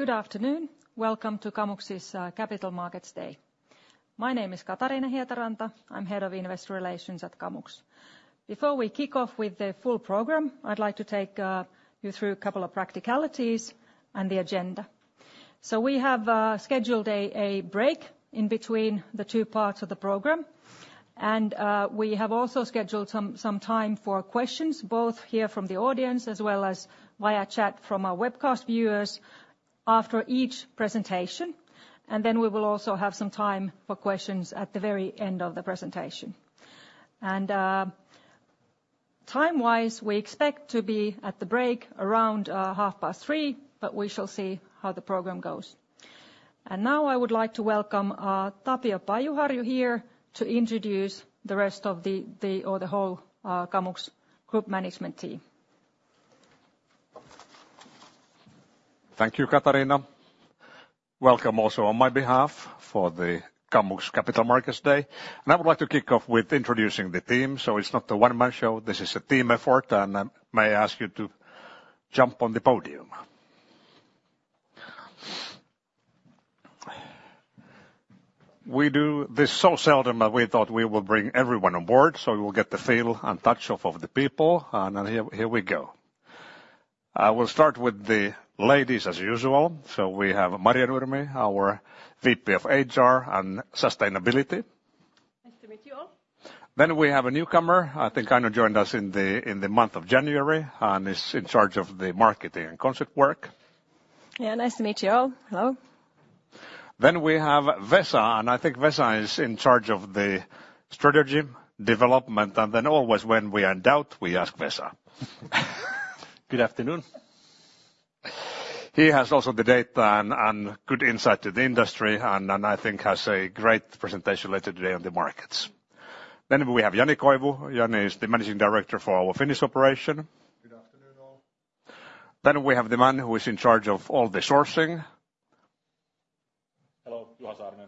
Good afternoon. Welcome to Kamux's Capital Markets Day. My name is Katariina Hietaranta. I'm Head of Investor Relations at Kamux. Before we kick off with the full program, I'd like to take you through a couple of practicalities and the agenda. So we have scheduled a break in between the two parts of the program, and we have also scheduled some time for questions, both here from the audience, as well as via chat from our webcast viewers after each presentation. And then we will also have some time for questions at the very end of the presentation. And time-wise, we expect to be at the break around 3:30 P.M., but we shall see how the program goes. Now I would like to welcome Tapio Pajuharju here to introduce the rest of the, or the whole, Kamux group management team. Thank you, Katariina. Welcome also on my behalf for the Kamux Capital Markets Day. I would like to kick off with introducing the team, so it's not a one-man show, this is a team effort, and may I ask you to jump on the podium? We do this so seldom, but we thought we would bring everyone on board, so we will get the feel and touch of the people. And here we go. I will start with the ladies, as usual. So we have Marjo Nurmi, our VP of HR and Sustainability. Nice to meet you all. Then we have a newcomer, I think kind of joined us in the month of January, and is in charge of the marketing and concept work. Yeah, nice to meet you all. Hello. Then we have Vesa, and I think Vesa is in charge of the strategy, development, and then always when we are in doubt, we ask Vesa. Good afternoon. He has also the data and good insight to the industry, and I think has a great presentation later today on the markets. Then we have Jani Koivu. Jani is the Managing Director for our Finnish operation. Good afternoon, all. Then we have the man who is in charge of all the sourcing. Hello, Juha Saarinen.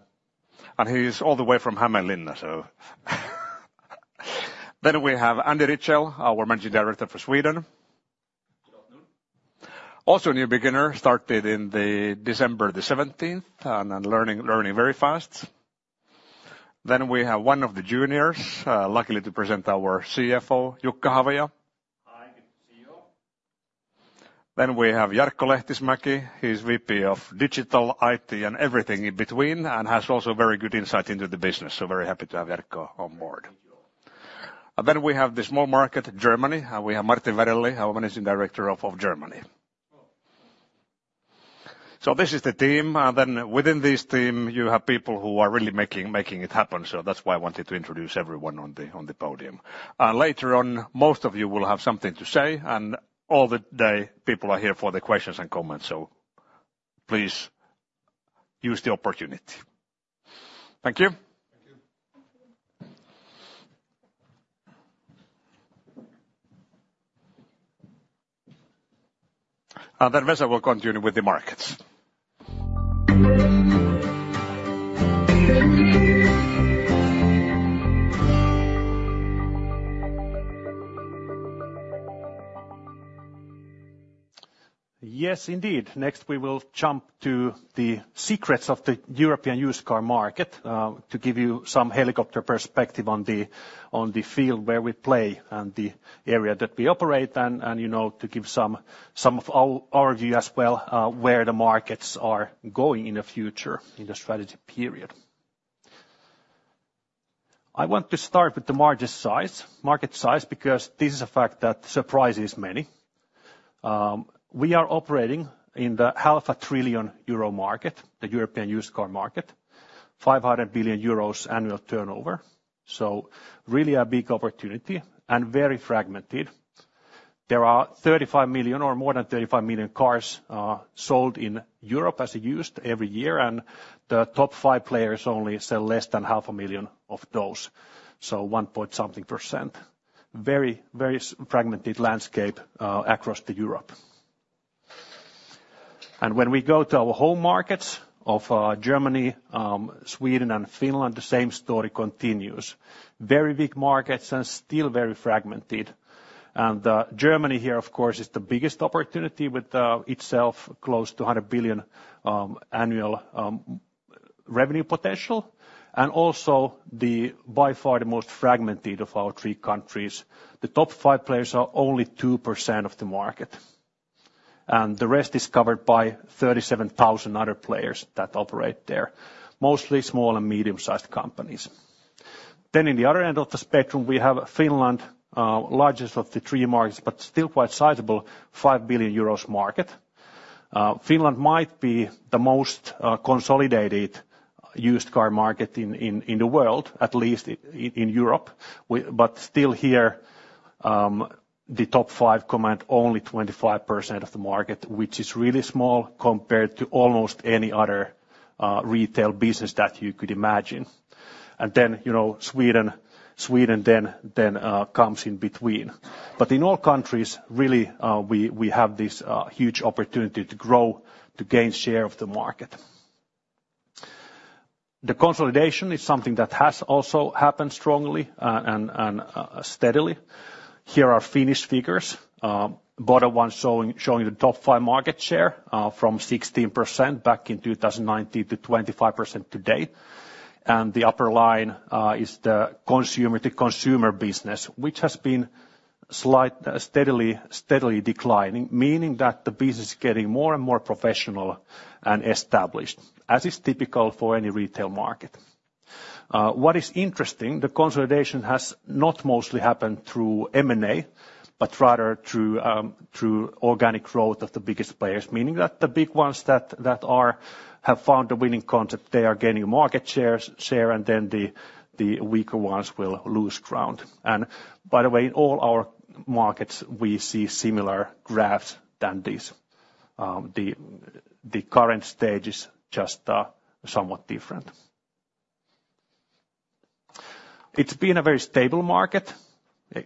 And he is all the way from Hämeenlinna, so, then we have Andy Rietschel, our Managing Director for Sweden. Good afternoon. Also a new beginner, started in the December the 17th, and learning very fast. Then we have one of the juniors, luckily to present our CFO, Jukka Havia. Hi, good to see you. We have Jarkko Lehtismäki. He's VP of Digital, IT, and everything in between, and has also very good insight into the business, so very happy to have Jarkko on board. Thank you. Then we have the small market, Germany, and we have Martin Verrelli, our Managing Director of Germany. Hello. So this is the team, and then within this team, you have people who are really making it happen, so that's why I wanted to introduce everyone on the podium. Later on, most of you will have something to say, and all day, people are here for the questions and comments, so please use the opportunity. Thank you. Thank you. Thank you. Vesa will continue with the markets. Yes, indeed. Next, we will jump to the secrets of the European used car market, to give you some helicopter perspective on the, on the field where we play and the area that we operate, and, and, you know, to give some, some of our, our view as well, where the markets are going in the future, in the strategy period. I want to start with the margin size, market size, because this is a fact that surprises many. We are operating in the 500 billion euro market, the European used car market, 500 billion euros annual turnover, so really a big opportunity and very fragmented. There are 35 million or more than 35 million cars, sold in Europe as used every year, and the top 5 players only sell less than 500,000 of those, so 1.something percent. Very, very fragmented landscape across Europe. When we go to our home markets of Germany, Sweden and Finland, the same story continues. Very big markets and still very fragmented. Germany here, of course, is the biggest opportunity with itself close to 100 billion annual revenue potential, and also by far the most fragmented of our three countries. The top 5 players are only 2% of the market, and the rest is covered by 37,000 other players that operate there, mostly small and medium-sized companies. Then in the other end of the spectrum, we have Finland, largest of the three markets, but still quite sizable, 5 billion euros market. Finland might be the most consolidated used car market in the world, at least in Europe. But still here, the top five command only 25% of the market, which is really small compared to almost any other retail business that you could imagine. And then, you know, Sweden then comes in between. But in all countries, really, we have this huge opportunity to grow, to gain share of the market. The consolidation is something that has also happened strongly and steadily. Here are Finnish figures. Bottom one showing the top five market share from 16% back in 2019 to 25% today. And the upper line is the consumer business, which has been steadily declining, meaning that the business is getting more and more professional and established, as is typical for any retail market. What is interesting, the consolidation has not mostly happened through M&A, but rather through organic growth of the biggest players, meaning that the big ones that have found a winning concept, they are gaining market share, and then the weaker ones will lose ground. By the way, in all our markets, we see similar graphs than this. The current stage is just somewhat different. It's been a very stable market,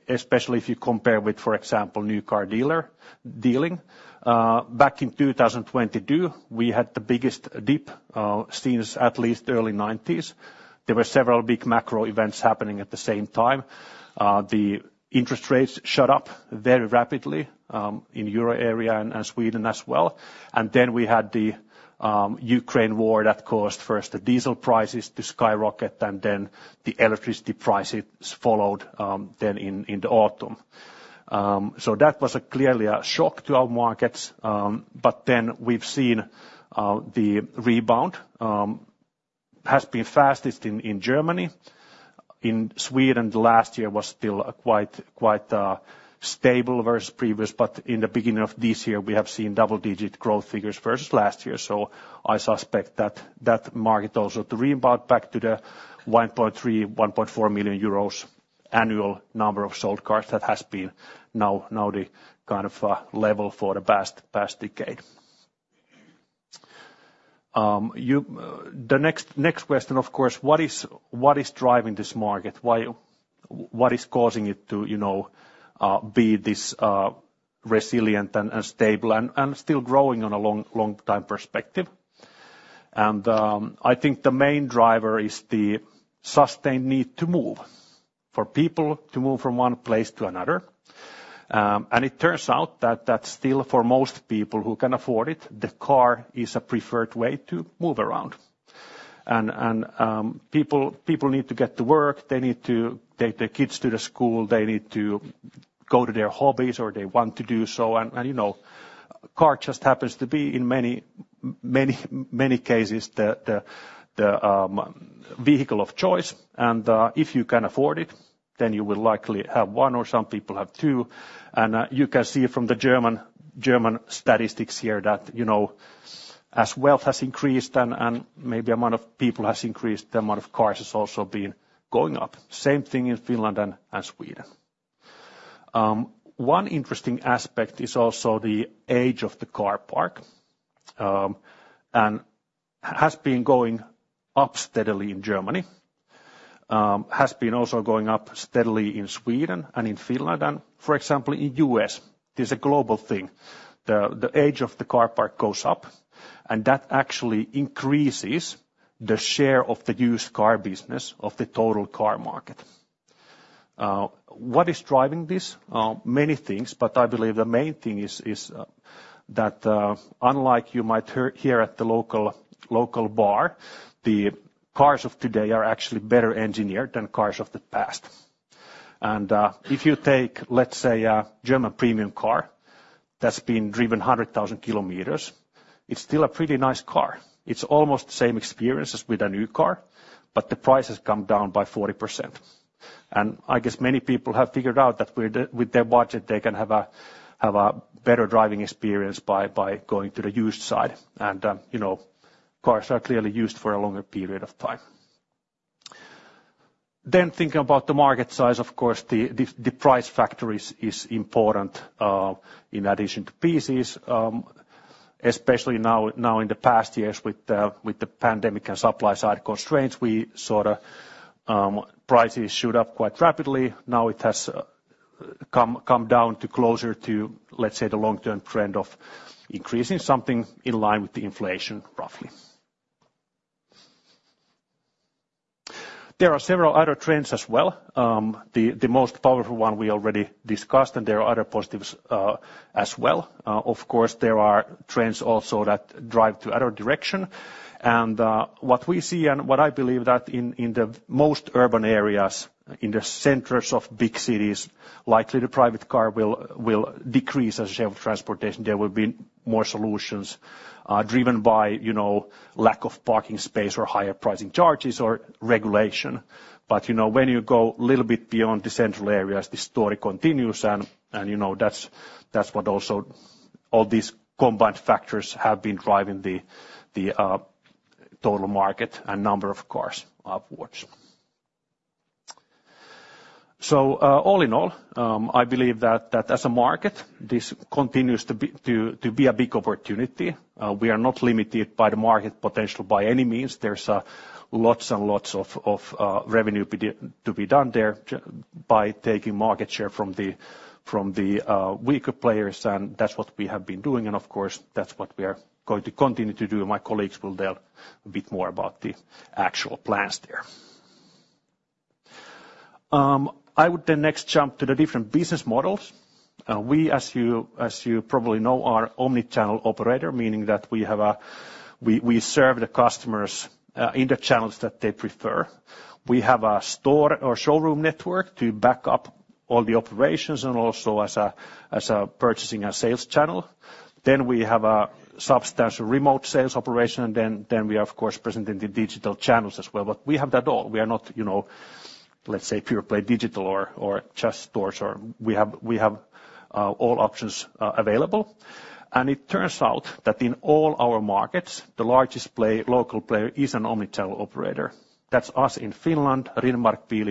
especially if you compare with, for example, new car dealing. Back in 2022, we had the biggest dip since at least early 1990s. There were several big macro events happening at the same time. The interest rates shot up very rapidly in Euro area and Sweden as well. And then we had the Ukraine war that caused first the diesel prices to skyrocket, and then the electricity prices followed, then in the autumn. So that was clearly a shock to our markets, but then we've seen the rebound has been fastest in Germany. In Sweden, last year was still quite stable versus previous, but in the beginning of this year, we have seen double-digit growth figures versus last year. So I suspect that market also to rebound back to the 1.3 million-1.4 million euros annual number of sold cars, that has been now the kind of level for the past decade. The next question, of course, what is driving this market? Why, what is causing it to, you know, be this resilient and stable and still growing on a long time perspective? And I think the main driver is the sustained need to move, for people to move from one place to another. And it turns out that that's still for most people who can afford it, the car is a preferred way to move around. And people need to get to work, they need to take their kids to school, they need to go to their hobbies or they want to do so. And you know, car just happens to be, in many, many cases, the vehicle of choice, and if you can afford it, then you will likely have one, or some people have two. You can see from the German, German statistics here that, you know, as wealth has increased and maybe amount of people has increased, the amount of cars has also been going up. Same thing in Finland and Sweden. One interesting aspect is also the age of the car park, and has been going up steadily in Germany, has been also going up steadily in Sweden and in Finland, and for example, in U.S. This a global thing. The, the age of the car park goes up, and that actually increases the share of the used car business of the total car market. What is driving this? Many things, but I believe the main thing is that unlike you might hear at the local bar, the cars of today are actually better engineered than cars of the past. And if you take, let's say, a German premium car that's been driven 100,000 kilometers, it's still a pretty nice car. It's almost the same experience as with a new car, but the price has come down by 40%. And I guess many people have figured out that with their budget, they can have a better driving experience by going to the used side. And you know, cars are clearly used for a longer period of time. Then thinking about the market size, of course, the price factor is important, in addition to pieces, especially now in the past years with the pandemic and supply side constraints, we saw the prices shoot up quite rapidly. Now it has come down to closer to, let's say, the long-term trend of increasing something in line with the inflation, roughly. There are several other trends as well. The most powerful one we already discussed, and there are other positives, as well. Of course, there are trends also that drive to other direction. And what we see and what I believe that in the most urban areas, in the centers of big cities, likely the private car will decrease as a share of transportation. There will be more solutions driven by, you know, lack of parking space or higher pricing charges or regulation. But, you know, when you go a little bit beyond the central areas, the story continues, and you know, that's what also all these combined factors have been driving the total market and number of cars upwards. So, all in all, I believe that as a market, this continues to be a big opportunity. We are not limited by the market potential by any means. There's lots and lots of revenue to be done there by taking market share from the weaker players, and that's what we have been doing. Of course, that's what we are going to continue to do, and my colleagues will tell a bit more about the actual plans there. I would then next jump to the different business models. We, as you probably know, are omni-channel operator, meaning that we serve the customers in the channels that they prefer. We have a store or showroom network to back up all the operations and also as a purchasing and sales channel. Then we have a substantial remote sales operation, and we are, of course, present in the digital channels as well. But we have that all, we are not, you know, let's say, pure play digital or just stores. We have all options available. It turns out that in all our markets, the largest local player is an omni-channel operator. That's us in Finland, Riddermark Bil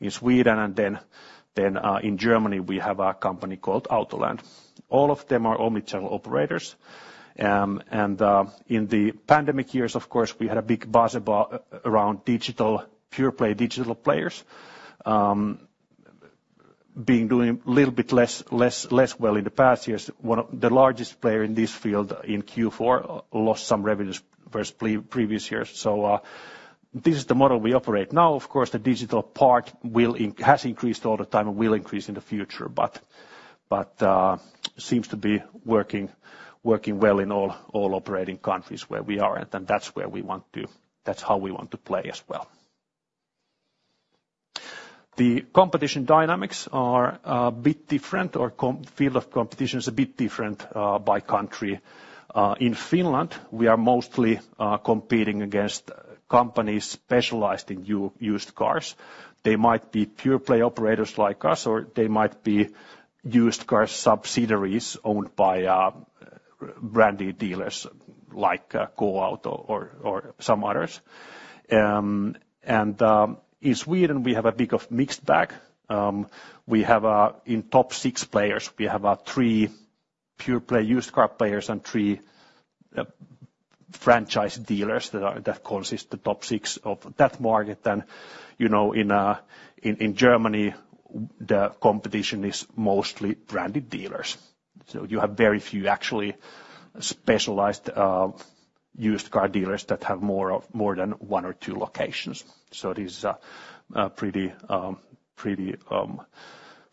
in Sweden, and then in Germany, we have a company called Autoland. All of them are omni-channel operators. In the pandemic years, of course, we had a big buzz around digital, pure play digital players being doing a little bit less well in the past years. One of the largest player in this field in Q4 lost some revenues versus previous years. This is the model we operate now. Of course, the digital part has increased all the time and will increase in the future, but seems to be working well in all operating countries where we are, and then that's how we want to play as well. The competition dynamics are a bit different, or field of competition is a bit different, by country. In Finland, we are mostly competing against companies specialized in used cars. They might be pure play operators like us, or they might be used car subsidiaries owned by brand dealers like GoAuto or some others. And in Sweden, we have a bit of mixed bag. We have, in top 6 players, we have 3 pure play used car players and 3 franchise dealers that consist the top 6 of that market. And, you know, in Germany, the competition is mostly branded dealers. So you have very few, actually, specialized used car dealers that have more than 1 or 2 locations. So it is a pretty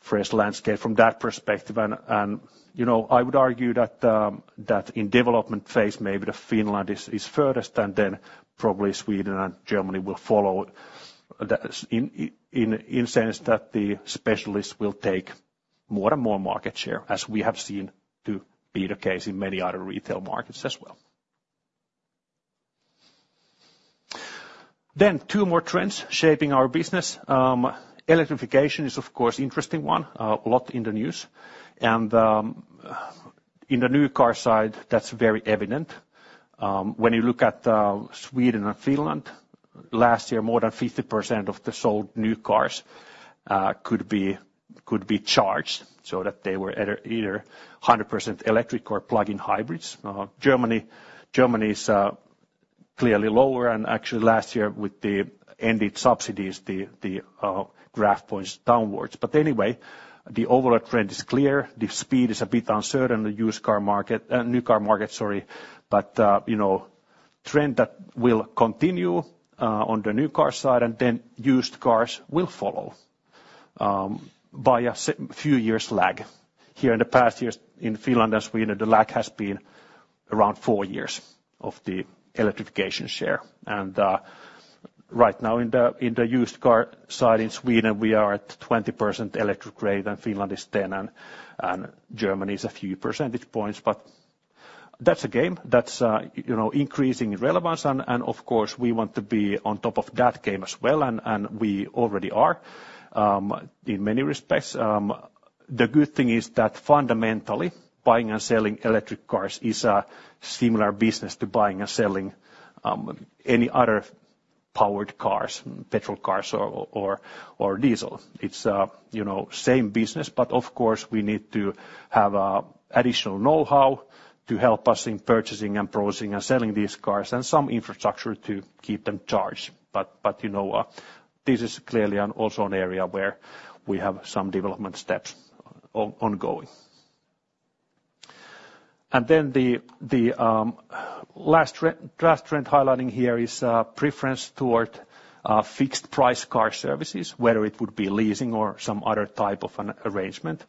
fresh landscape from that perspective. And you know, I would argue that in development phase, maybe Finland is furthest, and then probably Sweden and Germany will follow. That in the sense that the specialists will take more and more market share, as we have seen to be the case in many other retail markets as well. Then, 2 more trends shaping our business. Electrification is, of course, interesting one, a lot in the news, and, in the new car side, that's very evident. When you look at, Sweden and Finland, last year, more than 50% of the sold new cars, could be, could be charged so that they were either 100% electric or plug-in hybrids. Germany, Germany is, clearly lower, and actually last year, with the ended subsidies, the, the, graph points downwards. But anyway, the overall trend is clear. The speed is a bit uncertain, the used car market, new car market, sorry, but, you know, trend that will continue, on the new car side, and then used cars will follow, by a few years lag. Here in the past years in Finland and Sweden, the lag has been around four years of the electrification share. And, right now in the used car side in Sweden, we are at 20% electric rate, and Finland is 10%, and Germany is a few percentage points. But that's a game, that's, you know, increasing in relevance, and, of course, we want to be on top of that game as well, and we already are, in many respects. The good thing is that fundamentally, buying and selling electric cars is a similar business to buying and selling any other powered cars, petrol cars or diesel. It's a, you know, same business, but of course, we need to have additional know-how to help us in purchasing and processing and selling these cars, and some infrastructure to keep them charged. But, you know, this is clearly and also an area where we have some development steps ongoing. And then the last trend highlighting here is preference toward fixed price car services, whether it would be leasing or some other type of an arrangement.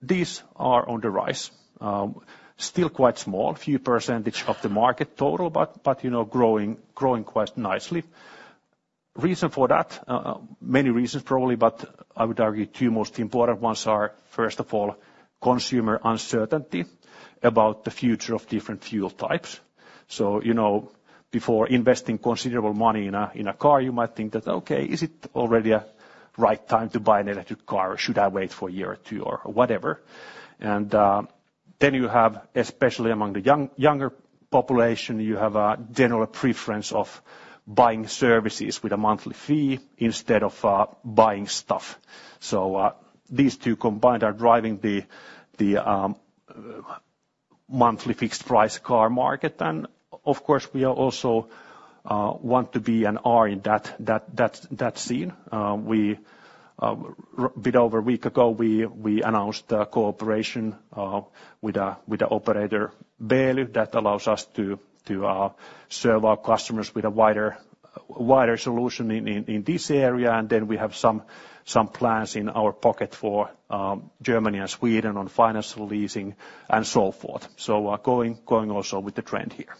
These are on the rise, still quite small, few percentage of the market total, but, you know, growing quite nicely. Reason for that, many reasons, probably, but I would argue two most important ones are, first of all, consumer uncertainty about the future of different fuel types. So, you know, before investing considerable money in a car, you might think that, okay, is it already a right time to buy an electric car, or should I wait for a year or two, or whatever? Then you have, especially among the younger population, you have a general preference of buying services with a monthly fee instead of buying stuff. So these two combined are driving the monthly fixed price car market. And of course, we also want to be and are in that scene. A bit over a week ago, we announced a cooperation with an operator, Beely, that allows us to serve our customers with a wider solution in this area. And then we have some plans in our pocket for Germany and Sweden on financial leasing, and so forth. So we are going also with the trend here.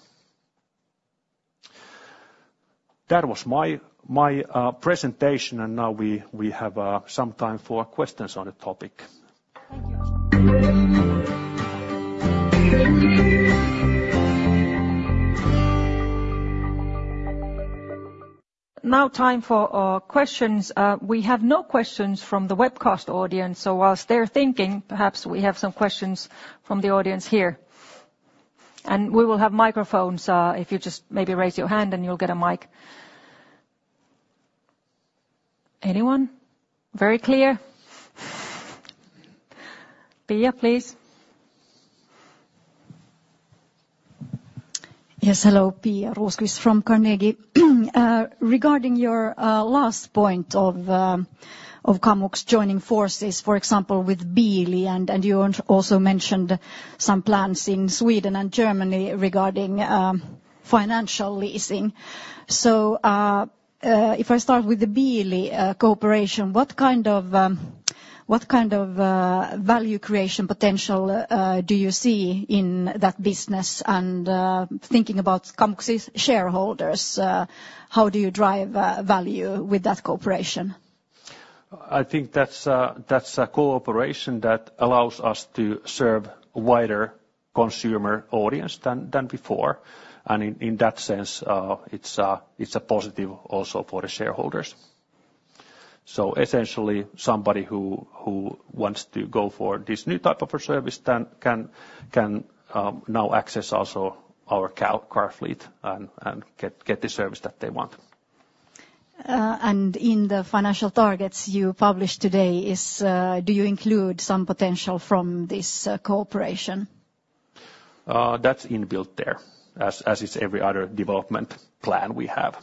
That was my presentation, and now we have some time for questions on the topic. Thank you. Now, time for questions. We have no questions from the webcast audience, so whilst they're thinking, perhaps we have some questions from the audience here. We will have microphones, if you just maybe raise your hand and you'll get a mic. Anyone? Very clear. Pia, please. Yes, hello, Pia Rosqvist from Carnegie. Regarding your last point of Kamux joining forces, for example, with Beely, and you also mentioned some plans in Sweden and Germany regarding financial leasing. So, if I start with the Beely cooperation, what kind of value creation potential do you see in that business? And, thinking about Kamux's shareholders, how do you drive value with that cooperation? I think that's a cooperation that allows us to serve a wider consumer audience than before. And in that sense, it's a positive also for the shareholders. So essentially, somebody who wants to go for this new type of a service can now access also our car fleet and get the service that they want. And in the financial targets you published today, is. Do you include some potential from this cooperation? That's inbuilt there, as is every other development plan we have.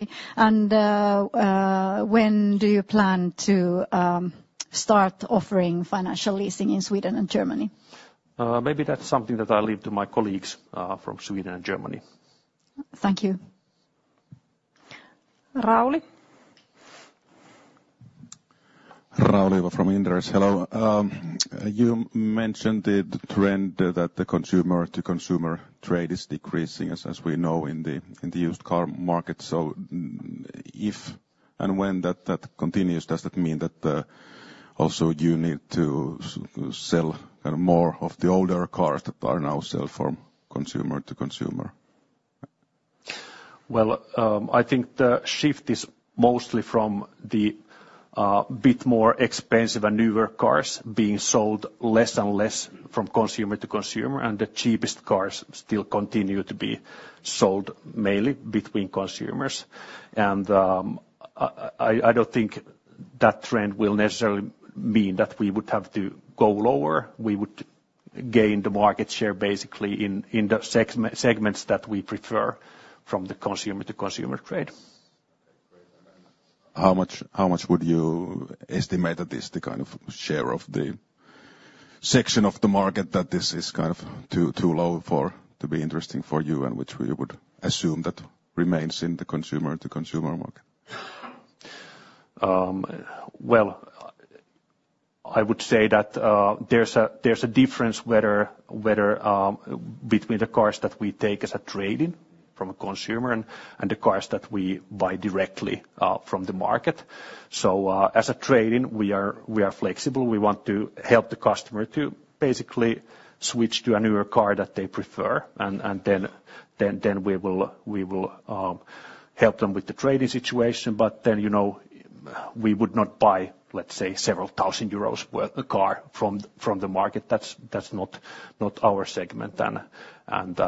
Okay. And, when do you plan to start offering financial leasing in Sweden and Germany? Maybe that's something that I'll leave to my colleagues from Sweden and Germany. Thank you. Rauli? Rauli from Inderes, hello. You mentioned the trend that the consumer-to-consumer trade is decreasing, as we know, in the used car market. If and when that continues, does that mean that also you need to sell kind of more of the older cars that are now sold from consumer to consumer? Well, I think the shift is mostly from the bit more expensive and newer cars being sold less and less from consumer to consumer, and the cheapest cars still continue to be sold mainly between consumers. I don't think that trend will necessarily mean that we would have to go lower. We would gain the market share basically in the segments that we prefer from the consumer-to-consumer trade. How much would you estimate that is the kind of share of the section of the market that this is kind of too low for, to be interesting for you, and which we would assume that remains in the consumer-to-consumer market? Well, I would say that, there's a difference whether between the cars that we take as a trade-in from a consumer and the cars that we buy directly from the market. So, as a trade-in, we are flexible. We want to help the customer to basically switch to a newer car that they prefer, and then we will help them with the trade-in situation. But then, you know, we would not buy, let's say, several thousand EUR worth a car from the market. That's not our segment. And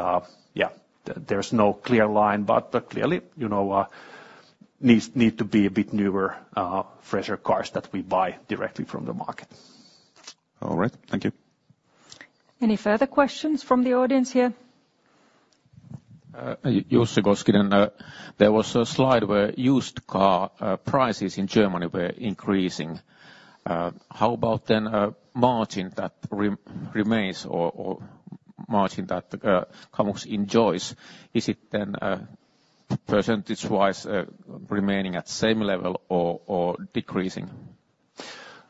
yeah, there's no clear line, but clearly, you know, need to be a bit newer, fresher cars that we buy directly from the market. All right. Thank you. Any further questions from the audience here? Jussi Koskinen. There was a slide where used car prices in Germany were increasing. How about then, margin that remains or margin that Kamux enjoys? Is it then, percentage-wise, remaining at same level or decreasing?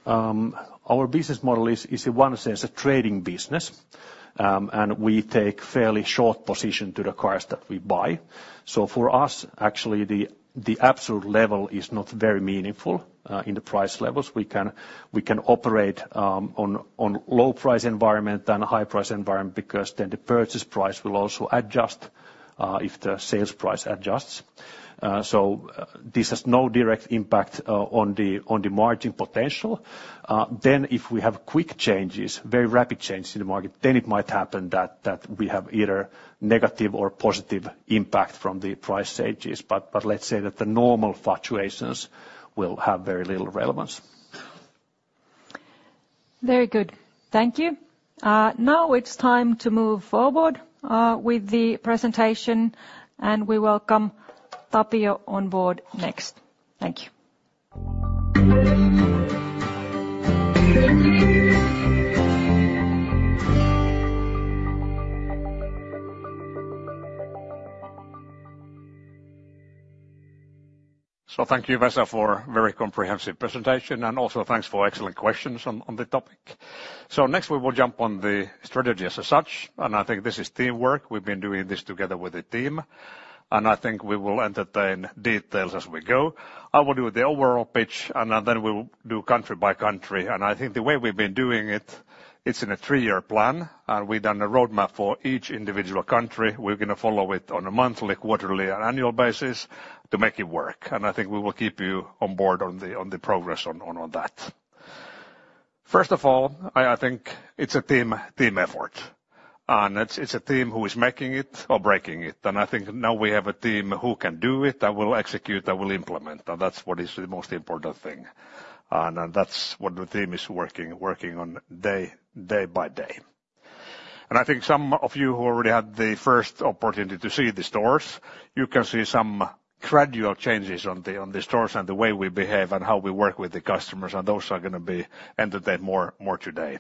Our business model is in one sense a trading business. And we take fairly short position to the cars that we buy. So for us, actually, the absolute level is not very meaningful in the price levels. We can operate on low price environment than a high price environment because then the purchase price will also adjust if the sales price adjusts. So this has no direct impact on the margin potential. Then, if we have quick changes, very rapid changes in the market, then it might happen that we have either negative or positive impact from the price stages. But let's say that the normal fluctuations will have very little relevance. Very good. Thank you. Now it's time to move forward with the presentation, and we welcome Tapio on board next. Thank you. So thank you, Vesa, for a very comprehensive presentation, and also thanks for excellent questions on the topic. So next, we will jump on the strategy as such, and I think this is teamwork. We've been doing this together with the team, and I think we will entertain details as we go. I will do the overall pitch, and then we'll do country by country. And I think the way we've been doing it, it's in a three-year plan, and we've done a roadmap for each individual country. We're gonna follow it on a monthly, quarterly, and annual basis to make it work, and I think we will keep you on board on the progress on that. First of all, I think it's a team effort, and it's a team who is making it or breaking it. I think now we have a team who can do it, that will execute, that will implement, and that's what is the most important thing. And that's what the team is working on day by day. I think some of you who already had the first opportunity to see the stores, you can see some gradual changes on the stores and the way we behave and how we work with the customers, and those are gonna be elaborated more today.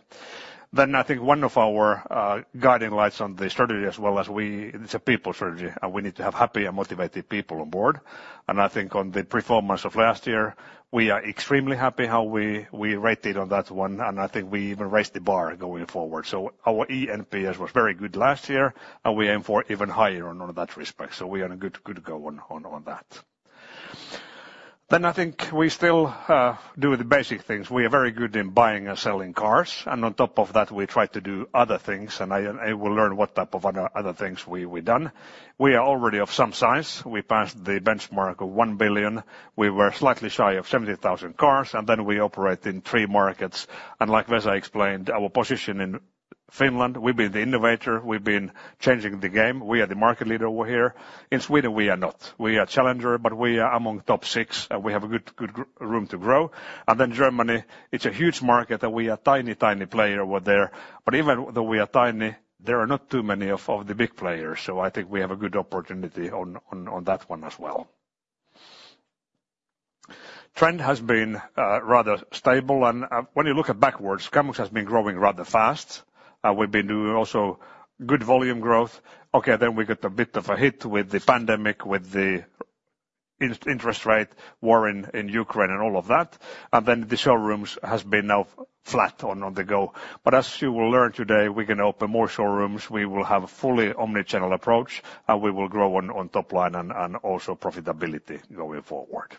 Then I think one of our guiding lights on the strategy as well as we. It's a people strategy, and we need to have happy and motivated people on board. I think on the performance of last year, we are extremely happy how we rated on that one, and I think we even raised the bar going forward. So our eNPS was very good last year, and we aim for even higher on that respect, so we are on a good go on that. Then I think we still do the basic things. We are very good in buying and selling cars, and on top of that, we try to do other things, and we'll learn what type of other things we've done. We are already of some size. We passed the benchmark of 1 billion. We were slightly shy of 70,000 cars, and then we operate in 3 markets. And like Vesa explained, our position in Finland, we've been the innovator, we've been changing the game, we are the market leader over here. In Sweden, we are not. We are challenger, but we are among top 6, and we have a good room to grow. And then Germany, it's a huge market, and we are a tiny, tiny player over there. But even though we are tiny, there are not too many of the big players, so I think we have a good opportunity on, on, on that one as well. The trend has been rather stable, and when you look backwards, Kamux has been growing rather fast. We've been doing also good volume growth. Okay, then we got a bit of a hit with the pandemic, with the interest rate, war in Ukraine, and all of that. And then the showrooms has been now flat on, on the go. But as you will learn today, we're gonna open more showrooms. We will have a fully omni-channel approach, and we will grow on top line and also profitability going forward.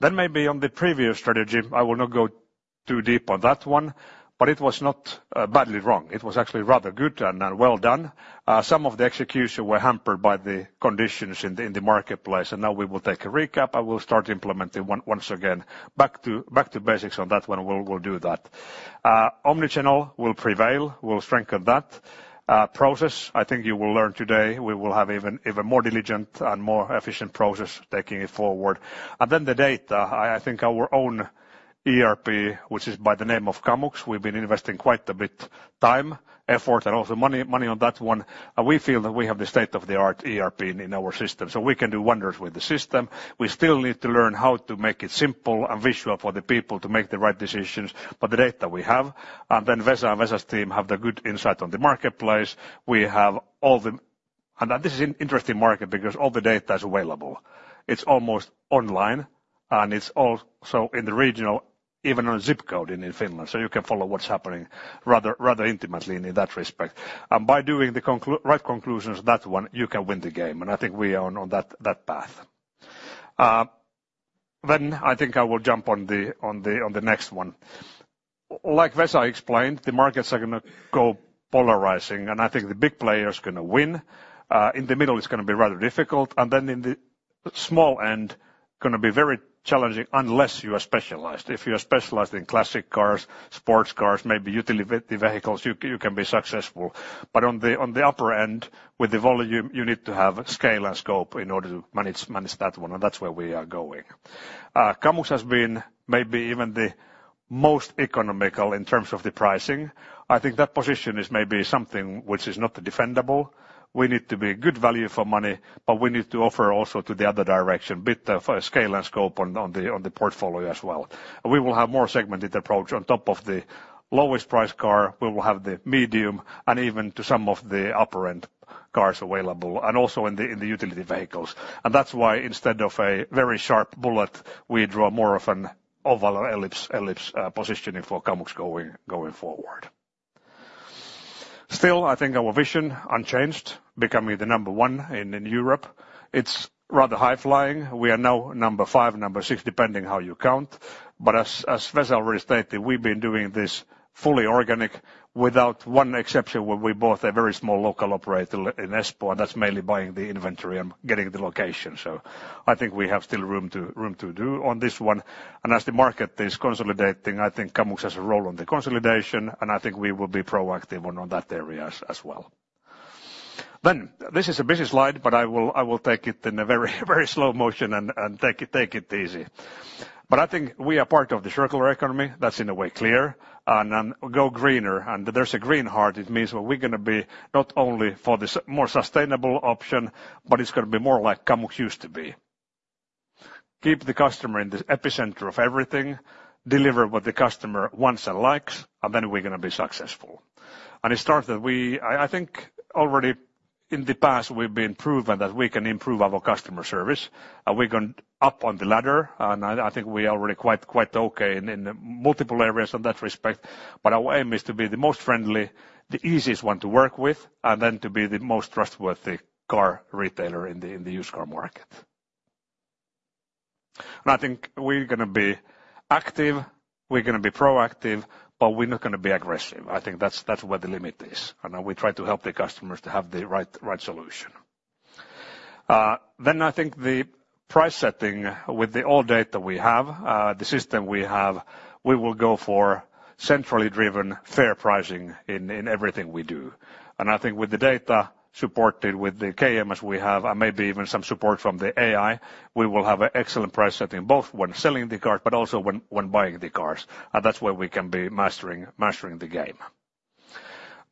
Then maybe on the previous strategy, I will not go too deep on that one, but it was not badly wrong. It was actually rather good and well done. Some of the execution were hampered by the conditions in the marketplace, and now we will take a recap and we'll start implementing once again, back to basics on that one. We'll do that. Omni-channel will prevail. We'll strengthen that. Process, I think you will learn today, we will have even more diligent and more efficient process taking it forward. And then the data, I think our own ERP, which is by the name of Kamux, we've been investing quite a bit time, effort, and also money, money on that one, and we feel that we have the state-of-the-art ERP in our system, so we can do wonders with the system. We still need to learn how to make it simple and visual for the people to make the right decisions, but the data we have, and then Vesa and Vesa's team have the good insight on the marketplace. We have all the. And this is an interesting market because all the data is available. It's almost online, and it's also in the regional, even on ZIP code in, in Finland, so you can follow what's happening rather, rather intimately in that respect. By doing the right conclusions, that one, you can win the game, and I think we are on that path. Then I think I will jump on the next one. Like Vesa explained, the markets are gonna go polarizing, and I think the big players are gonna win. In the middle, it's gonna be rather difficult, and then in the small end, gonna be very challenging unless you are specialized. If you are specialized in classic cars, sports cars, maybe utility vehicles, you can be successful. But on the upper end, with the volume, you need to have scale and scope in order to manage that one, and that's where we are going. Kamux has been maybe even the most economical in terms of the pricing. I think that position is maybe something which is not defendable. We need to be good value for money, but we need to offer also to the other direction, bit of scale and scope on the portfolio as well. And we will have more segmented approach. On top of the lowest price car, we will have the medium and even to some of the upper-end cars available, and also in the utility vehicles. And that's why instead of a very sharp bullet, we draw more of an oval ellipse, ellipse, positioning for Kamux going forward. Still, I think our vision unchanged, becoming the number one in Europe. It's rather high-flying. We are now number five, number six, depending how you count. But as Vesa already stated, we've been doing this fully organic, without one exception, where we bought a very small local operator in Espoo, and that's mainly buying the inventory and getting the location. So I think we have still room to do on this one. And as the market is consolidating, I think Kamux has a role in the consolidation, and I think we will be proactive on that area as well. Then this is a busy slide, but I will take it in a very, very slow motion and take it easy. But I think we are part of the circular economy, that's in a way clear, and then go greener. And there's a green heart, it means we're gonna be not only the more sustainable option, but it's gonna be more like Kamux used to be. Keep the customer in the epicenter of everything, deliver what the customer wants and likes, and then we're gonna be successful. And it starts that we. I think already in the past, we've been proven that we can improve our customer service, and we're going up on the ladder, and I, I think we are already quite, quite okay in, in multiple areas in that respect. But our aim is to be the most friendly, the easiest one to work with, and then to be the most trustworthy car retailer in the, in the used car market. And I think we're gonna be active, we're gonna be proactive, but we're not gonna be aggressive. I think that's, that's where the limit is, and we try to help the customers to have the right, right solution. Then I think the price setting with the old data we have, the system we have, we will go for centrally driven, fair pricing in, in everything we do. And I think with the data supported with the KMS we have, and maybe even some support from the AI, we will have an excellent price setting, both when selling the cars but also when, when buying the cars. And that's where we can be mastering, mastering the game.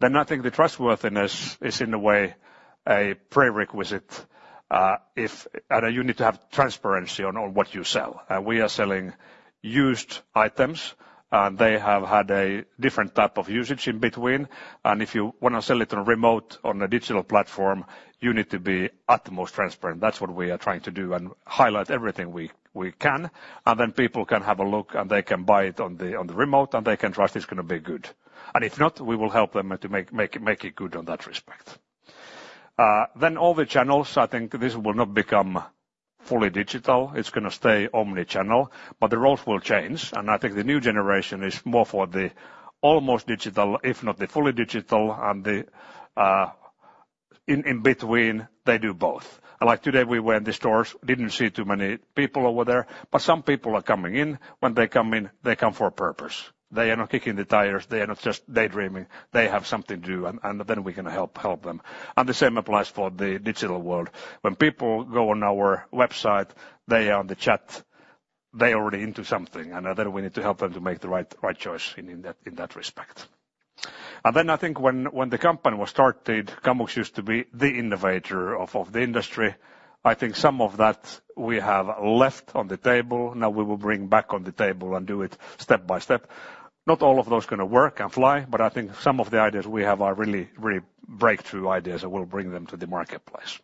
Then I think the trustworthiness is, in a way, a prerequisite, if. And you need to have transparency on, on what you sell. We are selling used items, and they have had a different type of usage in between, and if you wanna sell it on remote, on a digital platform, you need to be utmost transparent. That's what we are trying to do, and highlight everything we can, and then people can have a look, and they can buy it on the remote, and they can trust it's gonna be good. And if not, we will help them to make it good on that respect. Then all the channels, I think this will not become fully digital. It's gonna stay omni-channel, but the roles will change, and I think the new generation is more for the almost digital, if not the fully digital, and in between, they do both. And like today, we were in the stores, didn't see too many people over there, but some people are coming in. When they come in, they come for a purpose. They are not kicking the tires, they are not just daydreaming, they have something to do, and then we can help them. And the same applies for the digital world. When people go on our website, they are on the chat, they are already into something, and then we need to help them to make the right choice in that respect. And then I think when the company was started, Kamux used to be the innovator of the industry. I think some of that we have left on the table, now we will bring back on the table and do it step by step. Not all of those gonna work and fly, but I think some of the ideas we have are really, really breakthrough ideas, and we'll bring them to the marketplace.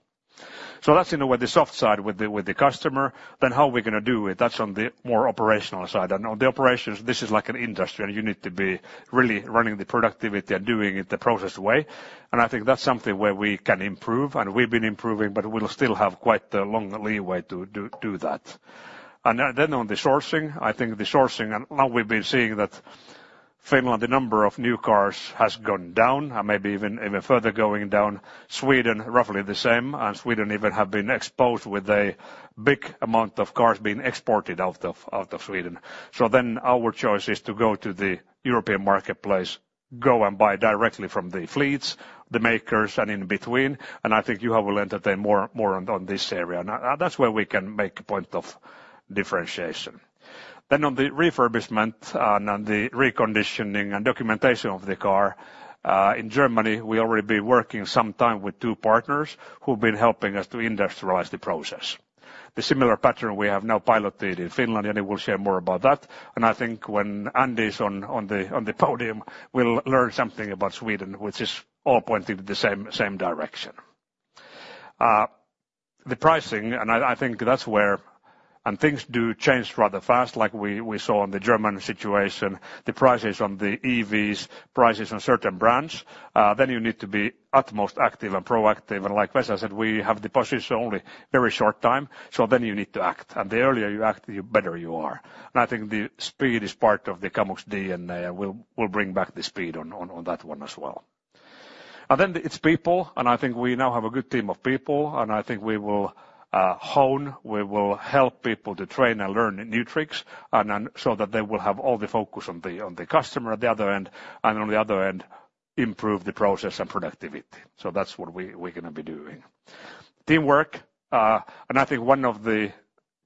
So that's in a way, the soft side with the, with the customer, then how are we gonna do it? That's on the more operational side. And on the operations, this is like an industry, and you need to be really running the productivity and doing it the process way. And I think that's something where we can improve, and we've been improving, but we'll still have quite a long leeway to do, do that. And then on the sourcing, I think the sourcing, and now we've been seeing that Finland, the number of new cars has gone down and maybe even, even further going down. Sweden, roughly the same, and Sweden even have been exposed with a big amount of cars being exported out of Sweden. So then our choice is to go to the European marketplace, go and buy directly from the fleets, the makers, and in between, and I think you have will entertain more on this area. Now, that's where we can make a point of differentiation. Then on the refurbishment and on the reconditioning and documentation of the car, in Germany, we already been working some time with two partners who've been helping us to industrialize the process. The similar pattern we have now piloted in Finland, and we will share more about that. And I think when Andy is on the podium, we'll learn something about Sweden, which is all pointing in the same direction. The pricing, and I, I think that's where. Things do change rather fast, like we, we saw in the German situation, the prices on the EVs, prices on certain brands, then you need to be utmost active and proactive. Like Vesa said, we have the position only very short time, so then you need to act. The earlier you act, the better you are. I think the speed is part of the Kamux DNA, and we'll, we'll bring back the speed on, on, on that one as well. Then it's people, and I think we now have a good team of people, and I think we will hone. We will help people to train and learn new tricks, and then so that they will have all the focus on the customer at the other end, and on the other end, improve the process and productivity. So that's what we're gonna be doing. Teamwork, and I think one of the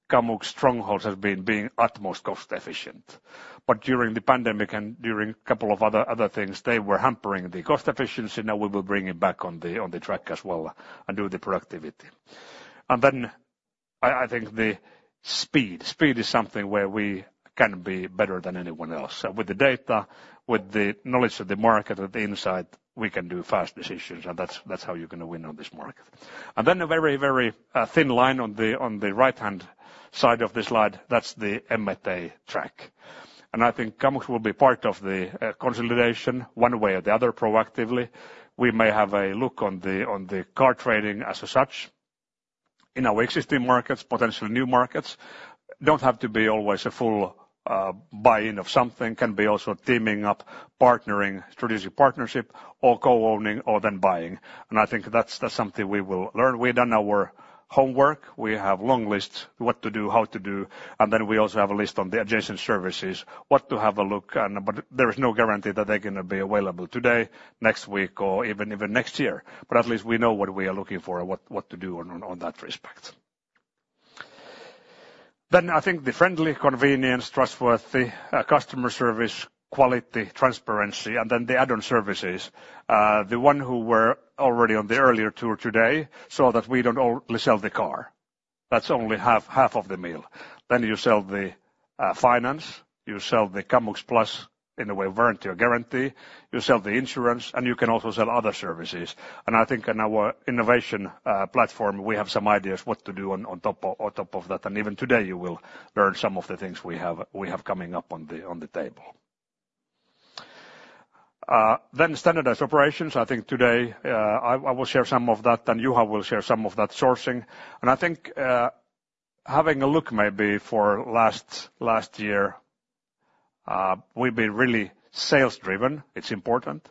Kamux strongholds has been being utmost cost efficient. But during the pandemic and during couple of other things, they were hampering the cost efficiency. Now we will bring it back on the track as well and do the productivity. And then I think the speed. Speed is something where we can be better than anyone else. So with the data, with the knowledge of the market, with the insight, we can do fast decisions, and that's, that's how you're gonna win on this market. And then a very, very, thin line on the, on the right-hand side of the slide, that's the M&A track. And I think Kamux will be part of the, consolidation one way or the other, proactively. We may have a look on the, on the car trading as such. In our existing markets, potential new markets, don't have to be always a full, buy-in of something, can be also teaming up, partnering, strategic partnership, or co-owning, or then buying. And I think that's, that's something we will learn. We've done our homework, we have long lists, what to do, how to do, and then we also have a list on the adjacent services, what to have a look and, but there is no guarantee that they're gonna be available today, next week, or even, even next year. But at least we know what we are looking for and what, what to do on, on that respect. Then I think the friendly, convenience, trustworthy, customer service, quality, transparency, and then the add-on services. The one who were already on the earlier tour today saw that we don't only sell the car. That's only half, half of the meal. Then you sell the, finance, you sell the Kamux Plus, in a way, warranty or guarantee, you sell the insurance, and you can also sell other services. I think in our innovation platform, we have some ideas what to do on, on top of that. Even today, you will learn some of the things we have coming up on the table. Then standardized operations. I think today, I will share some of that, and Juha will share some of that sourcing. And I think, having a look maybe for last year, we've been really sales-driven. It's important.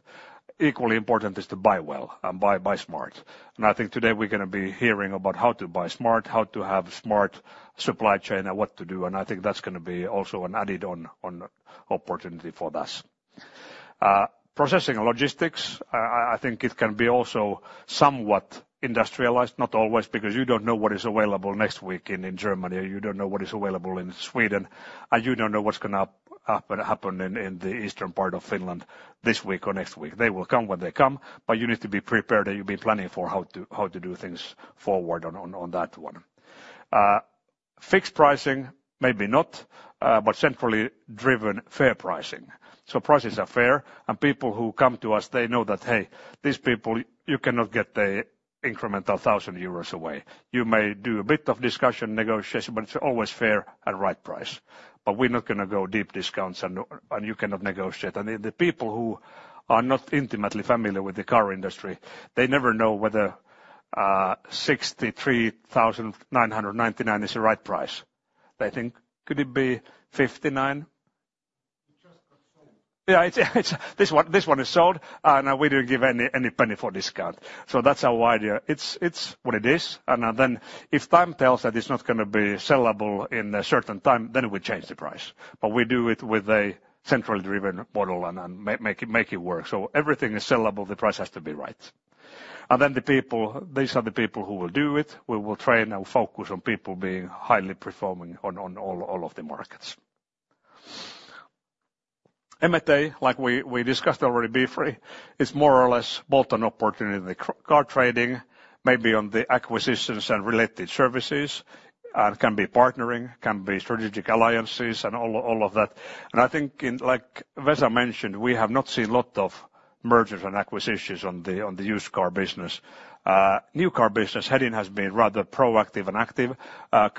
Equally important is to buy well and buy smart. And I think today we're gonna be hearing about how to buy smart, how to have smart supply chain, and what to do, and I think that's gonna be also an added on opportunity for us. Processing and logistics, I think it can be also somewhat industrialized, not always, because you don't know what is available next week in Germany, or you don't know what is available in Sweden, and you don't know what's gonna happen in the eastern part of Finland this week or next week. They will come when they come, but you need to be prepared and you've been planning for how to do things forward on that one. Fixed pricing, maybe not, but centrally driven fair pricing. So prices are fair, and people who come to us, they know that, hey, these people, you cannot get the incremental 1,000 euros away. You may do a bit of discussion, negotiation, but it's always fair and right price. But we're not gonna go deep discounts and you cannot negotiate. The people who are not intimately familiar with the car industry, they never know whether 63,999 is the right price. They think, "Could it be 59,000?" It just got sold. Yeah, it's. This one, this one is sold, and we don't give any penny for discount. So that's our idea. It's what it is, and then if time tells that it's not gonna be sellable in a certain time, then we change the price. But we do it with a centrally driven model and make it work. So everything is sellable, the price has to be right. And then the people, these are the people who will do it. We will train and focus on people being highly performing on all of the markets. M&A, like we discussed already, Beely is more or less both an opportunity in the car trading, maybe on the acquisitions and related services, can be partnering, can be strategic alliances and all, all of that. And I think, like Vesa mentioned, we have not seen lot of mergers and acquisitions on the used car business. New car business, Hedin has been rather proactive and active,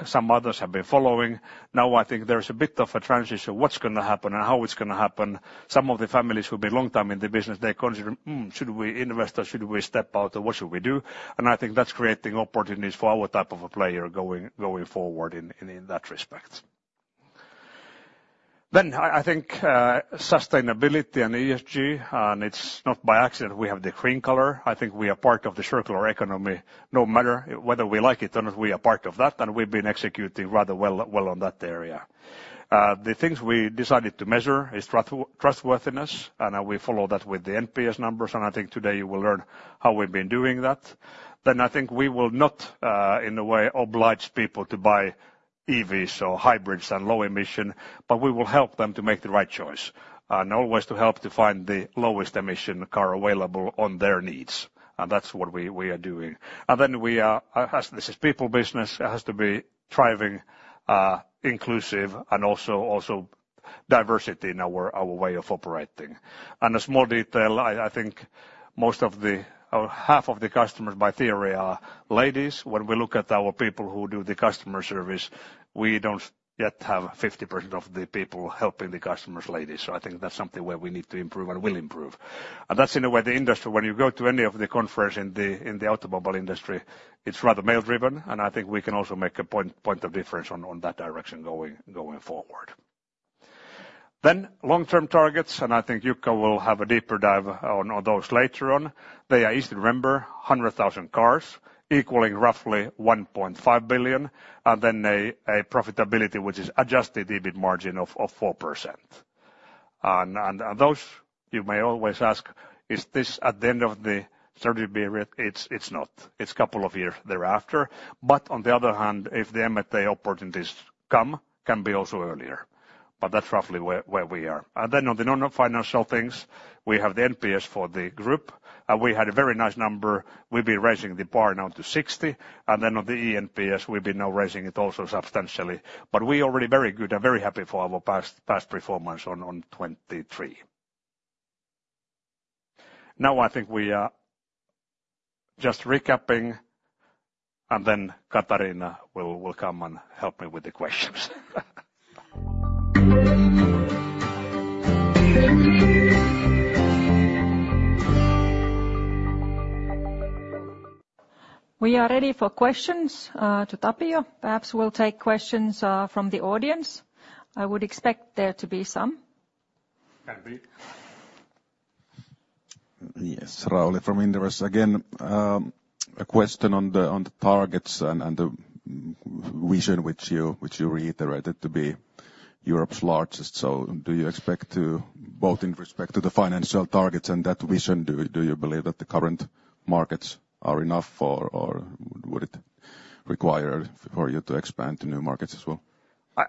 some others have been following. Now, I think there's a bit of a transition, what's gonna happen and how it's gonna happen? Some of the families who've been long time in the business, they consider, "Mm, should we invest or should we step out, or what should we do?" And I think that's creating opportunities for our type of a player going forward in that respect. Then, I think sustainability and ESG, and it's not by accident we have the green color. I think we are part of the circular economy, no matter whether we like it or not, we are part of that, and we've been executing rather well on that area. The things we decided to measure is trustworthiness, and we follow that with the NPS numbers, and I think today you will learn how we've been doing that. Then I think we will not, in a way, oblige people to buy EVs or hybrids and low-emission, but we will help them to make the right choice, and always to help to find the lowest emission car available on their needs, and that's what we are doing. And then we are, as this is people business, it has to be thriving, inclusive, and also diversity in our way of operating. And a small detail, I, I think half of the customers, by theory, are ladies. When we look at our people who do the customer service, we don't yet have 50% of the people helping the customers ladies, so I think that's something where we need to improve and will improve. And that's in a way, the industry, when you go to any of the conference in the automobile industry, it's rather male-driven, and I think we can also make a point of difference on that direction going forward. Then long-term targets, and I think Jukka will have a deeper dive on those later on. They are easy to remember, 100,000 cars, equaling roughly 1.5 billion, and then a profitability which is adjusted EBIT margin of 4%. And those, you may always ask, is this at the end of the three-year period? It's not. It's a couple of years thereafter. But on the other hand, if the M&A opportunities come, it can be also earlier. But that's roughly where we are. And then on the non-financial things, we have the NPS for the group, and we had a very nice number. We've been raising the bar now to 60, and then on the eNPS, we've been now raising it also substantially. But we are already very good and very happy for our past performance on 2023. Now, I think we are just recapping, and then Katariina will come and help me with the questions. We are ready for questions to Tapio. Perhaps we'll take questions from the audience. I would expect there to be some. Can be. Yes, Rauli from Inderes again. A question on the targets and the vision which you reiterated to be Europe's largest. So do you expect to, both in respect to the financial targets and that vision, do you believe that the current markets are enough, or would it require for you to expand to new markets as well?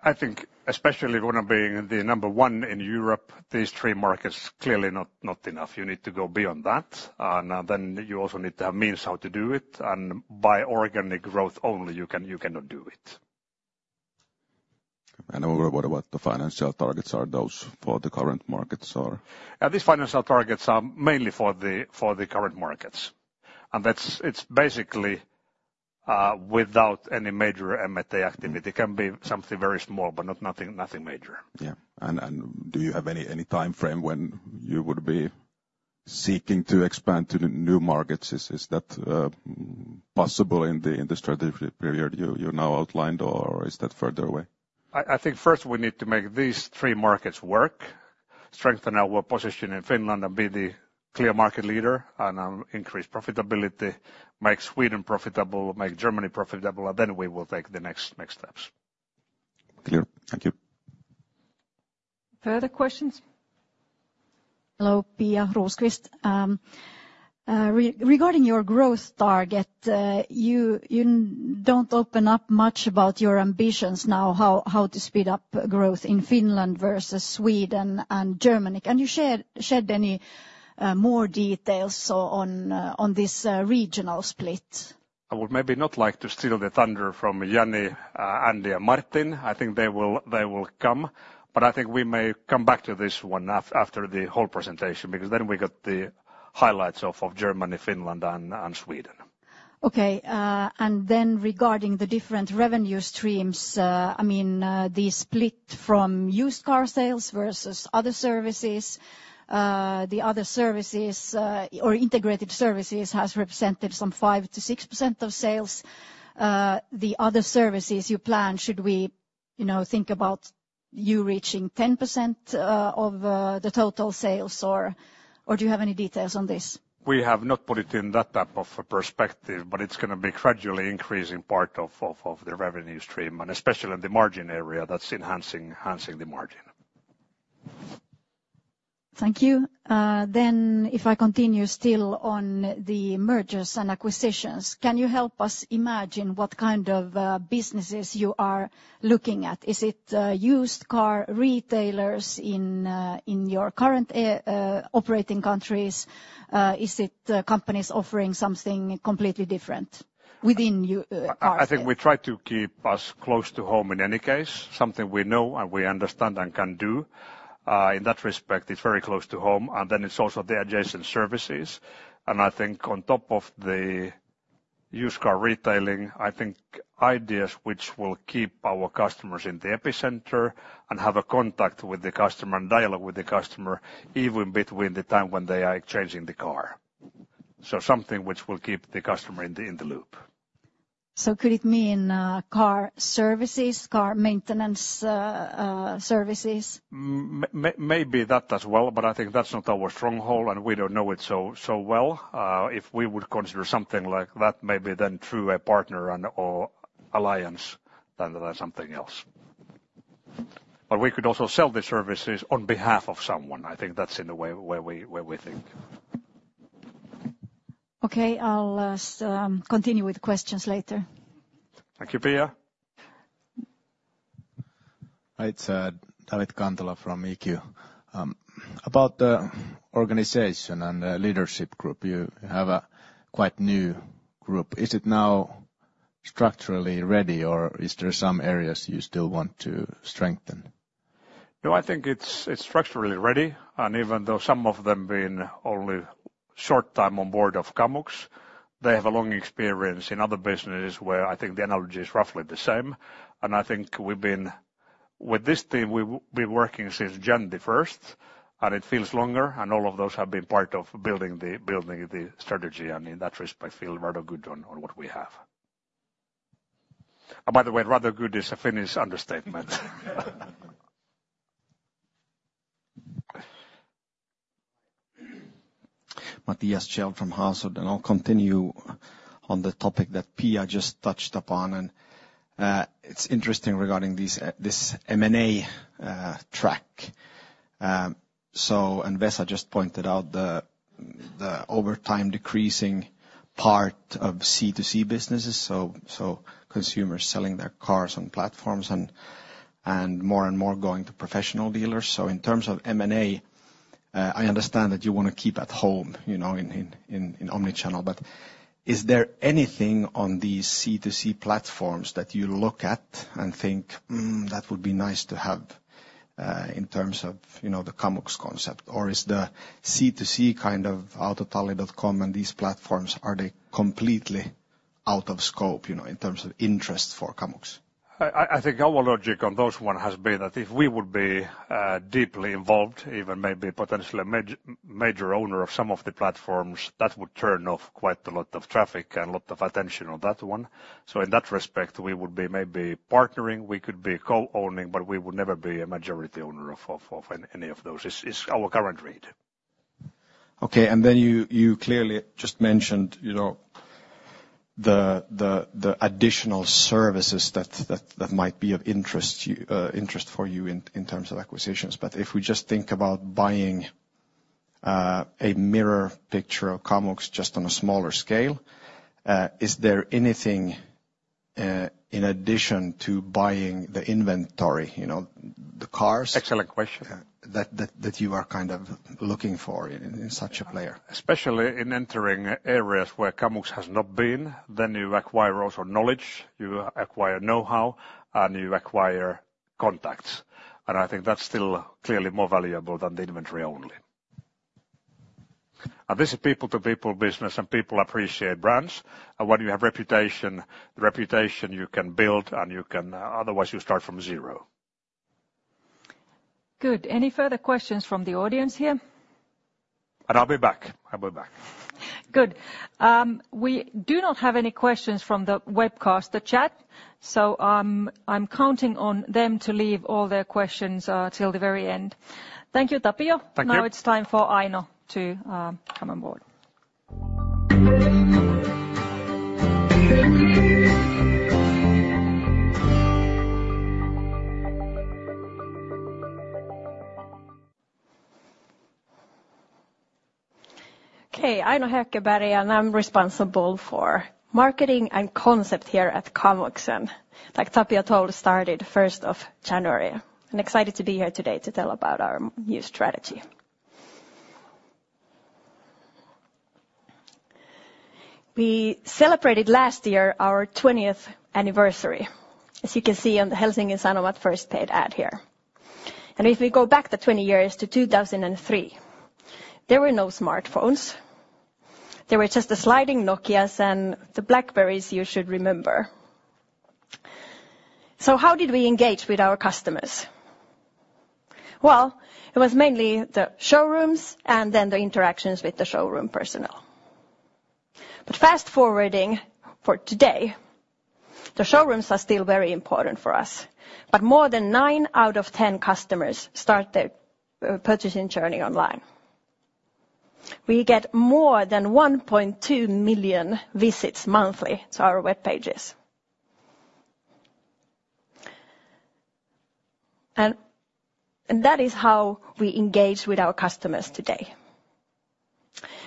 I think especially when being the number one in Europe, these three markets clearly not enough. You need to go beyond that. Now then you also need to have means how to do it, and by organic growth only you cannot do it. What about the financial targets, are those for the current markets or? These financial targets are mainly for the current markets. And it's basically without any major M&A activity. It can be something very small, but not nothing major. Yeah. And do you have any time frame when you would be seeking to expand to the new markets? Is that possible in the strategic period you now outlined, or is that further away? I think first we need to make these three markets work, strengthen our position in Finland, and be the clear market leader, and increase profitability, make Sweden profitable, make Germany profitable, and then we will take the next steps. Clear. Thank you. Further questions? Hello, Pia Rosqvist. Regarding your growth target, you don't open up much about your ambitions now, how to speed up growth in Finland versus Sweden and Germany. Can you share, shed any more details on this regional split? I would maybe not like to steal the thunder from Jani, Andy, and Martin. I think they will come, but I think we may come back to this one after the whole presentation, because then we get the highlights of Germany, Finland, and Sweden. Okay, and then regarding the different revenue streams, I mean, the split from used car sales versus other services, the other services, or integrated services has represented some 5%-6% of sales. The other services you plan, should we, you know, think about you reaching 10% of the total sales, or do you have any details on this? We have not put it in that type of a perspective, but it's gonna be gradually increasing part of the revenue stream, and especially in the margin area, that's enhancing the margin. Thank you. Then if I continue still on the mergers and acquisitions, can you help us imagine what kind of businesses you are looking at? Is it used car retailers in your current operating countries? Is it companies offering something completely different within you car.I think first we need to make these three markets work, strengthen our position in Finland, and be the clear market leader, and increase profitability, make Sweden profitable, make Germany profitable, and then we will take the next steps. I think we try to keep us close to home in any case, something we know and we understand and can do. In that respect, it's very close to home, and then it's also the adjacent services. And I think on top of the used car retailing, I think ideas which will keep our customers in the epicenter and have a contact with the customer and dialogue with the customer, even between the time when they are exchanging the car. So something which will keep the customer in the, in the loop. So could it mean car services, car maintenance, services? May, maybe that as well, but I think that's not our stronghold, and we don't know it so well. If we would consider something like that, maybe then through a partner and/or alliance, then there's something else. But we could also sell the services on behalf of someone. I think that's in the way, where we think. Okay, I'll continue with questions later. Thank you, Pia. Hi, it's David Candela from eQ. About the organization and the leadership group, you have a quite new group. Is it now structurally ready, or is there some areas you still want to strengthen? No, I think it's structurally ready, and even though some of them been only short time on board of Kamux, they have a long experience in other businesses where I think the analogy is roughly the same. And I think we've been. With this team, we've been working since January first, and it feels longer, and all of those have been part of building the strategy, and in that respect, I feel rather good on what we have. And by the way, rather good is a Finnish understatement. Mattias Kjell from Hasselhult, and I'll continue on the topic that Pia just touched upon, and it's interesting regarding these, this M&A track. So, and Vesa just pointed out the over time decreasing part of C2C businesses, so consumers selling their cars on platforms and more and more going to professional dealers. So in terms of M&A, I understand that you wanna keep at home, you know, in omni-channel, but is there anything on these C2C platforms that you look at and think, "Mm, that would be nice to have," in terms of, you know, the Kamux concept? Or is the C2C kind of Autotalli.com and these platforms, are they completely out of scope, you know, in terms of interest for Kamux? I think our logic on those one has been that if we would be deeply involved, even maybe potentially a major owner of some of the platforms, that would turn off quite a lot of traffic and lot of attention on that one. So in that respect, we would be maybe partnering, we could be co-owning, but we would never be a majority owner of any of those, is our current read. Okay, and then you clearly just mentioned, you know, the additional services that might be of interest for you in terms of acquisitions. But if we just think about buying a mirror picture of Kamux just on a smaller scale, is there anything in addition to buying the inventory, you know, the cars. Excellent question That you are kind of looking for in such a player? Especially in entering areas where Kamux has not been, then you acquire also knowledge, you acquire know-how, and you acquire contacts, and I think that's still clearly more valuable than the inventory only. And this is people-to-people business, and people appreciate brands. And when you have reputation, reputation you can build, and you can. Otherwise, you start from zero. Good. Any further questions from the audience here? I'll be back. I'll be back. Good. We do not have any questions from the webcast, the chat, so, I'm counting on them to leave all their questions till the very end. Thank you, Tapio. Thank you. Now it's time for Aino to come on board. Okay, Aino Hökeberg, and I'm responsible for marketing and concept here at Kamux, and like Tapio told, started first of January, and excited to be here today to tell about our new strategy. We celebrated last year our 20th anniversary, as you can see on the Helsingin Sanomat first paid ad here. If we go back the 20 years to 2003, there were no smartphones. There were just the sliding Nokias and the BlackBerrys you should remember. So how did we engage with our customers? Well, it was mainly the showrooms and then the interactions with the showroom personnel. Fast-forwarding for today, the showrooms are still very important for us, but more than 9 out of 10 customers start their purchasing journey online. We get more than 1.2 million visits monthly to our web pages. That is how we engage with our customers today.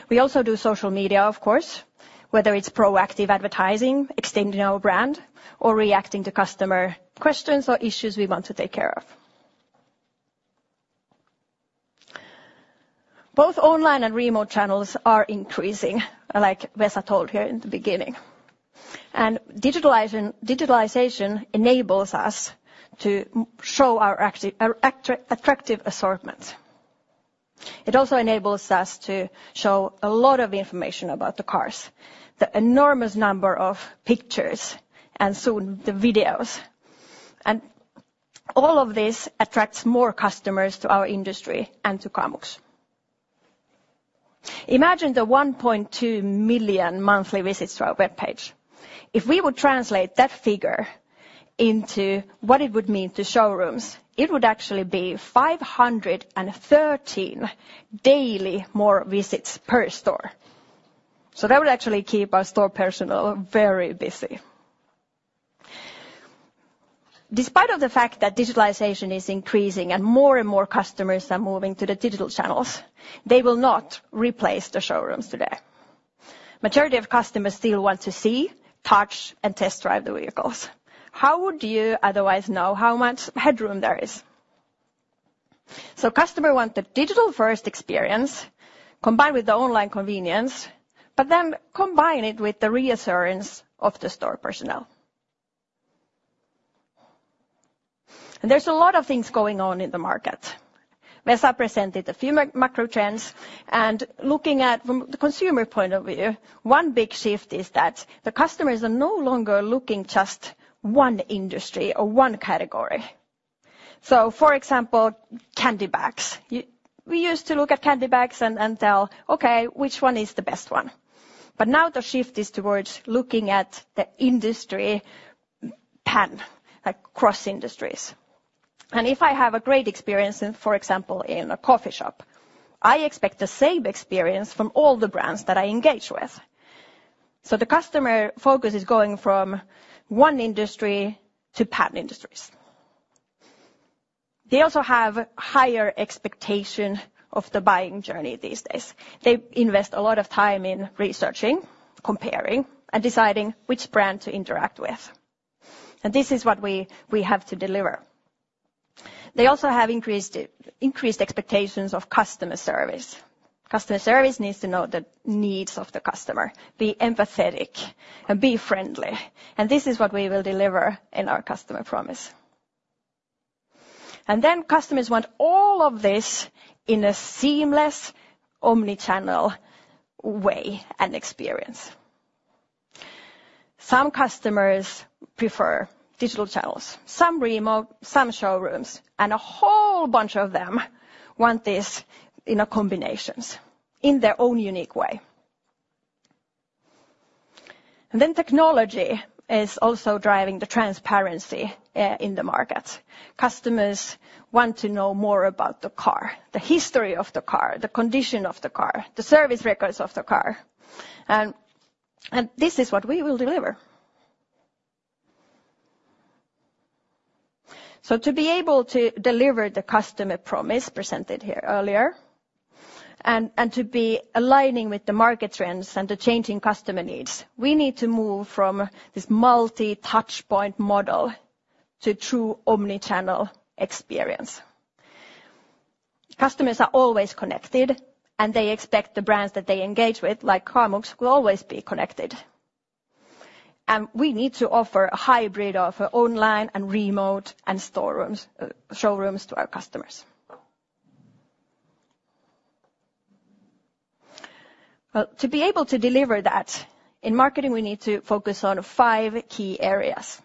We also do social media, of course, whether it's proactive advertising, extending our brand, or reacting to customer questions or issues we want to take care of. Both online and remote channels are increasing, like Vesa told here in the beginning, and digitalization enables us to show our attractive assortments. It also enables us to show a lot of information about the cars, the enormous number of pictures, and soon, the videos. And all of this attracts more customers to our industry and to Kamux. Imagine the 1.2 million monthly visits to our web page. If we would translate that figure into what it would mean to showrooms, it would actually be 513 daily more visits per store, so that would actually keep our store personnel very busy. Despite of the fact that digitalization is increasing and more and more customers are moving to the digital channels, they will not replace the showrooms today. Majority of customers still want to see, touch, and test-drive the vehicles. How would you otherwise know how much headroom there is? So customer want the digital-first experience, combined with the online convenience, but then combine it with the reassurance of the store personnel. And there's a lot of things going on in the market. Vesa presented a few macro trends, and looking at from the consumer point of view, one big shift is that the customers are no longer looking just one industry or one category. So, for example, candy bags. We used to look at candy bags and tell, "Okay, which one is the best one?" But now the shift is towards looking at the industry pan, like cross-industries. If I have a great experience in, for example, in a coffee shop, I expect the same experience from all the brands that I engage with. So the customer focus is going from one industry to pan-industries. They also have higher expectation of the buying journey these days. They invest a lot of time in researching, comparing, and deciding which brand to interact with, and this is what we have to deliver. They also have increased expectations of customer service. Customer service needs to know the needs of the customer, be empathetic and be friendly, and this is what we will deliver in our customer promise. And then customers want all of this in a seamless, omni-channel way and experience. Some customers prefer digital channels, some remote, some showrooms, and a whole bunch of them want this in a combinations, in their own unique way. And then technology is also driving the transparency in the market. Customers want to know more about the car, the history of the car, the condition of the car, the service records of the car, and this is what we will deliver. So to be able to deliver the customer promise presented here earlier, and to be aligning with the market trends and the changing customer needs, we need to move from this multi-touch point model to true omni-channel experience. Customers are always connected, and they expect the brands that they engage with, like Kamux, will always be connected. And we need to offer a hybrid of online and remote and showrooms, showrooms to our customers. Well, to be able to deliver that, in marketing, we need to focus on five key areas.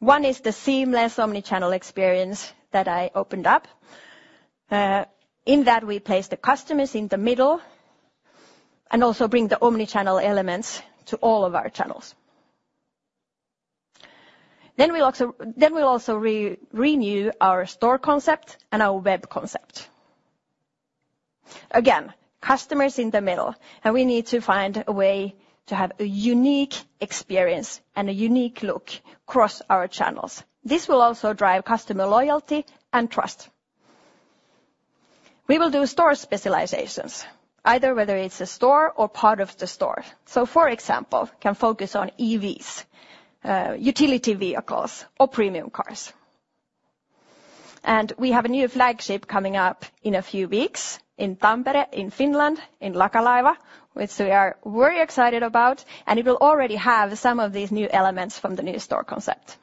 One is the seamless omni-channel experience that I opened up. In that, we place the customers in the middle, and also bring the omni-channel elements to all of our channels. Then we'll also re-renew our store concept and our web concept. Again, customers in the middle, and we need to find a way to have a unique experience and a unique look across our channels. This will also drive customer loyalty and trust. We will do store specializations, either whether it's a store or part of the store. So, for example, can focus on EVs, utility vehicles or premium cars. And we have a new flagship coming up in a few weeks in Tampere, in Finland, in Lakalaiva, which we are very excited about, and it will already have some of these new elements from the new store concept.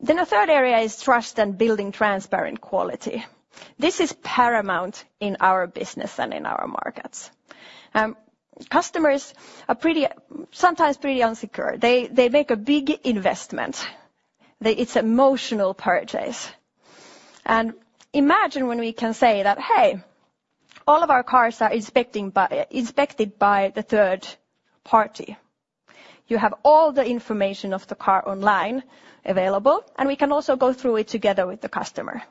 Then the third area is trust and building transparent quality. This is paramount in our business and in our markets. Customers are pretty, sometimes pretty insecure. They, they make a big investment. It's emotional purchase. And imagine when we can say that, "Hey, all of our cars are inspected by the third party." You have all the information of the car online available, and we can also go through it together with the customer.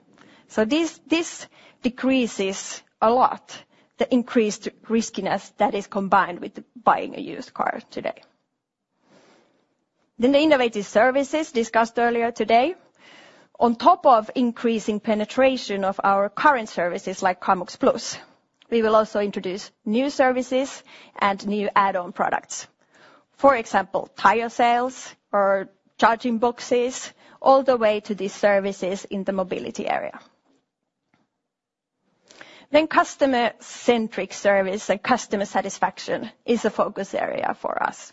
So this, this decreases a lot, the increased riskiness that is combined with buying a used car today. Then the innovative services discussed earlier today, on top of increasing penetration of our current services, like Kamux Plus, we will also introduce new services and new add-on products. For example, tire sales or charging boxes, all the way to these services in the mobility area. Then customer-centric service and customer satisfaction is a focus area for us.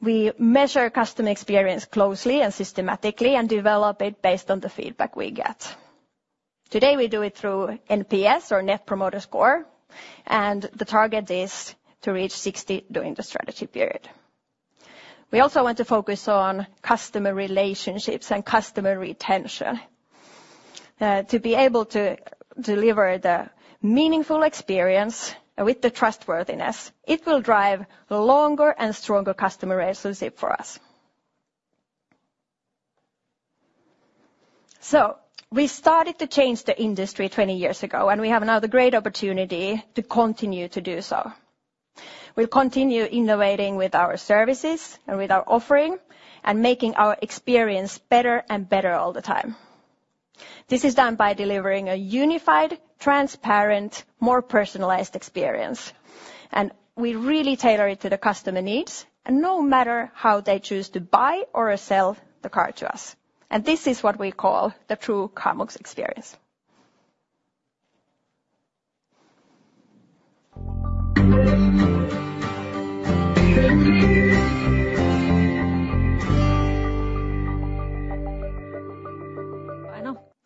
We measure customer experience closely and systematically, and develop it based on the feedback we get. Today, we do it through NPS or Net Promoter Score, and the target is to reach 60 during the strategy period. We also want to focus on customer relationships and customer retention, to be able to deliver the meaningful experience with the trustworthiness, it will drive longer and stronger customer relationship for us. So we started to change the industry 20 years ago, and we have another great opportunity to continue to do so. We'll continue innovating with our services and with our offering, and making our experience better and better all the time. This is done by delivering a unified, transparent, more personalized experience, and we really tailor it to the customer needs, and no matter how they choose to buy or sell the car to us, and this is what we call the true Kamux experience.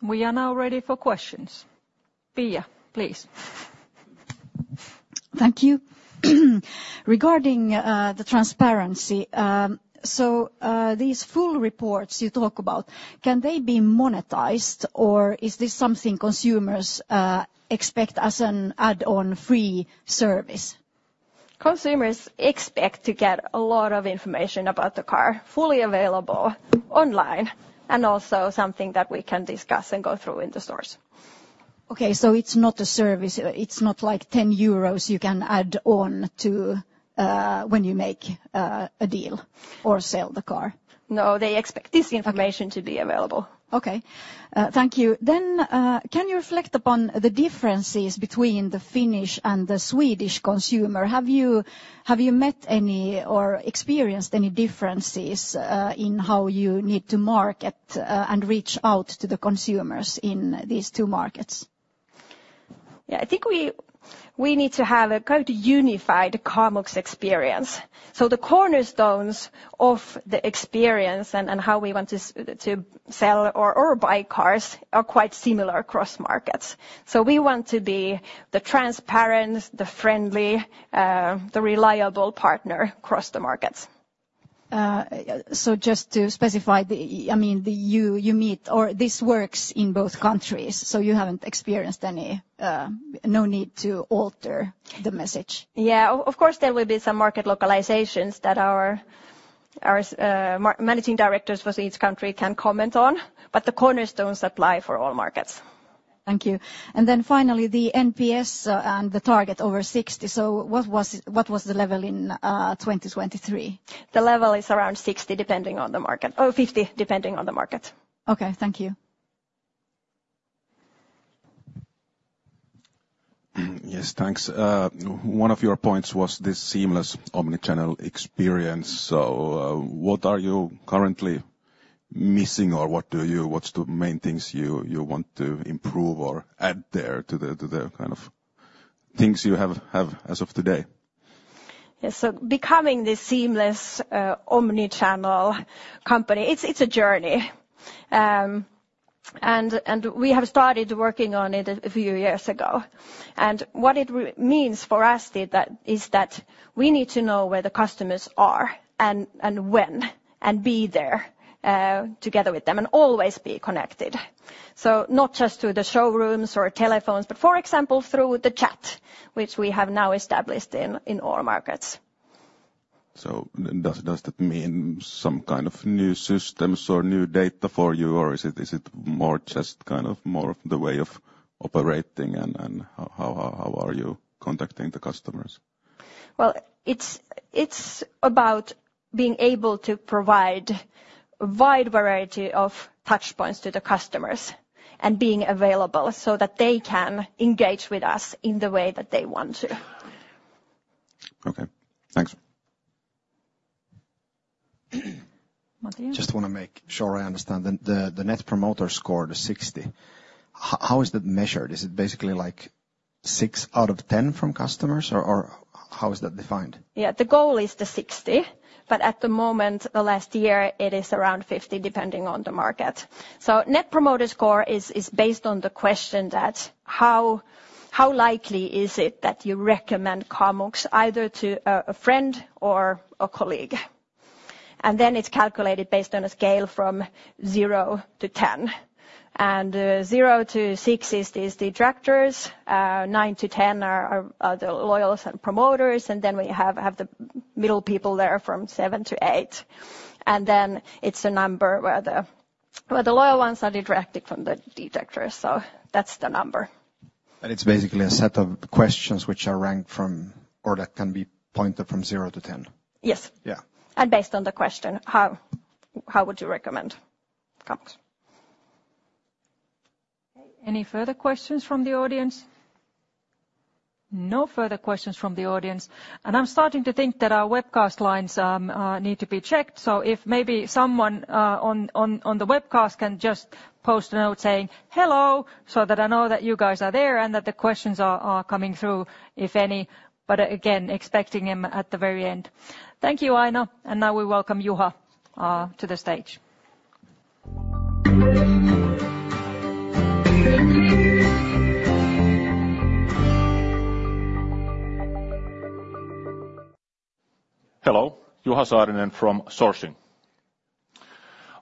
We are now ready for questions. Pia, please. Thank you. Regarding the transparency, so these full reports you talk about, can they be monetized, or is this something consumers expect as an add-on free service? Consumers expect to get a lot of information about the car, fully available online, and also something that we can discuss and go through in the stores. Okay, so it's not a service, it's not like 10 euros you can add on to when you make a deal or sell the car? No, they expect this information to be available. Okay, thank you. Then, can you reflect upon the differences between the Finnish and the Swedish consumer? Have you, have you met any or experienced any differences, in how you need to market, and reach out to the consumers in these two markets? Yeah, I think we need to have a quite unified Kamux experience. So the cornerstones of the experience and how we want to sell or buy cars are quite similar across markets. So we want to be the transparent, the friendly, the reliable partner across the markets. So just to specify the, I mean, the you, you meet, or this works in both countries, so you haven't experienced any, no need to alter the message? Yeah, of course, there will be some market localizations that our managing directors for each country can comment on, but the cornerstones apply for all markets. Thank you. And then finally, the NPS and the target over 60, so what was, what was the level in 2023? The level is around 60, depending on the market. Or 50, depending on the market. Okay. Thank you. Yes, thanks. One of your points was this seamless, omni-channel experience. So, what are you currently missing or what do you, what's the main things you want to improve or add there to the kind of things you have as of today? Yes, so becoming this seamless omni-channel company, it's a journey. And we have started working on it a few years ago. And what it means for us is that we need to know where the customers are, and when, and be there together with them, and always be connected. So not just to the showrooms or telephones, but for example, through the chat, which we have now established in all markets. So does that mean some kind of new systems or new data for you, or is it more just kind of more of the way of operating, and how are you contacting the customers? Well, it's, it's about being able to provide a wide variety of touch points to the customers, and being available so that they can engage with us in the way that they want to. Okay, thanks. Mattias? Just wanna make sure I understand. The Net Promoter Score, the 60, how is that measured? Is it basically, like, six out of ten from customers, or how is that defined? Yeah, the goal is the 60, but at the moment, the last year, it is around 50, depending on the market. So Net Promoter Score is based on the question that, how likely is it that you recommend Kamux either to a friend or a colleague? And then it's calculated based on a scale from 0 to 10, and zero to six is these detractors, nine to 10 are the loyals and promoters, and then we have the middle people there from 7 to 8. And then it's a number where the loyal ones are deducted from the detractors, so that's the number. It's basically a set of questions which are ranked from, or that can be pointed from 0 to 10? Yes. Yeah. Based on the question, how would you recommend Kamux? Any further questions from the audience? No further questions from the audience, and I'm starting to think that our webcast lines need to be checked, so if maybe someone on the webcast can just post a note saying hello, so that I know that you guys are there, and that the questions are coming through, if any. But again, expecting them at the very end. Thank you, Aino, and now we welcome Juha to the stage. Hello, Juha Saarinen from Sourcing.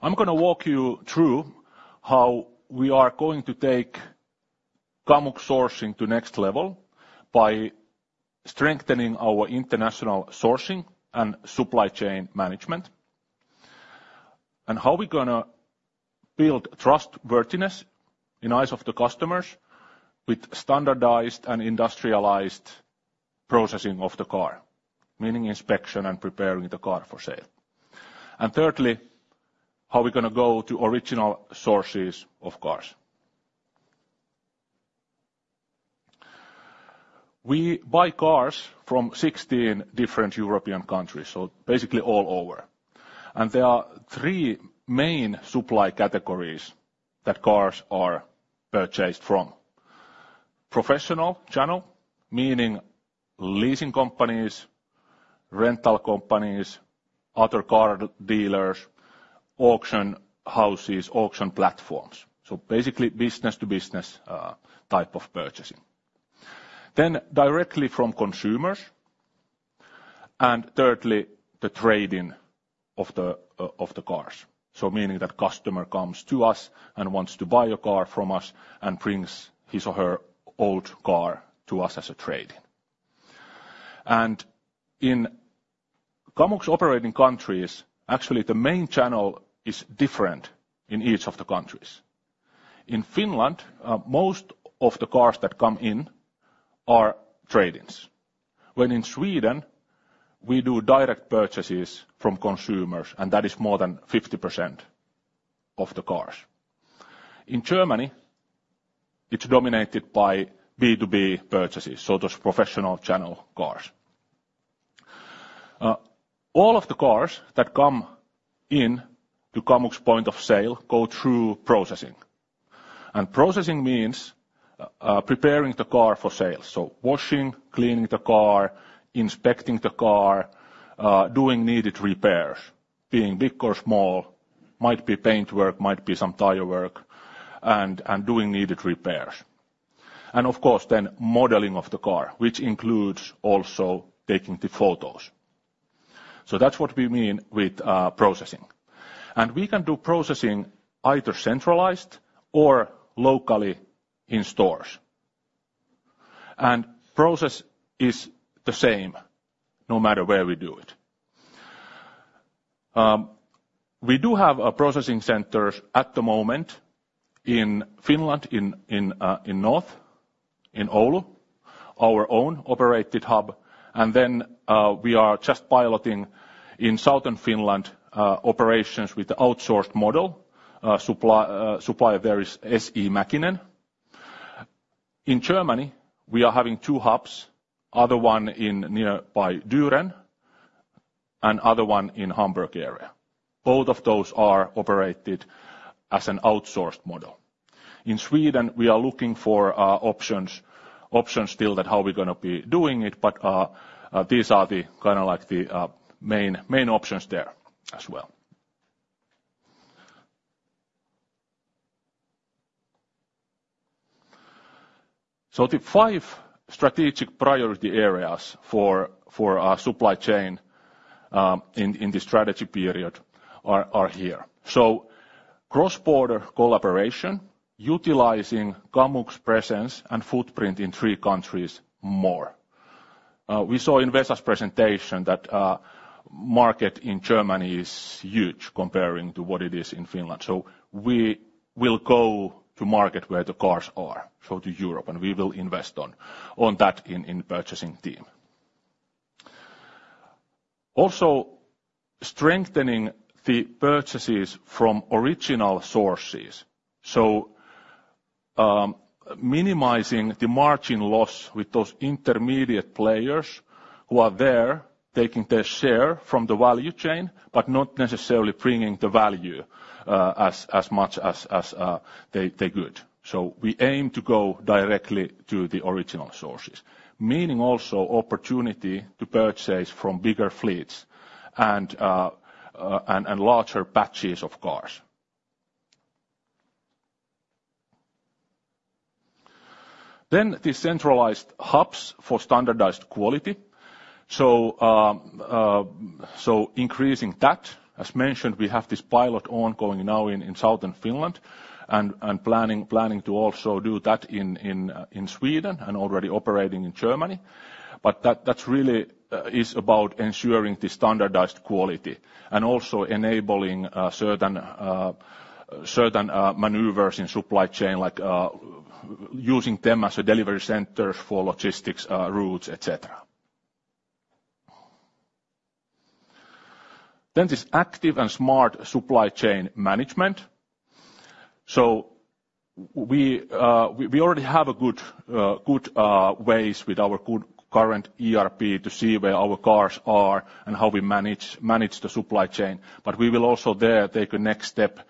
I'm gonna walk you through how we are going to take Kamux sourcing to next level by strengthening our international sourcing and supply chain management. How we're gonna build trustworthiness in eyes of the customers with standardized and industrialized processing of the car, meaning inspection and preparing the car for sale. Thirdly, how we're gonna go to original sources of cars. We buy cars from 16 different European countries, so basically all over, and there are 3 main supply categories that cars are purchased from: professional channel, meaning leasing companies, rental companies, other car dealers, auction houses, auction platforms, so basically business to business, type of purchasing. Then, directly from consumers, and thirdly, the trade-in of the cars, so meaning that customer comes to us and wants to buy a car from us, and brings his or her old car to us as a trade-in. In Kamux operating countries, actually, the main channel is different in each of the countries. In Finland, most of the cars that come in are trade-ins, when in Sweden, we do direct purchases from consumers, and that is more than 50% of the cars. In Germany, it's dominated by B2B purchases, so those professional channel cars. All of the cars that come in to Kamux point of sale go through processing, and processing means preparing the car for sale, so washing, cleaning the car, inspecting the car, doing needed repairs, being big or small, might be paint work, might be some tire work. Of course, then modeling of the car, which includes also taking the photos. So that's what we mean with processing. We can do processing either centralized or locally in stores. Process is the same, no matter where we do it. We do have processing centers at the moment in Finland, in the north, in Oulu, our own operated hub, and then we are just piloting in southern Finland operations with the outsourced model, supplier there is SE Mäkinen. In Germany, we are having two hubs, other one in nearby Düren, and other one in Hamburg area. Both of those are operated as an outsourced model. In Sweden, we are looking for options still that how we're gonna be doing it, but these are the kind of like the main options there as well. So the five strategic priority areas for our supply chain in the strategy period are here. So cross-border collaboration, utilizing Kamux presence and footprint in three countries more. We saw in Vesa's presentation that market in Germany is huge comparing to what it is in Finland. So we will go to market where the cars are, so to Europe, and we will invest on that in purchasing team. Also, strengthening the purchases from original sources. So, minimizing the margin loss with those intermediate players who are there, taking their share from the value chain, but not necessarily bringing the value as much as they could. So we aim to go directly to the original sources, meaning also opportunity to purchase from bigger fleets and larger batches of cars. Then the centralized hubs for standardized quality, so increasing that. As mentioned, we have this pilot ongoing now in southern Finland, and planning to also do that in Sweden, and already operating in Germany. But that, that's really is about ensuring the standardized quality, and also enabling certain certain maneuvers in supply chain, like using them as a delivery center for logistics routes, et cetera. Then this active and smart supply chain management. So we already have a good ways with our good current ERP to see where our cars are and how we manage the supply chain, but we will also there take a next step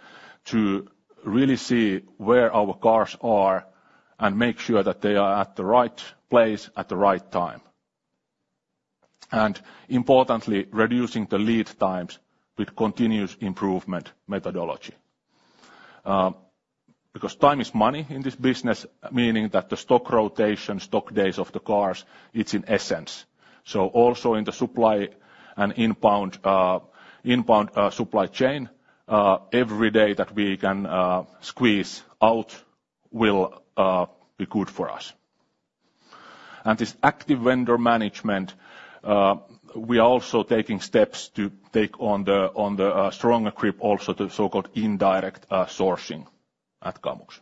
to really see where our cars are and make sure that they are at the right place at the right time. And importantly, reducing the lead times with continuous improvement methodology. Because time is money in this business, meaning that the stock rotation, stock days of the cars, it's in essence. So also in the supply and inbound supply chain, every day that we can squeeze out will be good for us. And this active vendor management, we are also taking steps to take on the stronger grip, also the so-called indirect sourcing at Kamux.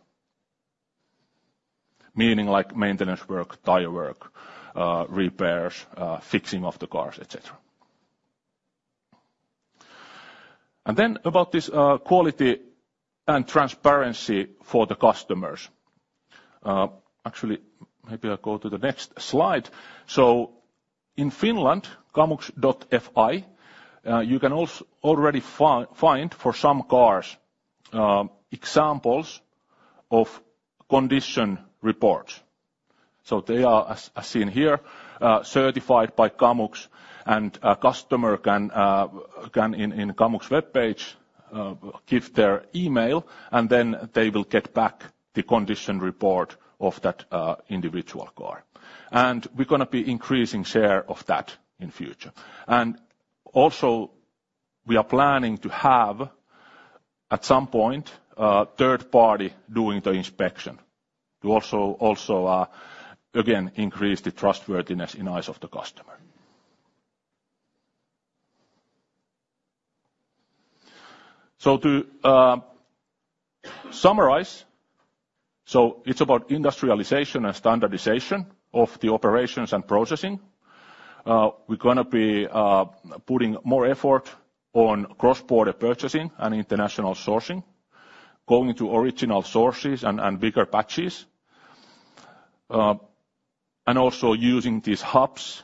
Meaning like maintenance work, tire work, repairs, fixing of the cars, et cetera. And then about this quality and transparency for the customers. Actually, maybe I'll go to the next slide. So in Finland, kamux.fi, you can also already find for some cars examples of condition reports. So they are, as seen here, certified by Kamux, and a customer can in Kamux webpage give their email, and then they will get back the condition report of that individual car. And we're gonna be increasing share of that in future. And also, we are planning to have, at some point, a third party doing the inspection, to also again increase the trustworthiness in eyes of the customer. So to summarize, so it's about industrialization and standardization of the operations and processing. We're gonna be putting more effort on cross-border purchasing and international sourcing, going to original sources and bigger batches, and also using these hubs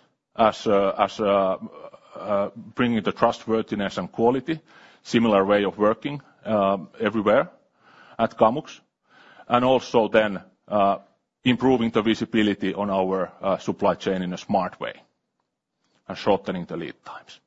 bringing the trustworthiness and quality, similar way of working, everywhere at Kamux, and also then improving the visibility on our supply chain in a smart way, and shortening the lead times.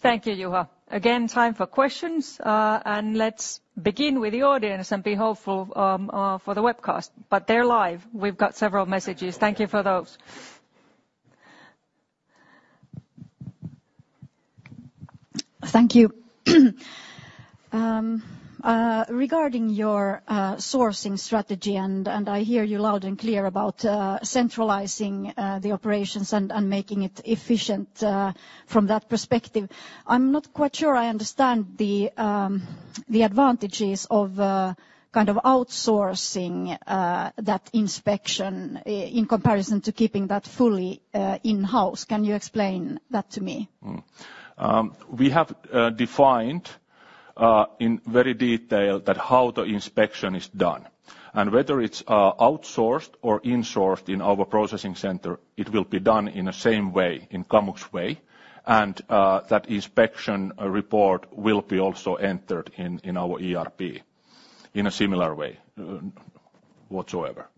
Thank you, Juha. Again, time for questions, and let's begin with the audience and be hopeful, for the webcast. But they're live. We've got several messages. Thank you for those. Thank you. Regarding your sourcing strategy, and I hear you loud and clear about centralizing the operations and making it efficient from that perspective, I'm not quite sure I understand the advantages of kind of outsourcing that inspection in comparison to keeping that fully in-house. Can you explain that to me? We have defined in very detail that how the inspection is done. And whether it's outsourced or insourced in our processing center, it will be done in the same way, in Kamux way, and that inspection report will be also entered in our ERP in a similar way, whatsoever.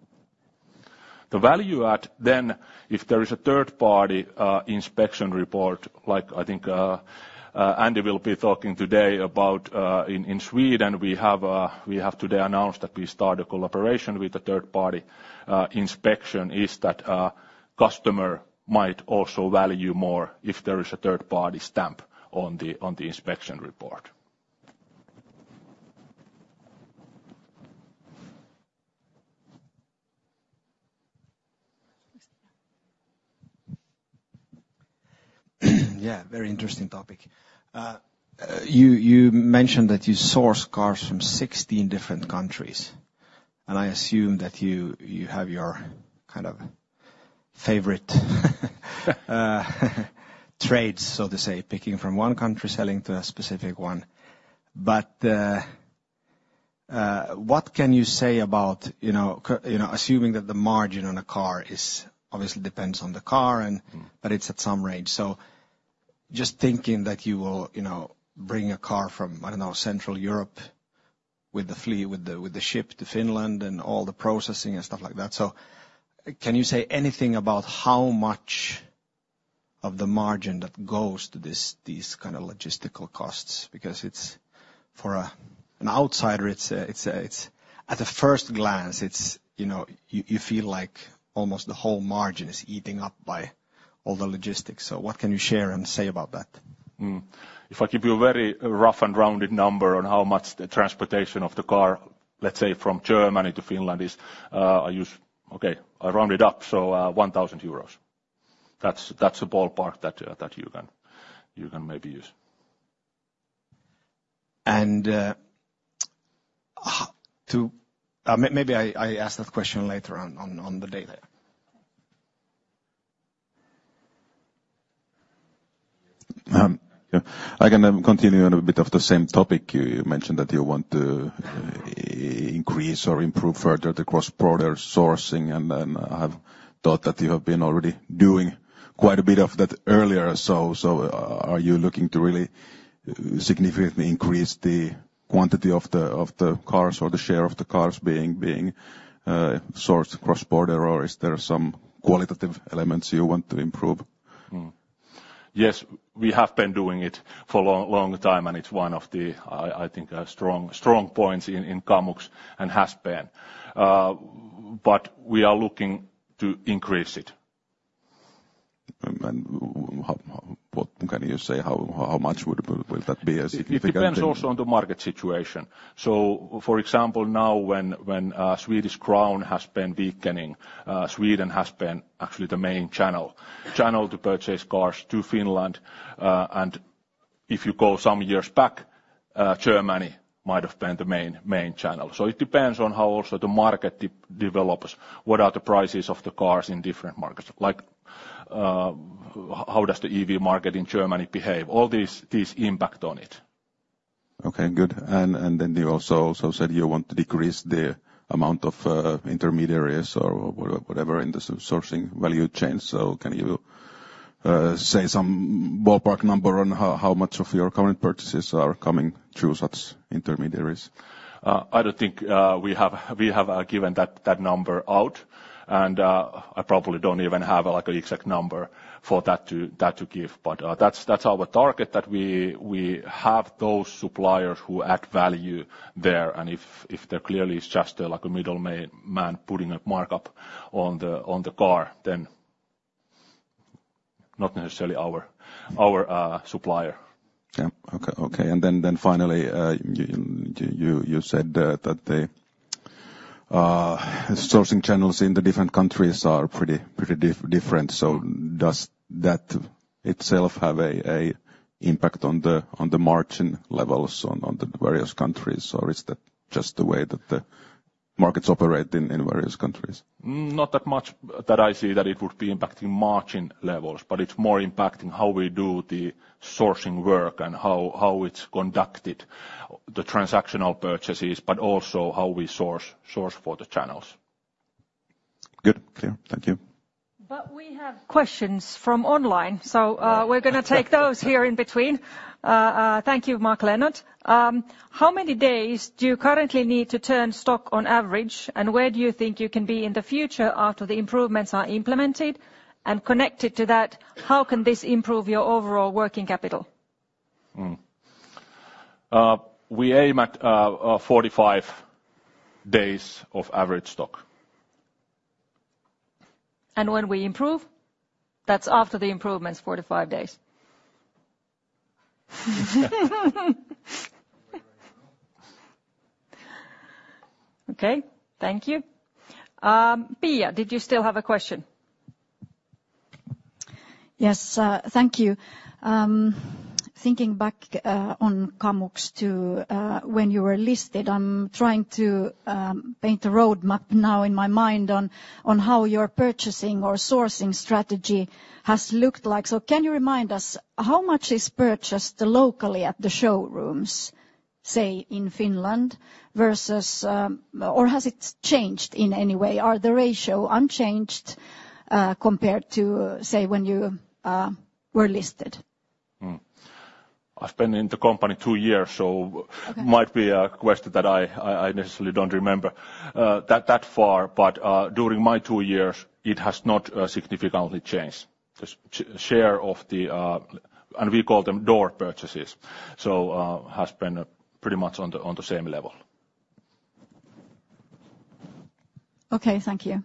The value add then, if there is a third-party inspection report, like I think Andy will be talking today about, in Sweden, we have today announced that we start a collaboration with a third-party. Inspection is that customer might also value more if there is a third-party stamp on the inspection report. Yeah, very interesting topic. You mentioned that you source cars from 16 different countries, and I assume that you have your kind of favorite trades, so to say, picking from one country, selling to a specific one. But what can you say about, you know, co- you know, assuming that the margin on a car is. Obviously depends on the car and but it's at some range. So just thinking that you will, you know, bring a car from, I don't know, Central Europe with the fleet, with the ship to Finland and all the processing and stuff like that. So can you say anything about how much of the margin that goes to this, these kind of logistical costs? Because it's, for an outsider, it's a. At first glance, it's, you know, you feel like almost the whole margin is eating up by all the logistics. So what can you share and say about that? If I give you a very rough and rounded number on how much the transportation of the car, let's say, from Germany to Finland is, I round it up, so, 1,000 euros. That's a ballpark that you can maybe use. Maybe I ask that question later on the day there. Yeah. I can continue on a bit of the same topic. You mentioned that you want to increase or improve further the cross-border sourcing, and then I've thought that you have been already doing quite a bit of that earlier. So, are you looking to really significantly increase the quantity of the cars or the share of the cars being sourced cross-border, or is there some qualitative elements you want to improve? Yes, we have been doing it for a long, long time, and it's one of the, I, I think, strong, strong points in, in Kamux and has been. But we are looking to increase it. What can you say, how much will that be as significant. It depends also on the market situation. So for example, now, when Swedish krona has been weakening, Sweden has been actually the main channel to purchase cars to Finland. And if you go some years back, Germany might have been the main channel. So it depends on how also the market develops, what are the prices of the cars in different markets? Like, how does the EV market in Germany behave? All these impact on it. Okay, good. Then you also said you want to decrease the amount of intermediaries or whatever in the sourcing value chain. So can you say some ballpark number on how much of your current purchases are coming through such intermediaries? I don't think we have given that number out, and I probably don't even have, like, an exact number for that to give. But that's our target, that we have those suppliers who add value there, and if there clearly is just, like, a middle man putting a markup on the car, then not necessarily our supplier. Yeah. Okay, okay. And then finally, you said that the sourcing channels in the different countries are pretty different. So does that itself have an impact on the margin levels in the various countries, or is that just the way that the markets operate in various countries? Not that much that I see that it would be impacting margin levels, but it's more impacting how we do the sourcing work and how it's conducted, the transactional purchases, but also how we source for the channels. Good. Clear. Thank you. But we have questions from online, so, we're gonna take those here in between. Thank you, Mark Leonard. How many days do you currently need to turn stock on average, and where do you think you can be in the future after the improvements are implemented? And connected to that, how can this improve your overall working capital? We aim at 45 days of average stock. When we improve? That's after the improvements, 45 days. Okay, thank you. Pia, did you still have a question? Yes, thank you. Thinking back on Kamux to when you were listed, I'm trying to paint a roadmap now in my mind on how your purchasing or sourcing strategy has looked like. So can you remind us, how much is purchased locally at the showrooms, say, in Finland, versus. Or has it changed in any way? Are the ratio unchanged compared to, say, when you were listed? I've been in the company two years, so. Okay Might be a question that I necessarily don't remember that far. But, during my two years, it has not significantly changed. The share of the and we call them door purchases, so, has been pretty much on the same level. Okay, thank you.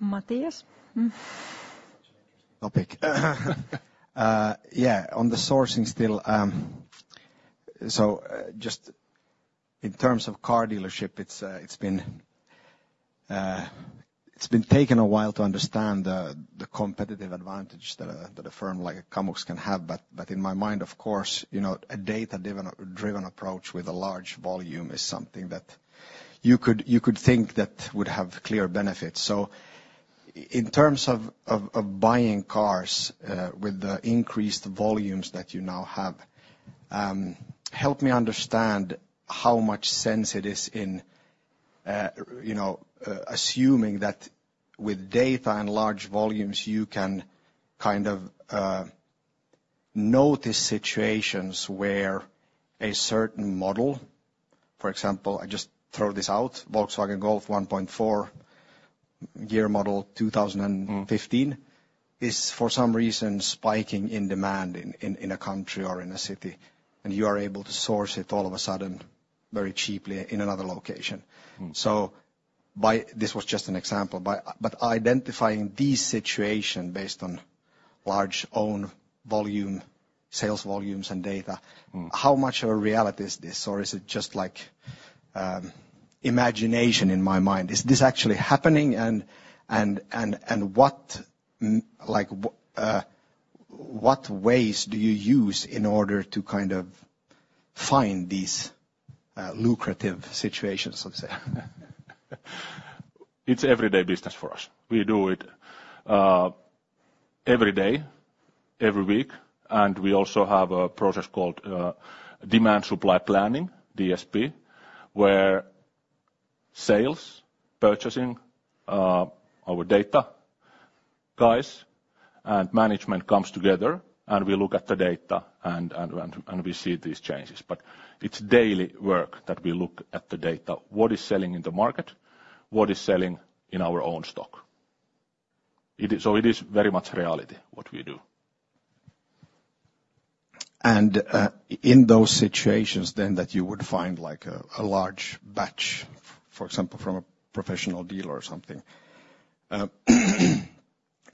Mattias? Topio. Yeah, on the sourcing still, so, just in terms of car dealership, it's been taking a while to understand the competitive advantage that a firm like Kamux can have. But in my mind, of course, you know, a data-driven approach with a large volume is something that you could think that would have clear benefits. So in terms of buying cars, with the increased volumes that you now have, help me understand how much sense it is in, you know, assuming that with data and large volumes, you can kind of notice situations where a certain model, for example, I just throw this out, Volkswagen Golf 1.4, year model 2015, is for some reason spiking in demand in a country or in a city, and you are able to source it all of a sudden, very cheaply in another location. This was just an example, but identifying these situation based on large own volume, sales volumes and data. How much of a reality is this? Or is it just like imagination in my mind? Is this actually happening, and what ways do you use in order to kind of find these lucrative situations, so to say? It's everyday business for us. We do it every day, every week, and we also have a process called demand supply planning, DSP, where sales, purchasing, our data guys and management comes together, and we look at the data and we see these changes. But it's daily work that we look at the data, what is selling in the market, what is selling in our own stock. It is. So it is very much reality, what we do. In those situations then that you would find, like, a large batch, for example, from a professional dealer or something,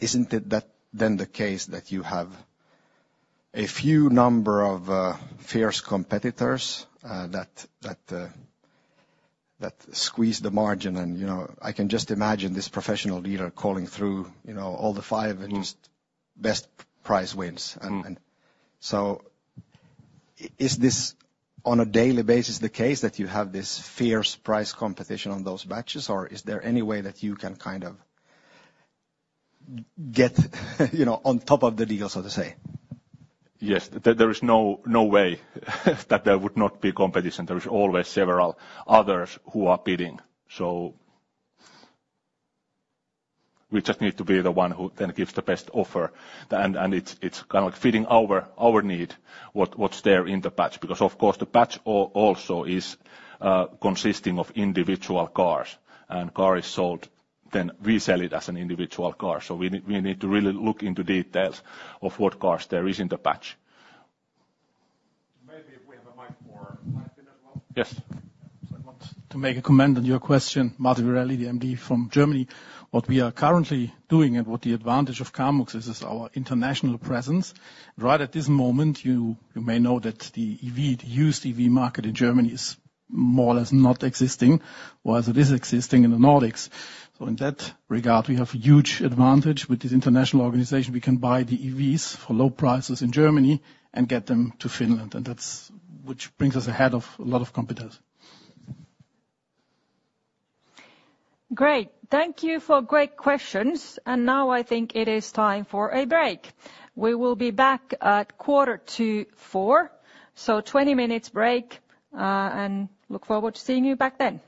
isn't it then the case that you have a few number of fierce competitors that squeeze the margin? And, you know, I can just imagine this professional dealer calling through, you know, all the five and just best price wins. Is this, on a daily basis, the case that you have this fierce price competition on those batches, or is there any way that you can kind of get, you know, on top of the deal, so to say? Yes. There is no way that there would not be competition. There is always several others who are bidding. So we just need to be the one who then gives the best offer. And it's kind of fitting our need, what's there in the batch. Because, of course, the batch also is consisting of individual cars, and car is sold, then we sell it as an individual car. So we need to really look into details of what cars there is in the batch. Maybe if we have a mic for Martin as well. Yes. So I want to make a comment on your question. Martin Verrelli, the MD from Germany. What we are currently doing and what the advantage of Kamux is, is our international presence. Right at this moment, you may know that the EV, the used EV market in Germany is more or less not existing, whereas it is existing in the Nordics. So in that regard, we have huge advantage with this international organization. We can buy the EVs for low prices in Germany and get them to Finland, and that's, which brings us ahead of a lot of competitors. Great. Thank you for great questions, and now I think it is time for a break. We will be back at 3:45 P.M., so 20 minutes break, and look forward to seeing you back then.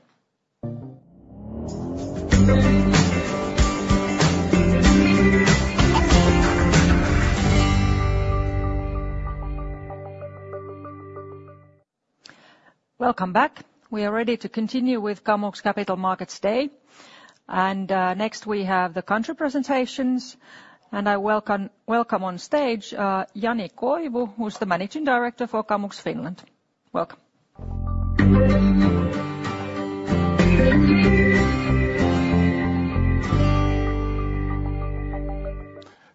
Welcome back. We are ready to continue with Kamux Capital Markets Day, and, next, we have the country presentations, and I welcome, welcome on stage, Jani Koivu, who's the Managing Director for Kamux Finland. Welcome.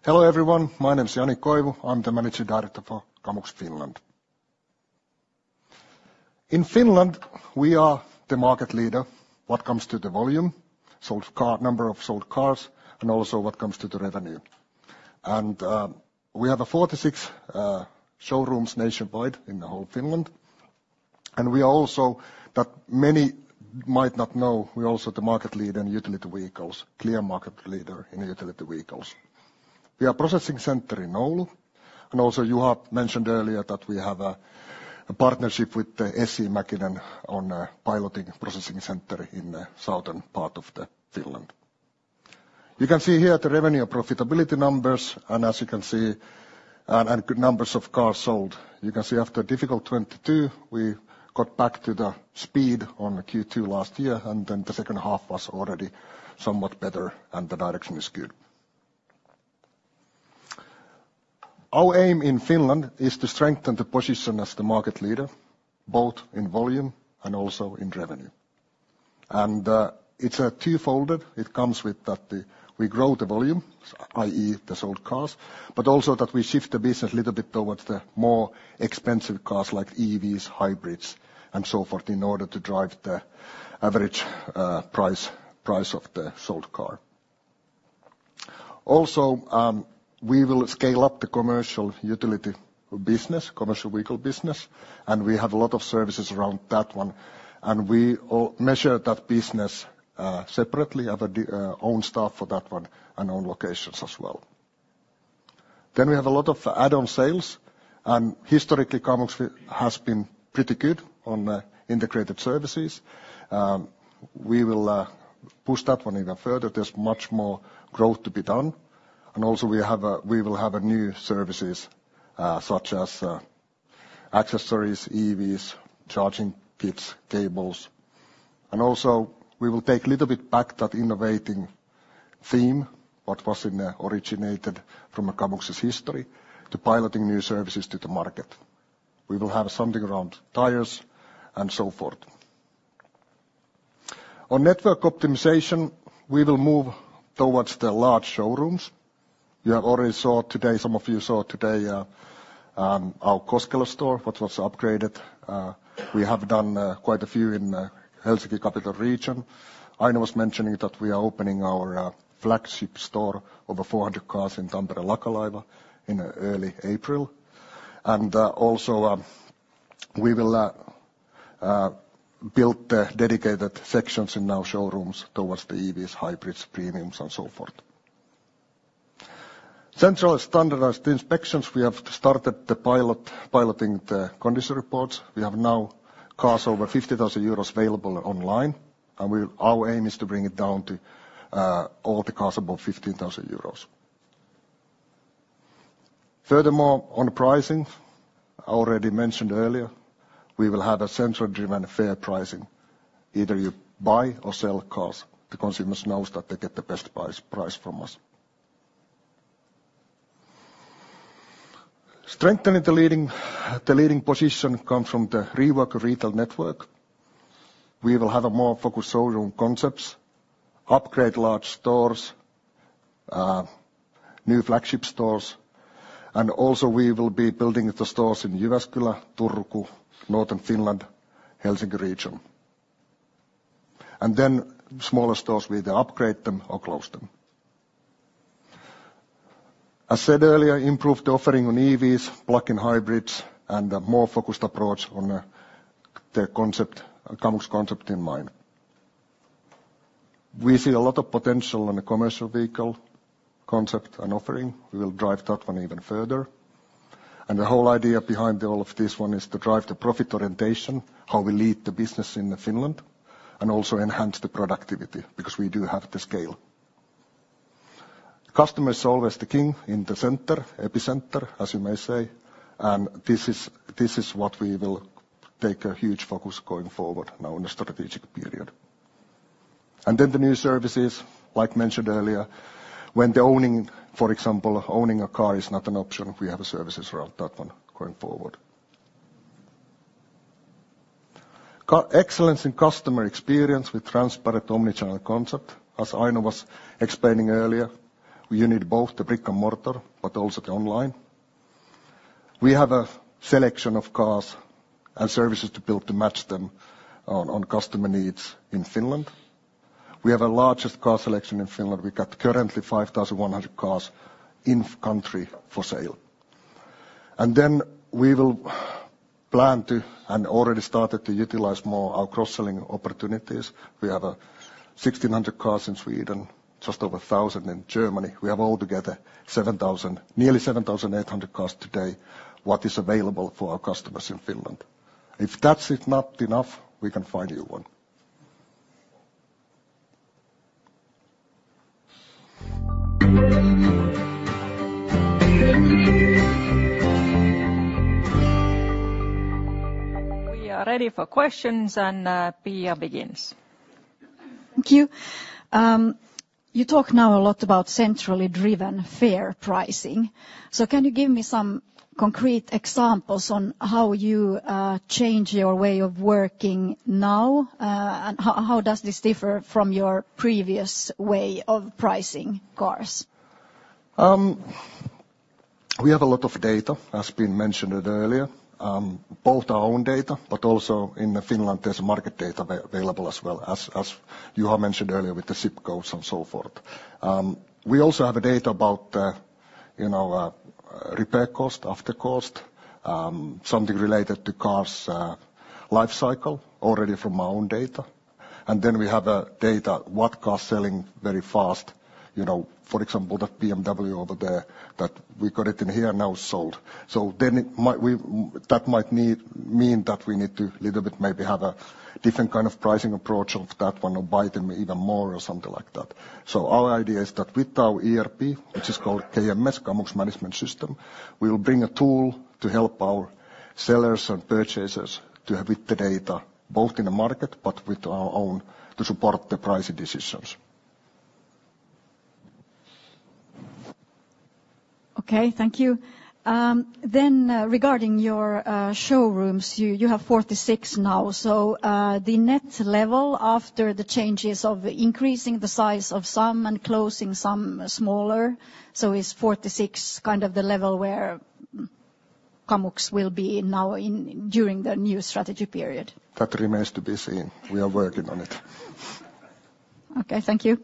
Hello, everyone. My name's Jani Koivu. I'm the managing director for Kamux Finland. In Finland, we are the market leader, what comes to the volume, sold car. Number of sold cars and also what comes to the revenue. And we have 46 showrooms nationwide in the whole Finland, and we are also, that many might not know, we're also the market leader in utility vehicles, clear market leader in utility vehicles. We have processing center in Oulu, and also Juha mentioned earlier that we have a partnership with SE Mäkinen on piloting processing center in the southern part of the Finland. You can see here the revenue profitability numbers, and as you can see, and numbers of cars sold. You can see after a difficult 2022, we got back to the speed on the Q2 last year, and then the second half was already somewhat better, and the direction is good. Our aim in Finland is to strengthen the position as the market leader, both in volume and also in revenue. It's a twofold. It comes with that we grow the volume, i.e., the sold cars, but also that we shift the business a little bit towards the more expensive cars, like EVs, hybrids, and so forth, in order to drive the average price of the sold car. Also, we will scale up the commercial utility business, commercial vehicle business, and we have a lot of services around that one, and we measure that business separately, have own staff for that one and own locations as well. Then we have a lot of add-on sales, and historically, Kamux has been pretty good on integrated services. We will push that one even further. There's much more growth to be done. And also we have a, we will have new services, such as accessories, EVs, charging kits, cables. And also, we will take a little bit back that innovating theme, what was in the originated from a Kamux's history, to piloting new services to the market. We will have something around tires and so forth. On network optimization, we will move towards the large showrooms. You have already saw today, some of you saw today, our Koskelo store, what was upgraded. We have done quite a few in Helsinki capital region. Aino was mentioning that we are opening our flagship store of over 400 cars in Tampere, Lakalaiva, in early April. Also, we will build the dedicated sections in our showrooms towards the EVs, hybrids, premiums and so forth. Central standardized inspections, we have started the pilot, piloting the condition reports. We have now cars over 50,000 euros available online, and our aim is to bring it down to all the cars above EUR 15,000. Furthermore, on pricing, I already mentioned earlier, we will have a central-driven, fair pricing. Either you buy or sell cars, the consumers knows that they get the best price, price from us. Strengthening the leading position comes from the rework retail network. We will have a more focused showroom concepts, upgrade large stores, new flagship stores, and also we will be building the stores in Jyväskylä, Turku, northern Finland, Helsinki region. Then smaller stores, we either upgrade them or close them. As said earlier, improved offering on EVs, plug-in hybrids, and a more focused approach on the concept, Kamux concept in mind. We see a lot of potential on the commercial vehicle concept and offering. We will drive that one even further. The whole idea behind the all of this one is to drive the profit orientation, how we lead the business in Finland, and also enhance the productivity, because we do have the scale. Customer is always the king in the center, epicenter, as you may say, and this is, this is what we will take a huge focus going forward now in the strategic period. And then the new services, like mentioned earlier, when the owning, for example, owning a car is not an option, we have a services around that one going forward. Car excellence and customer experience with transparent omni-channel concept, as Aino was explaining earlier, you need both the brick-and-mortar, but also the online. We have a selection of cars and services to build to match them on, on customer needs in Finland. We have a largest car selection in Finland. We got currently 5,100 cars in country for sale. And then we will plan to, and already started to utilize more our cross-selling opportunities. We have 1,600 cars in Sweden, just over 1,000 in Germany. We have altogether 7,000, nearly 7,800 cars today, what is available for our customers in Finland. If that's not enough, we can find you one. We are ready for questions, and Pia begins. Thank you. You talk now a lot about centrally driven fair pricing. So can you give me some concrete examples on how you change your way of working now? And how does this differ from your previous way of pricing cars? We have a lot of data, as has been mentioned earlier. Both our own data, but also in Finland, there's market data available as well as, as you have mentioned earlier with the zip codes and so forth. We also have data about, you know, repair cost, after cost, something related to cars' life cycle already from our own data. And then we have data what cars selling very fast, you know, for example, the BMW over there, that we got it in here, now sold. So then that might mean that we need a little bit maybe have a different kind of pricing approach of that one, or buy them even more, or something like that. So our idea is that with our ERP, which is called KMS, Kamux Management System, we will bring a tool to help our sellers and purchasers to have with the data, both in the market, but with our own, to support the pricing decisions. Okay, thank you. Then, regarding your showrooms, you have 46 now. So, the net level after the changes of increasing the size of some and closing some smaller, so is 46 kind of the level where Kamux will be now in during the new strategy period? That remains to be seen. We are working on it. Okay, thank you.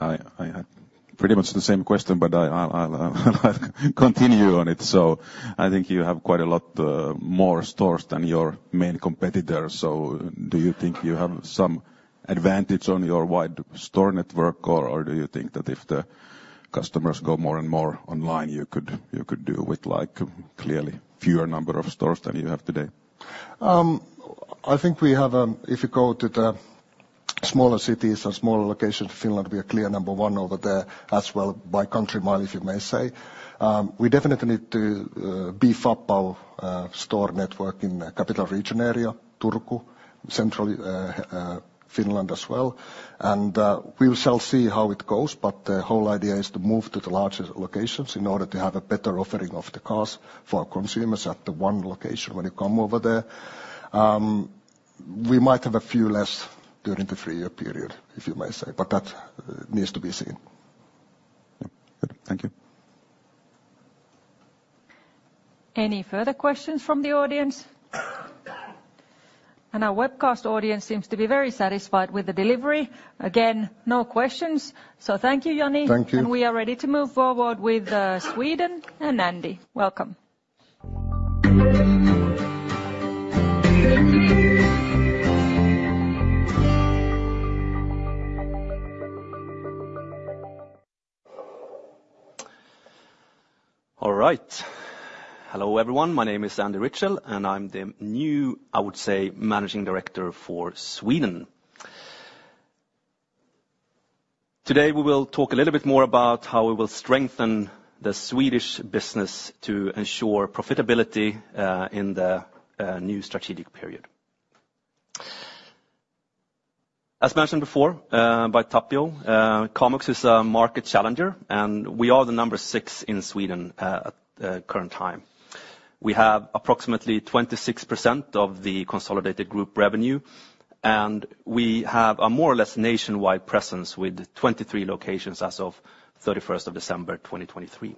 I had pretty much the same question, but I'll continue on it. So I think you have quite a lot more stores than your main competitor, so do you think you have some advantage on your wide store network, or do you think that if the customers go more and more online, you could do with, like, clearly fewer number of stores than you have today? I think we have, if you go to the smaller cities and smaller locations in Finland, we are clear number one over there as well, by country mile, if you may say. We definitely need to beef up our store network in the capital region area, Turku, central Finland as well. We shall see how it goes, but the whole idea is to move to the larger locations in order to have a better offering of the cars for our consumers at the one location when you come over there. We might have a few less during the three-year period, if you may say, but that needs to be seen. Good. Thank you. Any further questions from the audience? Our webcast audience seems to be very satisfied with the delivery. Again, no questions. Thank you, Jani. Thank you. We are ready to move forward with Sweden and Andy. Welcome. All right. Hello, everyone. My name is Andy Rietschel, and I'm the new, I would say, Managing Director for Sweden. Today, we will talk a little bit more about how we will strengthen the Swedish business to ensure profitability in the new strategic period. As mentioned before by Tapio, Kamux is a market challenger, and we are the number 6 in Sweden at the current time. We have approximately 26% of the consolidated group revenue, and we have a more or less nationwide presence with 23 locations as of 31st of December, 2023.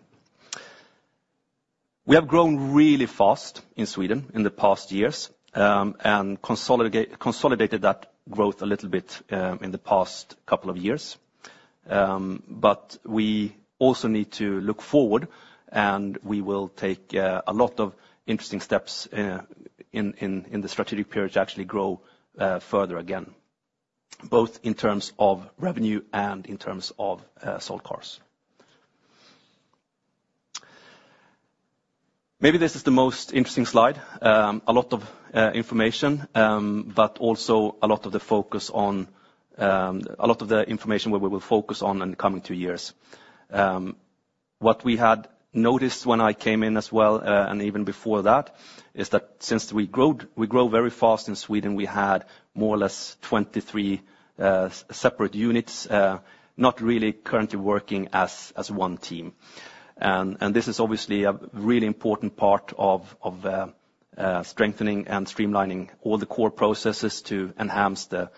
We have grown really fast in Sweden in the past years and consolidated that growth a little bit in the past couple of years. But we also need to look forward, and we will take a lot of interesting steps in the strategic period to actually grow further again, both in terms of revenue and in terms of sold cars. Maybe this is the most interesting slide. A lot of information, but also a lot of the focus on a lot of the information where we will focus on in the coming two years. What we had noticed when I came in as well, and even before that, is that since we growed, we grow very fast in Sweden, we had more or less 23 separate units, not really currently working as one team. This is obviously a really important part of strengthening and streamlining all the core processes to enhance the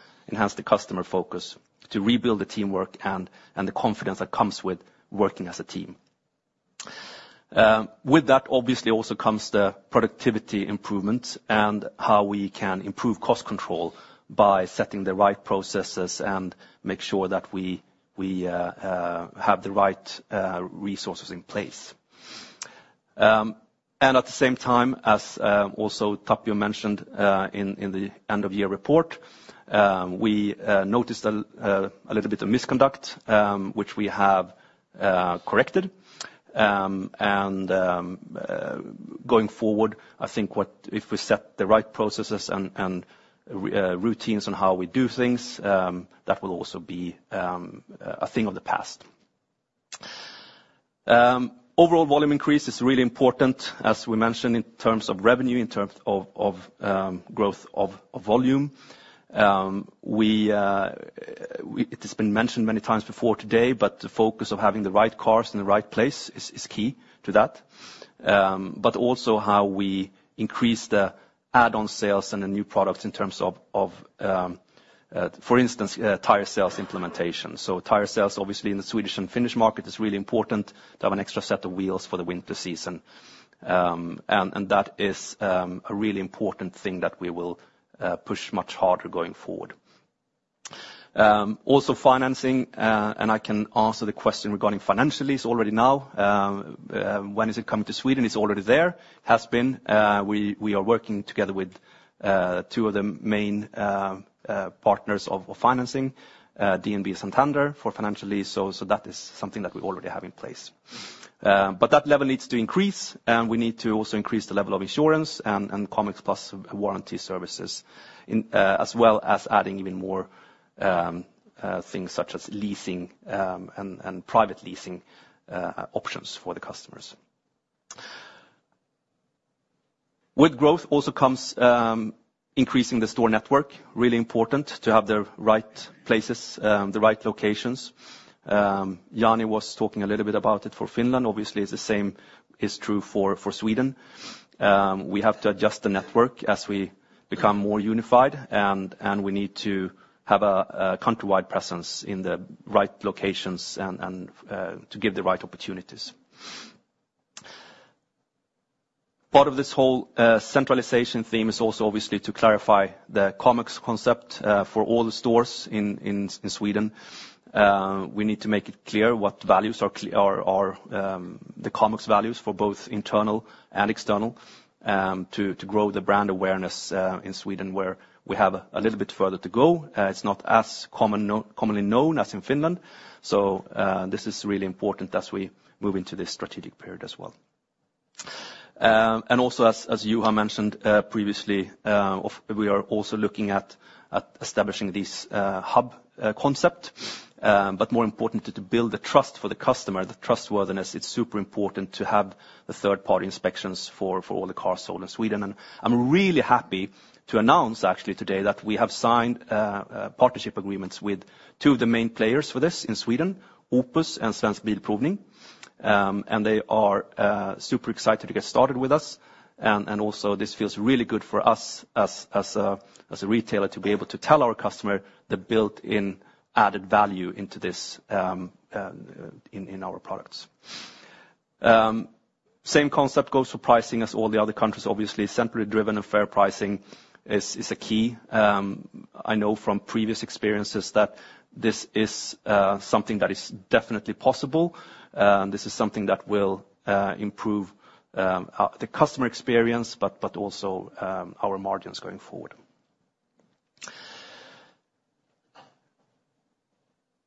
customer focus, to rebuild the teamwork, and the confidence that comes with working as a team. With that, obviously, also comes the productivity improvements and how we can improve cost control by setting the right processes and make sure that we have the right resources in place. And at the same time, as also Tapio mentioned, in the end-of-year report, we noticed a little bit of misconduct, which we have corrected. And going forward, I think if we set the right processes and routines on how we do things, that will also be a thing of the past. Overall volume increase is really important, as we mentioned, in terms of revenue, in terms of growth of volume. It has been mentioned many times before today, but the focus of having the right cars in the right place is key to that. But also how we increase the add-on sales and the new products in terms of for instance tire sales implementation. So tire sales, obviously, in the Swedish and Finnish market, is really important to have an extra set of wheels for the winter season. And that is a really important thing that we will push much harder going forward. Also financing, and I can answer the question regarding financial lease already now. When is it coming to Sweden? It's already there, has been. We are working together with two of the main partners of financing, DNB and Santander, for financial lease, so that is something that we already have in place. But that level needs to increase, and we need to also increase the level of insurance and Kamux Plus warranty services, as well as adding even more things such as leasing and private leasing options for the customers. With growth also comes increasing the store network. Really important to have the right places, the right locations. Jani was talking a little bit about it for Finland. Obviously, the same is true for Sweden. We have to adjust the network as we become more unified, and we need to have a country-wide presence in the right locations and to give the right opportunities. Part of this whole centralization theme is also, obviously, to clarify the Kamux concept for all the stores in Sweden. We need to make it clear what values are the Kamux values for both internal and external to grow the brand awareness in Sweden, where we have a little bit further to go. It's not as commonly known as in Finland, so this is really important as we move into this strategic period as well. And also, as Juha mentioned previously, we are also looking at establishing this hub concept, but more important to build the trust for the customer, the trustworthiness. It's super important to have the third-party inspections for all the cars sold in Sweden. And I'm really happy to announce, actually, today, that we have signed partnership agreements with two of the main players for this in Sweden, Opus and Svensk Bilprovning, and they are super excited to get started with us. And also, this feels really good for us as a retailer, to be able to tell our customer the built-in added value into this in our products. Same concept goes for pricing as all the other countries. Obviously, centrally driven and fair pricing is a key. I know from previous experiences that this is something that is definitely possible, and this is something that will improve the customer experience, but also our margins going forward.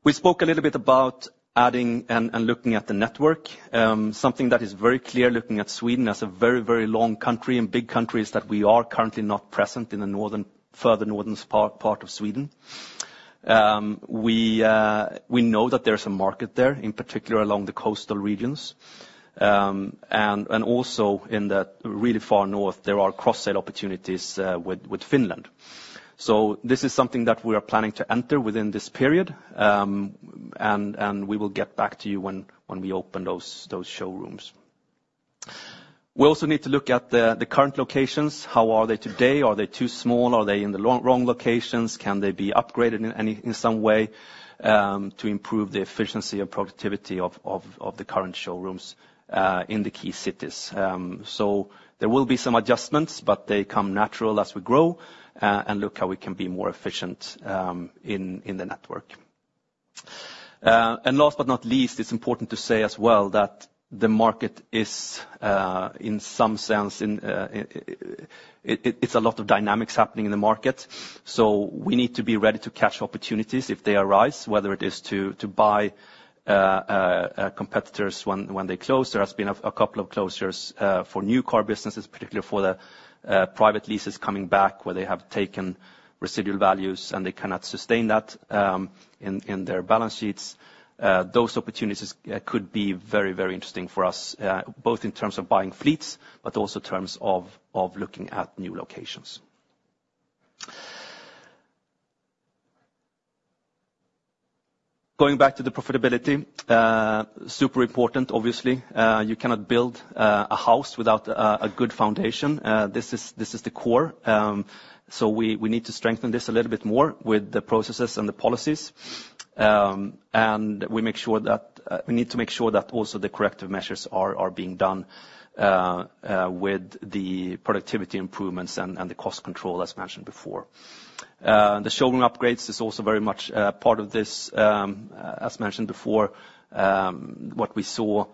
We spoke a little bit about adding and looking at the network. Something that is very clear, looking at Sweden, as a very long country and big country, that we are currently not present in the northern, further northern part of Sweden. We know that there's a market there, in particular along the coastal regions. And also in the really far north, there are cross-sale opportunities with Finland. So this is something that we are planning to enter within this period, and we will get back to you when we open those showrooms. We also need to look at the current locations. How are they today? Are they too small? Are they in the wrong locations? Can they be upgraded in any, in some way, to improve the efficiency and productivity of the current showrooms in the key cities? So there will be some adjustments, but they come natural as we grow, and look how we can be more efficient in the network. And last but not least, it's important to say as well that the market is, in some sense, it's a lot of dynamics happening in the market, so we need to be ready to catch opportunities if they arise, whether it is to buy competitors when they close. There has been a couple of closures for new car businesses, particularly for the private leases coming back, where they have taken residual values, and they cannot sustain that in their balance sheets. Those opportunities could be very, very interesting for us, both in terms of buying fleets, but also in terms of looking at new locations. Going back to the profitability, super important, obviously, you cannot build a house without a good foundation. This is the core. So we need to strengthen this a little bit more with the processes and the policies. And we make sure that we need to make sure that also the corrective measures are being done with the productivity improvements and the cost control, as mentioned before. The showroom upgrades is also very much part of this. As mentioned before, what we saw,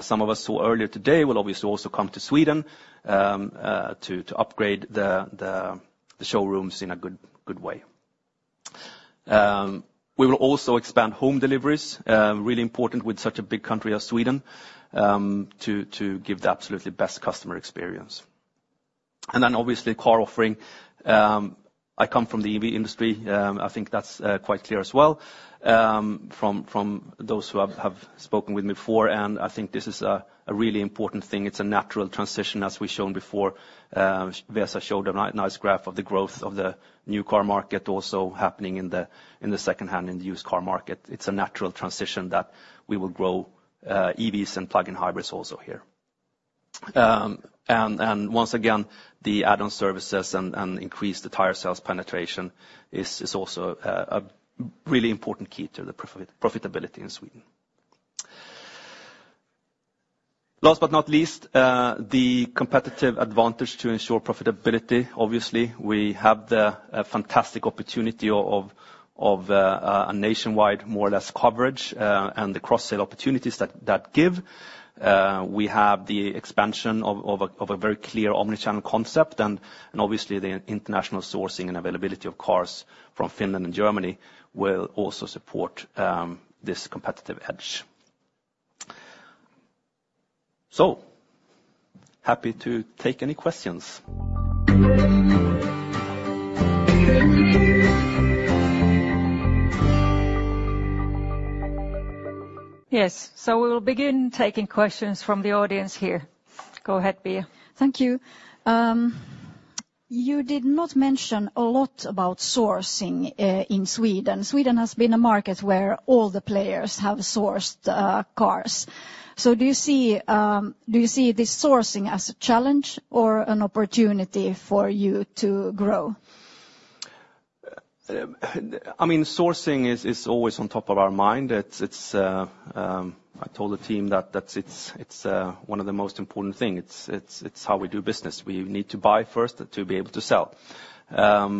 some of us saw earlier today, will obviously also come to Sweden, to upgrade the showrooms in a good way. We will also expand home deliveries, really important with such a big country as Sweden, to give the absolutely best customer experience. And then obviously, car offering. I come from the EV industry, I think that's quite clear as well, from those who have spoken with me before, and I think this is a really important thing. It's a natural transition, as we've shown before. Vesa showed a nice graph of the growth of the new car market, also happening in the second-hand, in the used car market. It's a natural transition that we will grow EVs and plug-in hybrids also here. And once again, the add-on services and increase the tire sales penetration is also a really important key to the profitability in Sweden. Last but not least, the competitive advantage to ensure profitability. Obviously, we have the fantastic opportunity of a nationwide more or less coverage and the cross-sale opportunities that that give. We have the expansion of a very clear omni-channel concept, and obviously, the international sourcing and availability of cars from Finland and Germany will also support this competitive edge. So, happy to take any questions. Yes, so we will begin taking questions from the audience here. Go ahead, Pia. Thank you. You did not mention a lot about sourcing in Sweden. Sweden has been a market where all the players have sourced cars. So do you see this sourcing as a challenge or an opportunity for you to grow? I mean, sourcing is always on top of our mind. It's I told the team that it's one of the most important thing. It's how we do business. We need to buy first to be able to sell. But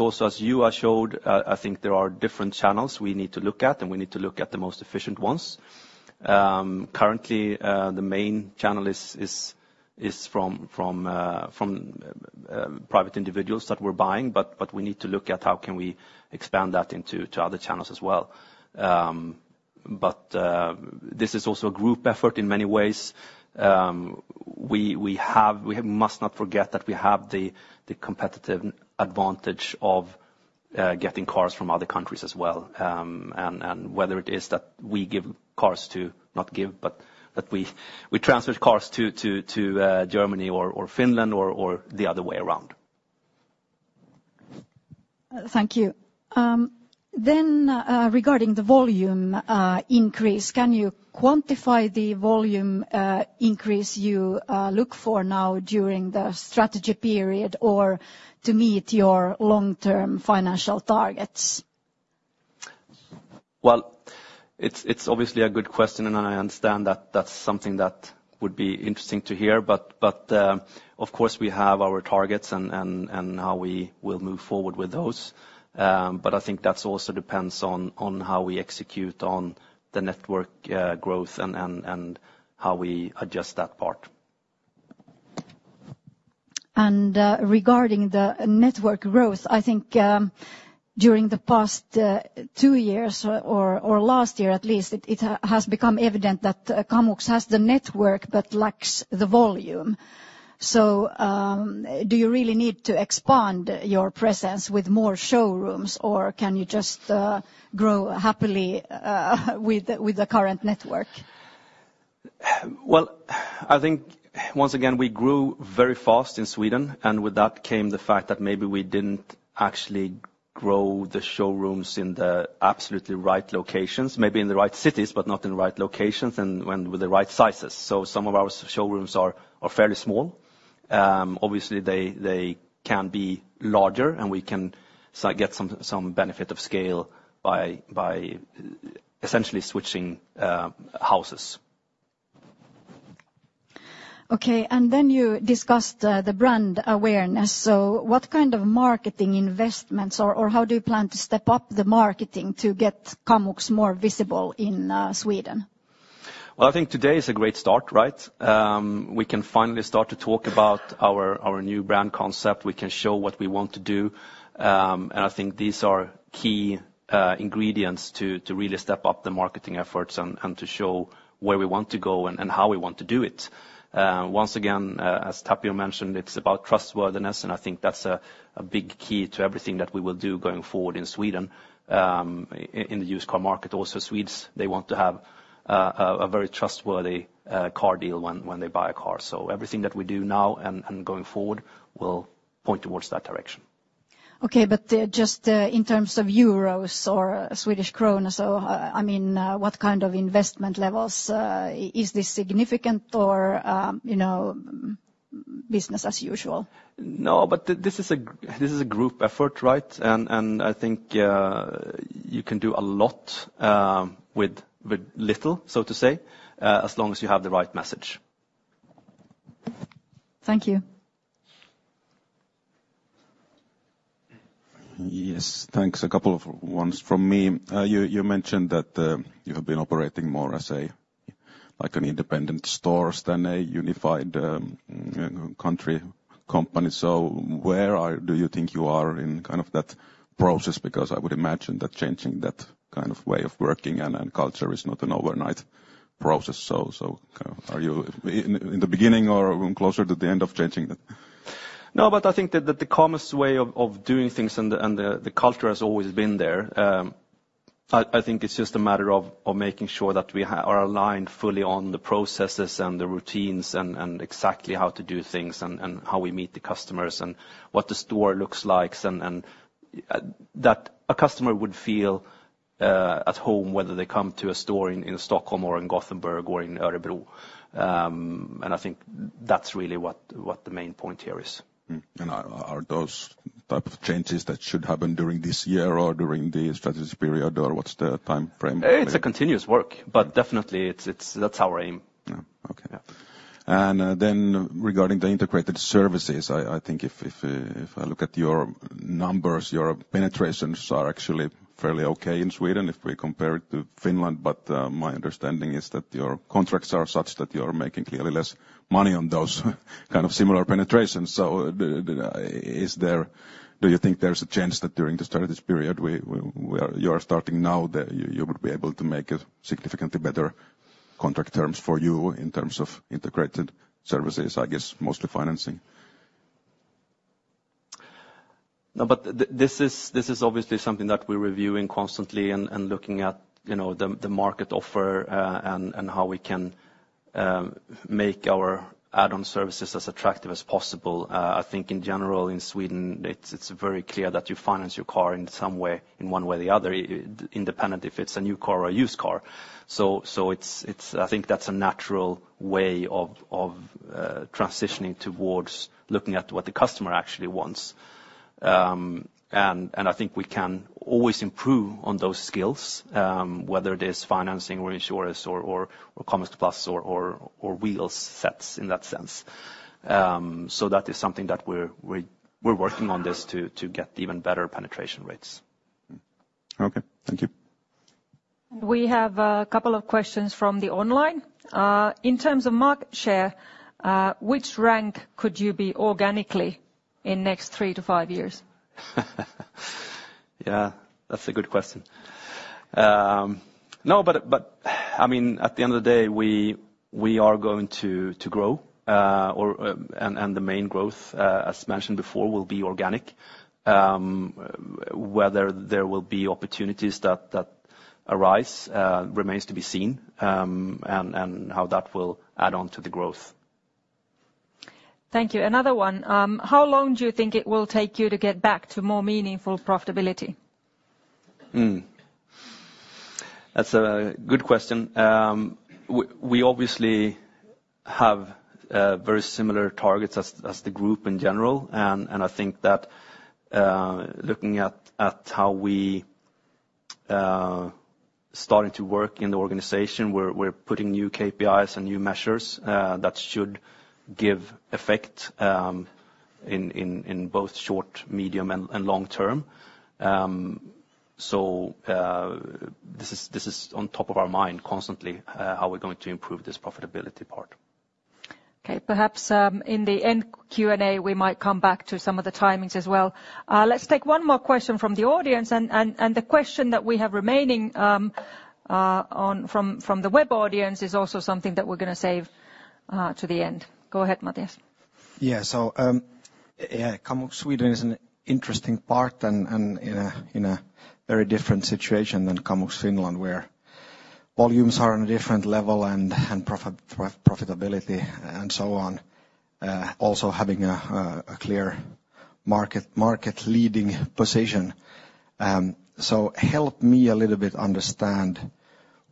also, as you have showed, I think there are different channels we need to look at, and we need to look at the most efficient ones. Currently, the main channel is from private individuals that we're buying, but we need to look at how can we expand that into other channels as well. This is also a group effort in many ways. We must not forget that we have the competitive advantage of getting cars from other countries as well. Whether it is that we give cars to, not give, but that we transfer cars to Germany or Finland or the other way around. Thank you. Then, regarding the volume increase, can you quantify the volume increase you look for now during the strategy period or to meet your long-term financial targets? Well, it's obviously a good question, and I understand that that's something that would be interesting to hear, but of course, we have our targets and how we will move forward with those. But I think that also depends on how we execute on the network growth and how we adjust that part. Regarding the network growth, I think during the past two years or last year at least, it has become evident that Kamux has the network but lacks the volume. Do you really need to expand your presence with more showrooms, or can you just grow happily with the current network? Well, I think, once again, we grew very fast in Sweden, and with that came the fact that maybe we didn't actually grow the showrooms in the absolutely right locations, maybe in the right cities, but not in the right locations and with the right sizes. So some of our showrooms are fairly small. Obviously, they can be larger, and we can get some benefit of scale by essentially switching houses. Okay, and then you discussed the brand awareness. So what kind of marketing investments, or how do you plan to step up the marketing to get Kamux more visible in Sweden? Well, I think today is a great start, right? We can finally start to talk about our, our new brand concept. We can show what we want to do, and I think these are key ingredients to, to really step up the marketing efforts and, and to show where we want to go and, and how we want to do it. Once again, as Tapio mentioned, it's about trustworthiness, and I think that's a, a big key to everything that we will do going forward in Sweden, in the used car market. Also, Swedes, they want to have a, a very trustworthy car deal when, when they buy a car. So everything that we do now and, and going forward will point towards that direction. Okay, but just in terms of euros or Swedish krona, so I mean, what kind of investment levels is this significant or, you know, business as usual? No, but this is a, this is a group effort, right? And, and I think, you can do a lot, with, with little, so to say, as long as you have the right message. Thank you. Yes, thanks. A couple of ones from me. You mentioned that you have been operating more as, like, independent stores than a unified, you know, country company. So where do you think you are in kind of that process? Because I would imagine that changing that kind of way of working and culture is not an overnight process. So are you in the beginning or closer to the end of changing that? No, but I think that the Kamux way of doing things and the culture has always been there. I think it's just a matter of making sure that we are aligned fully on the processes and the routines and exactly how to do things, and how we meet the customers, and what the store looks like, and that a customer would feel at home, whether they come to a store in Stockholm or in Gothenburg or in Örebro. And I think that's really what the main point here is. And are those type of changes that should happen during this year or during the strategy period, or what's the timeframe? It's a continuous work, but definitely, it's—that's our aim. Yeah. Okay. Yeah. Then regarding the integrated services, I think if I look at your numbers, your penetrations are actually fairly okay in Sweden, if we compare it to Finland. But my understanding is that your contracts are such that you are making clearly less money on those kind of similar penetrations. So, is there - do you think there's a chance that during the strategy period where you are starting now, that you would be able to make it significantly better contract terms for you in terms of integrated services? I guess, mostly financing. No, but this is, this is obviously something that we're reviewing constantly and looking at, you know, the market offer, and how we can make our add-on services as attractive as possible. I think in general, in Sweden, it's very clear that you finance your car in some way, in one way or the other, independent if it's a new car or a used car. So it's – I think that's a natural way of transitioning towards looking at what the customer actually wants. And I think we can always improve on those skills, whether it is financing or insurance or Kamux Plus or wheel sets in that sense. So that is something that we're working on to get even better penetration rates. Okay, thank you. We have a couple of questions from the online. In terms of market share, which rank could you be organically in next three-five years? Yeah, that's a good question. No, but, but, I mean, at the end of the day, we are going to grow. And the main growth, as mentioned before, will be organic. Whether there will be opportunities that arise remains to be seen, and how that will add on to the growth. Thank you. Another one: how long do you think it will take you to get back to more meaningful profitability? That's a good question. We obviously have very similar targets as the group in general, and I think that looking at how we starting to work in the organization, we're putting new KPIs and new measures that should give effect in both short, medium, and long term. So this is on top of our mind constantly how we're going to improve this profitability part. Okay. Perhaps, in the end Q&A, we might come back to some of the timings as well. Let's take one more question from the audience, and the question that we have remaining, from the web audience is also something that we're gonna save, to the end. Go ahead, Mattias. Yeah, so, yeah, Kamux Sweden is an interesting part and, and in a, in a very different situation than Kamux Finland, where volumes are on a different level and, and profit, profitability and so on, also having a, a clear market, market-leading position. So help me a little bit understand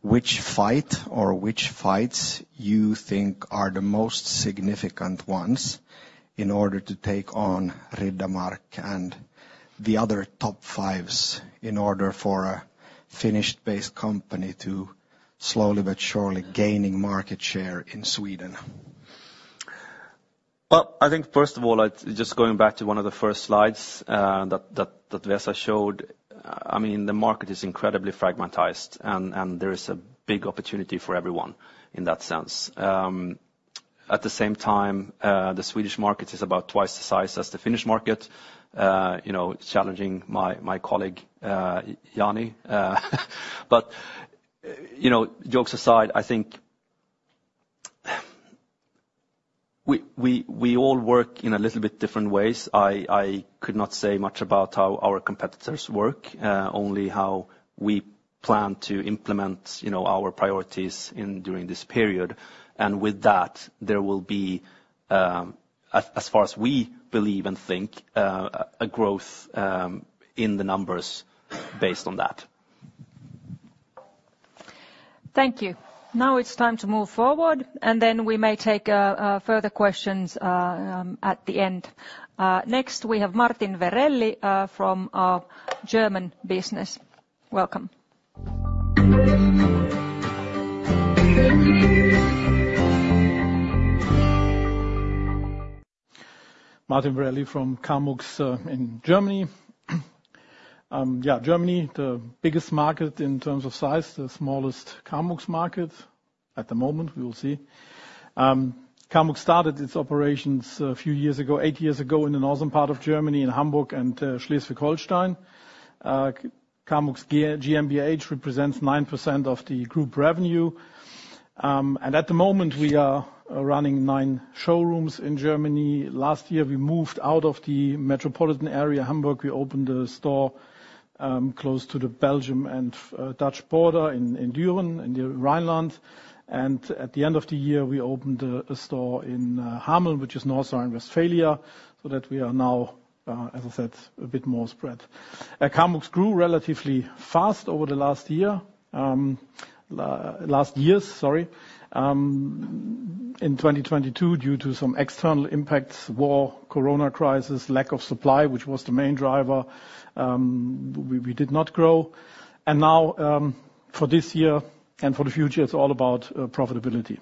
which fight or which fights you think are the most significant ones in order to take on Riddermark and the other top fives, in order for a Finnish-based company to slowly but surely gaining market share in Sweden. Well, I think first of all, just going back to one of the first slides, that Vesa showed, I mean, the market is incredibly fragmented, and there is a big opportunity for everyone in that sense. At the same time, the Swedish market is about twice the size as the Finnish market, you know, challenging my colleague, Jani. But, you know, jokes aside, I think, we all work in a little bit different ways. I could not say much about how our competitors work, only how we plan to implement, you know, our priorities in during this period, and with that, there will be, as far as we believe and think, a growth in the numbers based on that. Thank you. Now it's time to move forward, and then we may take further questions at the end. Next, we have Martin Verrelli from our German business. Welcome. Martin Verrelli from Kamux, in Germany. Yeah, Germany, the biggest market in terms of size, the smallest Kamux market at the moment, we will see. Kamux started its operations a few years ago, eight years ago, in the northern part of Germany, in Hamburg and Schleswig-Holstein. Kamux Germany GmbH represents 9% of the group revenue. And at the moment, we are running nine showrooms in Germany. Last year, we moved out of the metropolitan area, Hamburg. We opened a store close to the Belgian and Dutch border in Düren, in the Rhineland. And at the end of the year, we opened a store in Hameln, which is North Rhine-Westphalia, so that we are now, as I said, a bit more spread. Kamux grew relatively fast over the last year, last years, sorry. In 2022, due to some external impacts, war, corona crisis, lack of supply, which was the main driver, we did not grow. And now, for this year and for the future, it's all about profitability.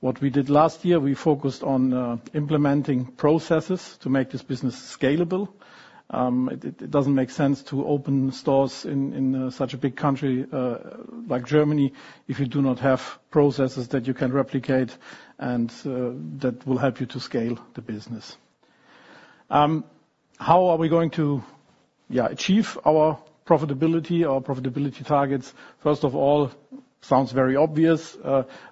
What we did last year, we focused on implementing processes to make this business scalable. It doesn't make sense to open stores in such a big country like Germany, if you do not have processes that you can replicate and that will help you to scale the business. How are we going to achieve our profitability, our profitability targets? First of all, sounds very obvious,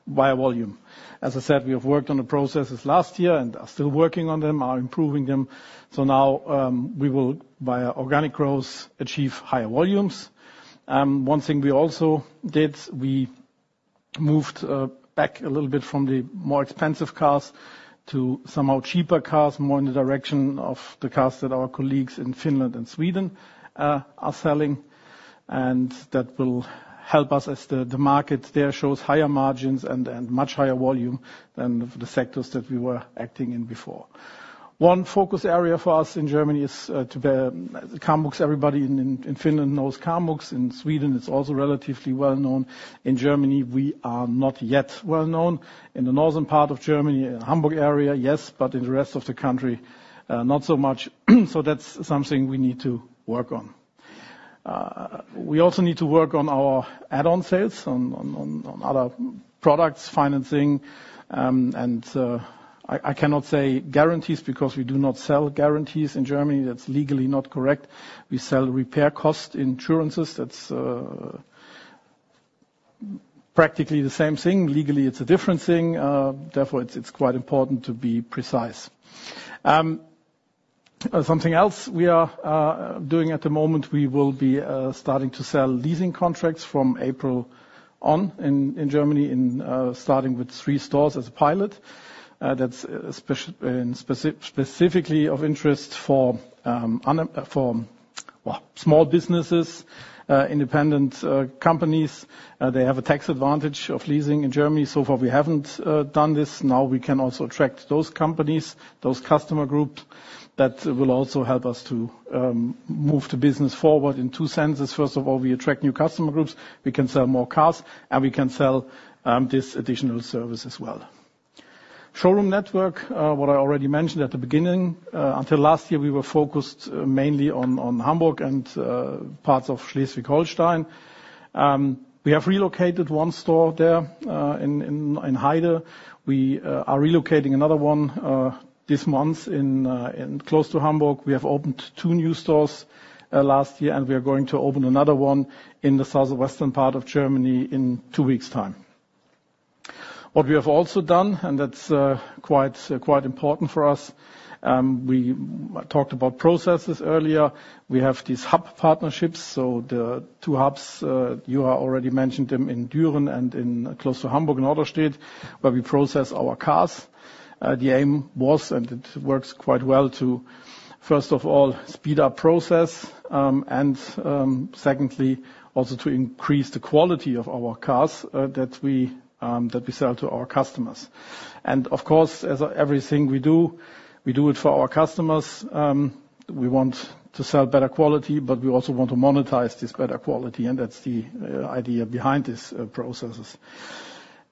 via volume. As I said, we have worked on the processes last year and are still working on them, are improving them. So now, we will, via organic growth, achieve higher volumes. One thing we also did, we moved back a little bit from the more expensive cars to somehow cheaper cars, more in the direction of the cars that our colleagues in Finland and Sweden are selling. And that will help us as the market there shows higher margins and much higher volume than the sectors that we were acting in before. One focus area for us in Germany is to Kamux. Everybody in Finland knows Kamux. In Sweden, it's also relatively well-known. In Germany, we are not yet well-known. In the northern part of Germany, in Hamburg area, yes, but in the rest of the country, not so much. So that's something we need to work on. We also need to work on our add-on sales on other products, financing, and I cannot say guarantees because we do not sell guarantees in Germany. That's legally not correct. We sell repair cost insurances. That's practically the same thing. Legally, it's a different thing. Therefore, it's quite important to be precise. Something else we are doing at the moment, we will be starting to sell leasing contracts from April on in Germany, starting with 3 stores as a pilot. That's specifically of interest for, well, small businesses, independent companies. They have a tax advantage of leasing in Germany. So far, we haven't done this. Now we can also attract those companies, those customer groups. That will also help us to move the business forward in two senses. First of all, we attract new customer groups, we can sell more cars, and we can sell this additional service as well. Showroom network, what I already mentioned at the beginning, until last year, we were focused mainly on Hamburg and parts of Schleswig-Holstein. We have relocated one store there in Heide. We are relocating another one this month in close to Hamburg. We have opened two new stores last year, and we are going to open another one in the southwestern part of Germany in two weeks time. What we have also done, and that's quite important for us, we talked about processes earlier. We have these hub partnerships, so the two hubs, you have already mentioned them in Düren and in, close to Hamburg, Norderstedt, where we process our cars. The aim was, and it works quite well to, first of all, speed up process, and, secondly, also to increase the quality of our cars, that we sell to our customers. Of course, as everything we do, we do it for our customers. We want to sell better quality, but we also want to monetize this better quality, and that's the idea behind these processes.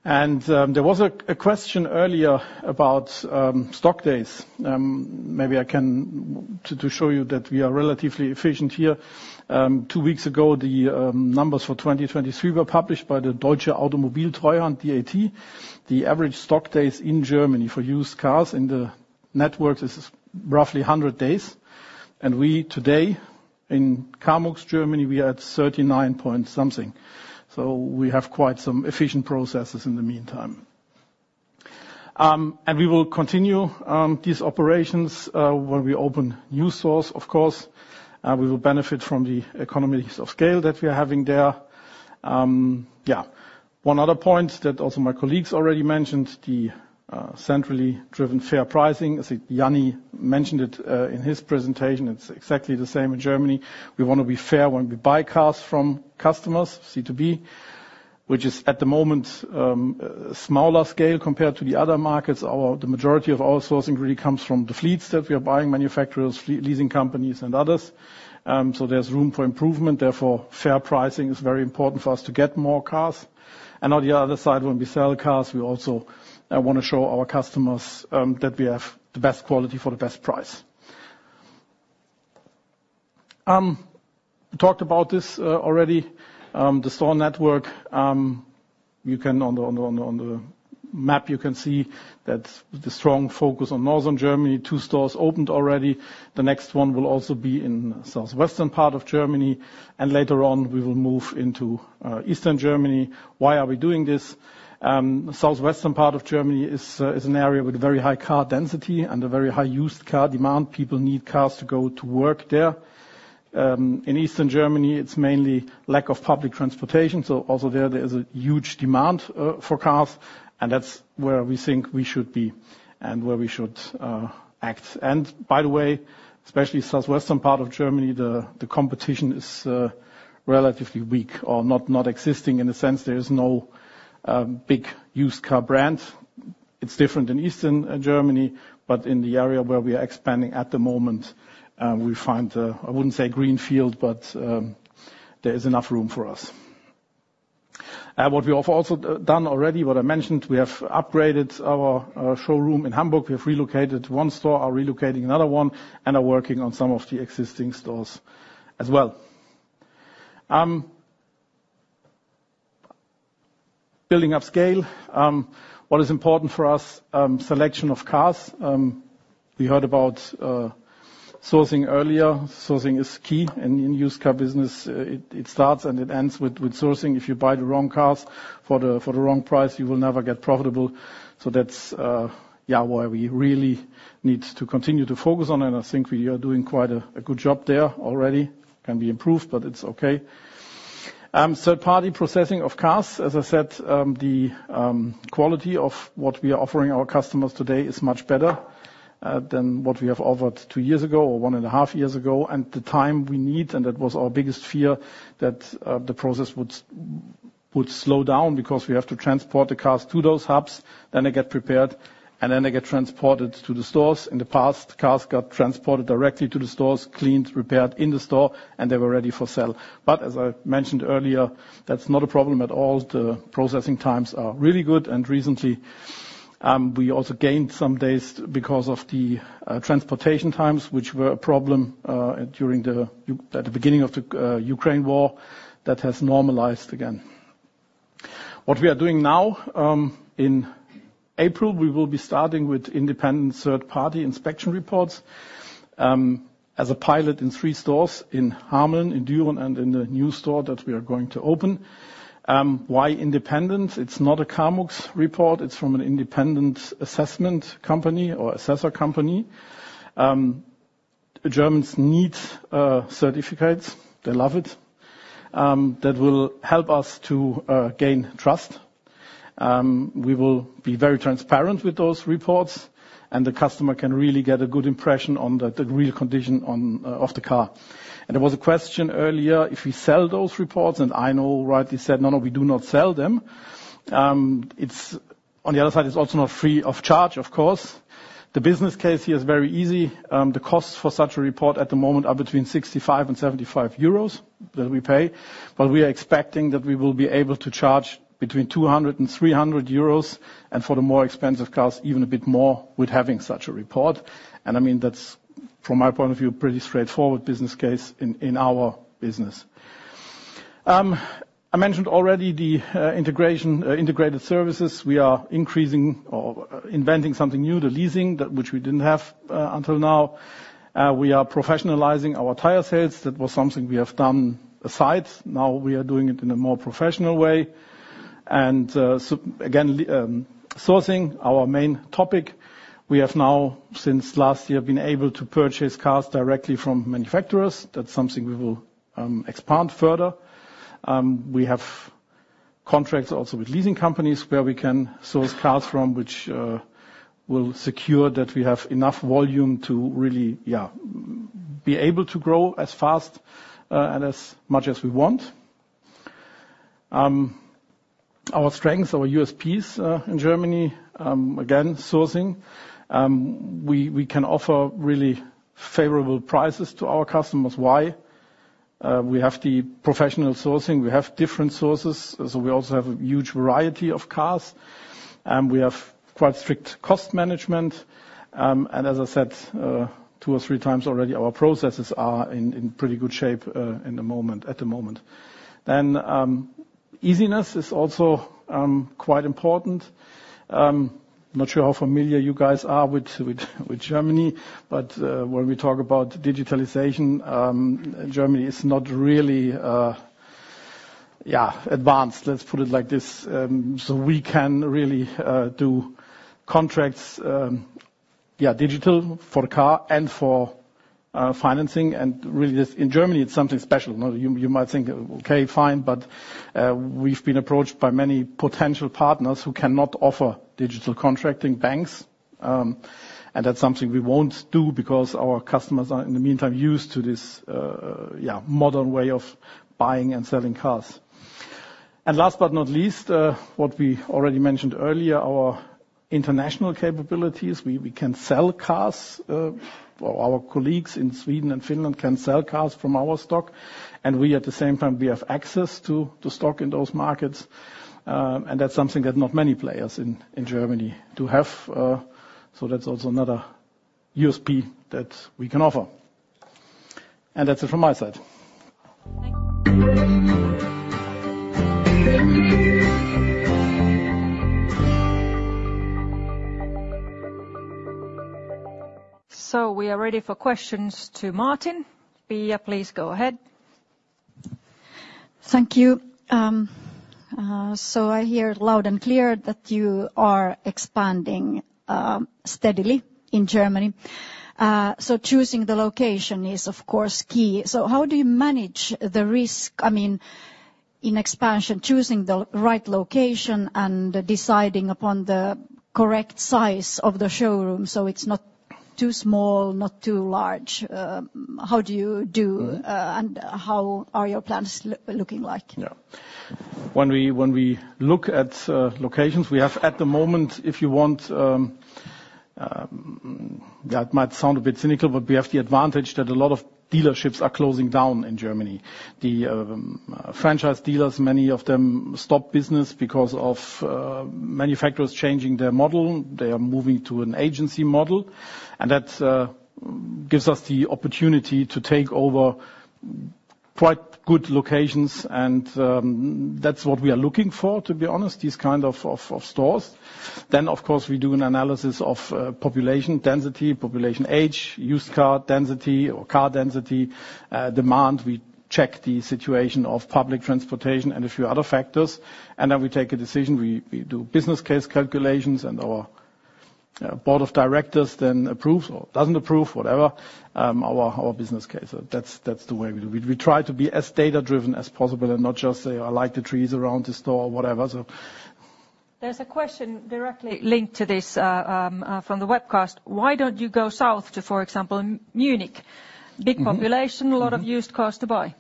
There was a question earlier about stock days. To show you that we are relatively efficient here, two weeks ago, the numbers for 2023 were published by the Deutsche Automobil Treuhand, DAT. The average stock days in Germany for used cars in the network is roughly 100 days, and we, today, in Kamux Germany, we are at 39-something. So we have quite some efficient processes in the meantime. And we will continue these operations when we open new stores, of course. We will benefit from the economies of scale that we are having there. Yeah, one other point that also my colleagues already mentioned, the centrally driven fair pricing. I think Jani mentioned it in his presentation. It's exactly the same in Germany. We want to be fair when we buy cars from customers, C2B, which is, at the moment, a smaller scale compared to the other markets. Our-- The majority of our sourcing really comes from the fleets that we are buying, manufacturers, leasing companies, and others. So there's room for improvement, therefore, fair pricing is very important for us to get more cars. And on the other side, when we sell cars, we also want to show our customers that we have the best quality for the best price. We talked about this already, the store network. You can see on the map that the strong focus on Northern Germany, two stores opened already. The next one will also be in southwestern part of Germany, and later on, we will move into Eastern Germany. Why are we doing this? Southwestern part of Germany is an area with very high car density and a very high used car demand. People need cars to go to work there. In Eastern Germany, it's mainly lack of public transportation, so also there, there is a huge demand for cars, and that's where we think we should be and where we should act. And by the way, especially southwestern part of Germany, the competition is relatively weak or not existing in a sense. There is no big used car brand. It's different in Eastern Germany, but in the area where we are expanding at the moment, we find I wouldn't say greenfield, but there is enough room for us. What we have also done already, what I mentioned, we have upgraded our showroom in Hamburg. We have relocated one store, are relocating another one, and are working on some of the existing stores as well. Building up scale, what is important for us, selection of cars. We heard about sourcing earlier. Sourcing is key, and in used car business, it starts and it ends with sourcing. If you buy the wrong cars for the wrong price, you will never get profitable. So that's yeah, why we really need to continue to focus on it, and I think we are doing quite a good job there already. Can be improved, but it's okay. Third-party processing of cars. As I said, the quality of what we are offering our customers today is much better than what we have offered two years ago or one and a half years ago. And the time we need, and that was our biggest fear, that the process would slow down because we have to transport the cars to those hubs, then they get prepared, and then they get transported to the stores. In the past, cars got transported directly to the stores, cleaned, repaired in the store, and they were ready for sale. But as I mentioned earlier, that's not a problem at all. The processing times are really good, and recently, we also gained some days because of the transportation times, which were a problem during the Ukraine war at the beginning. That has normalized again. What we are doing now, in April, we will be starting with independent third-party inspection reports, as a pilot in three stores, in Hameln, in Düren, and in the new store that we are going to open. Why independent? It's not a Kamux's report. It's from an independent assessment company or assessor company. Germans need, certificates. They love it. That will help us to, gain trust. We will be very transparent with those reports, and the customer can really get a good impression on the, the real condition on, of the car. And there was a question earlier, if we sell those reports, and Aino rightly said, "No, no, we do not sell them." It's, on the other side, it's also not free of charge, of course. The business case here is very easy. The costs for such a report at the moment are between 65-75 euros that we pay, but we are expecting that we will be able to charge between 200-300 euros, and for the more expensive cars, even a bit more with having such a report. I mean, that's, from my point of view, pretty straightforward business case in our business. I mentioned already the integration, integrated services. We are increasing or inventing something new, the leasing, that which we didn't have until now. We are professionalizing our tire sales. That was something we have done aside. Now we are doing it in a more professional way. Again, sourcing, our main topic. We have now, since last year, been able to purchase cars directly from manufacturers. That's something we will expand further. We have contracts also with leasing companies where we can source cars from, which will secure that we have enough volume to really, yeah, be able to grow as fast and as much as we want. Our strengths, our USPs in Germany, again, sourcing. We can offer really favorable prices to our customers. Why? We have the professional sourcing. We have different sources, so we also have a huge variety of cars, and we have quite strict cost management. And as I said, two or three times already, our processes are in pretty good shape, in the moment, at the moment. Then, easiness is also quite important. Not sure how familiar you guys are with Germany, but when we talk about digitalization, Germany is not really. Yeah, advanced, let's put it like this. So we can really do contracts, yeah, digital for the car and for, financing, and really this, in Germany, it's something special. Now, you, you might think, okay, fine, but, we've been approached by many potential partners who cannot offer digital contracting banks. And that's something we won't do because our customers are, in the meantime, used to this, yeah, modern way of buying and selling cars. And last but not least, what we already mentioned earlier, our international capabilities. We, we can sell cars, or our colleagues in Sweden and Finland can sell cars from our stock, and we, at the same time, we have access to, to stock in those markets. That's something that not many players in Germany do have, so that's also another USP that we can offer. That's it from my side. Thank you. We are ready for questions to Martin. Pia, please go ahead. Thank you. So I hear loud and clear that you are expanding steadily in Germany. So choosing the location is, of course, key. So how do you manage the risk? I mean, in expansion, choosing the right location and deciding upon the correct size of the showroom so it's not too small, not too large, how do you do, how are your plans looking like? Yeah. When we look at locations, we have at the moment, if you want, that might sound a bit cynical, but we have the advantage that a lot of dealerships are closing down in Germany. The franchise dealers, many of them stop business because of manufacturers changing their model. They are moving to an agency model, and that gives us the opportunity to take over quite good locations, and that's what we are looking for, to be honest, these kind of stores. Then, of course, we do an analysis of population density, population age, used car density or car density, demand. We check the situation of public transportation and a few other factors, and then we take a decision. We do business case calculations, and our board of directors then approves or doesn't approve, whatever, our business case. So that's the way we do. We try to be as data-driven as possible and not just say, "I like the trees around the store," or whatever, so. There's a question directly linked to this, from the webcast: "Why don't you go south to, for example, Munich? Mm-hmm. Big population a lot of used cars to buy.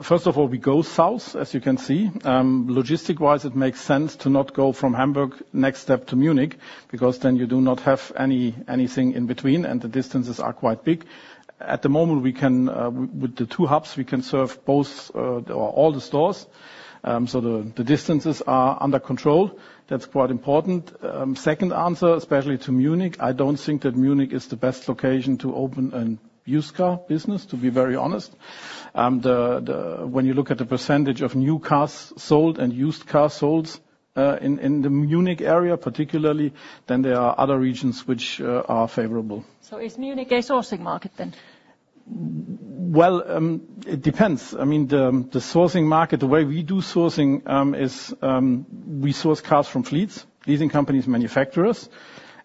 First of all, we go south, as you can see. Logistic-wise, it makes sense to not go from Hamburg, next step to Munich, because then you do not have anything in between, and the distances are quite big. At the moment, we can with the two hubs, we can serve both or all the stores, so the distances are under control. That's quite important. Second answer, especially to Munich, I don't think that Munich is the best location to open a used car business, to be very honest. When you look at the percentage of new cars sold and used cars sold in the Munich area, particularly, then there are other regions which are favorable. Is Munich a sourcing market, then? Well, it depends. I mean, the sourcing market, the way we do sourcing, is we source cars from fleets, leasing companies, manufacturers,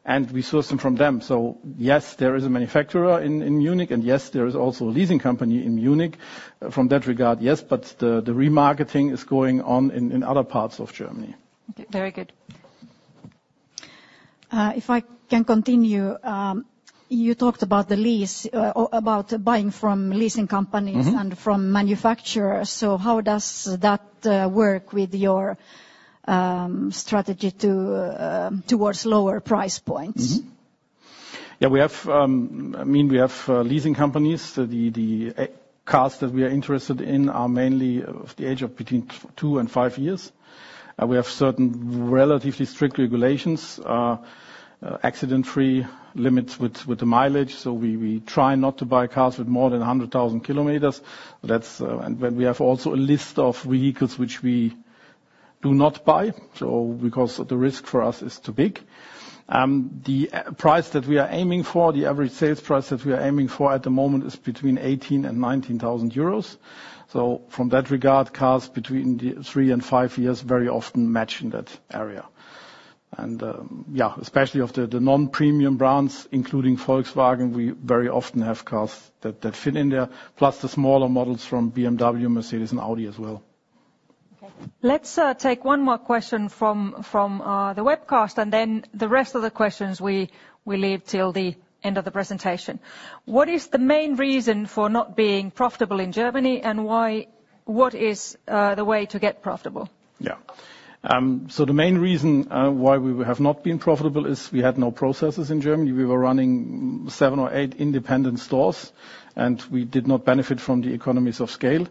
and we source them from them. So, yes, there is a manufacturer in Munich, and, yes, there is also a leasing company in Munich. From that regard, yes, but the remarketing is going on in other parts of Germany. Very good. If I can continue, you talked about the lease or about buying from leasing companies and from manufacturers. So how does that work with your strategy to towards lower price points? Yeah, I mean, we have leasing companies. The cars that we are interested in are mainly of the age of between two and five years. We have certain relatively strict regulations, accident-free limits with the mileage, so we try not to buy cars with more than 100,000 kilometers. That's, and then we have also a list of vehicles which we do not buy, so because the risk for us is too big. The price that we are aiming for, the average sales price that we are aiming for at the moment is between 18,000 EUR and 19,000 euros. So from that regard, cars between the three and five years very often match in that area. Yeah, especially of the non-premium brands, including Volkswagen, we very often have cars that fit in there, plus the smaller models from BMW, Mercedes, and Audi as well. Okay. Let's take one more question from the webcast, and then the rest of the questions we leave till the end of the presentation. "What is the main reason for not being profitable in Germany, and why-- What is the way to get profitable? Yeah. So the main reason why we have not been profitable is we had no processes in Germany. We were running seven or eight independent stores, and we did not benefit from the economies of scale.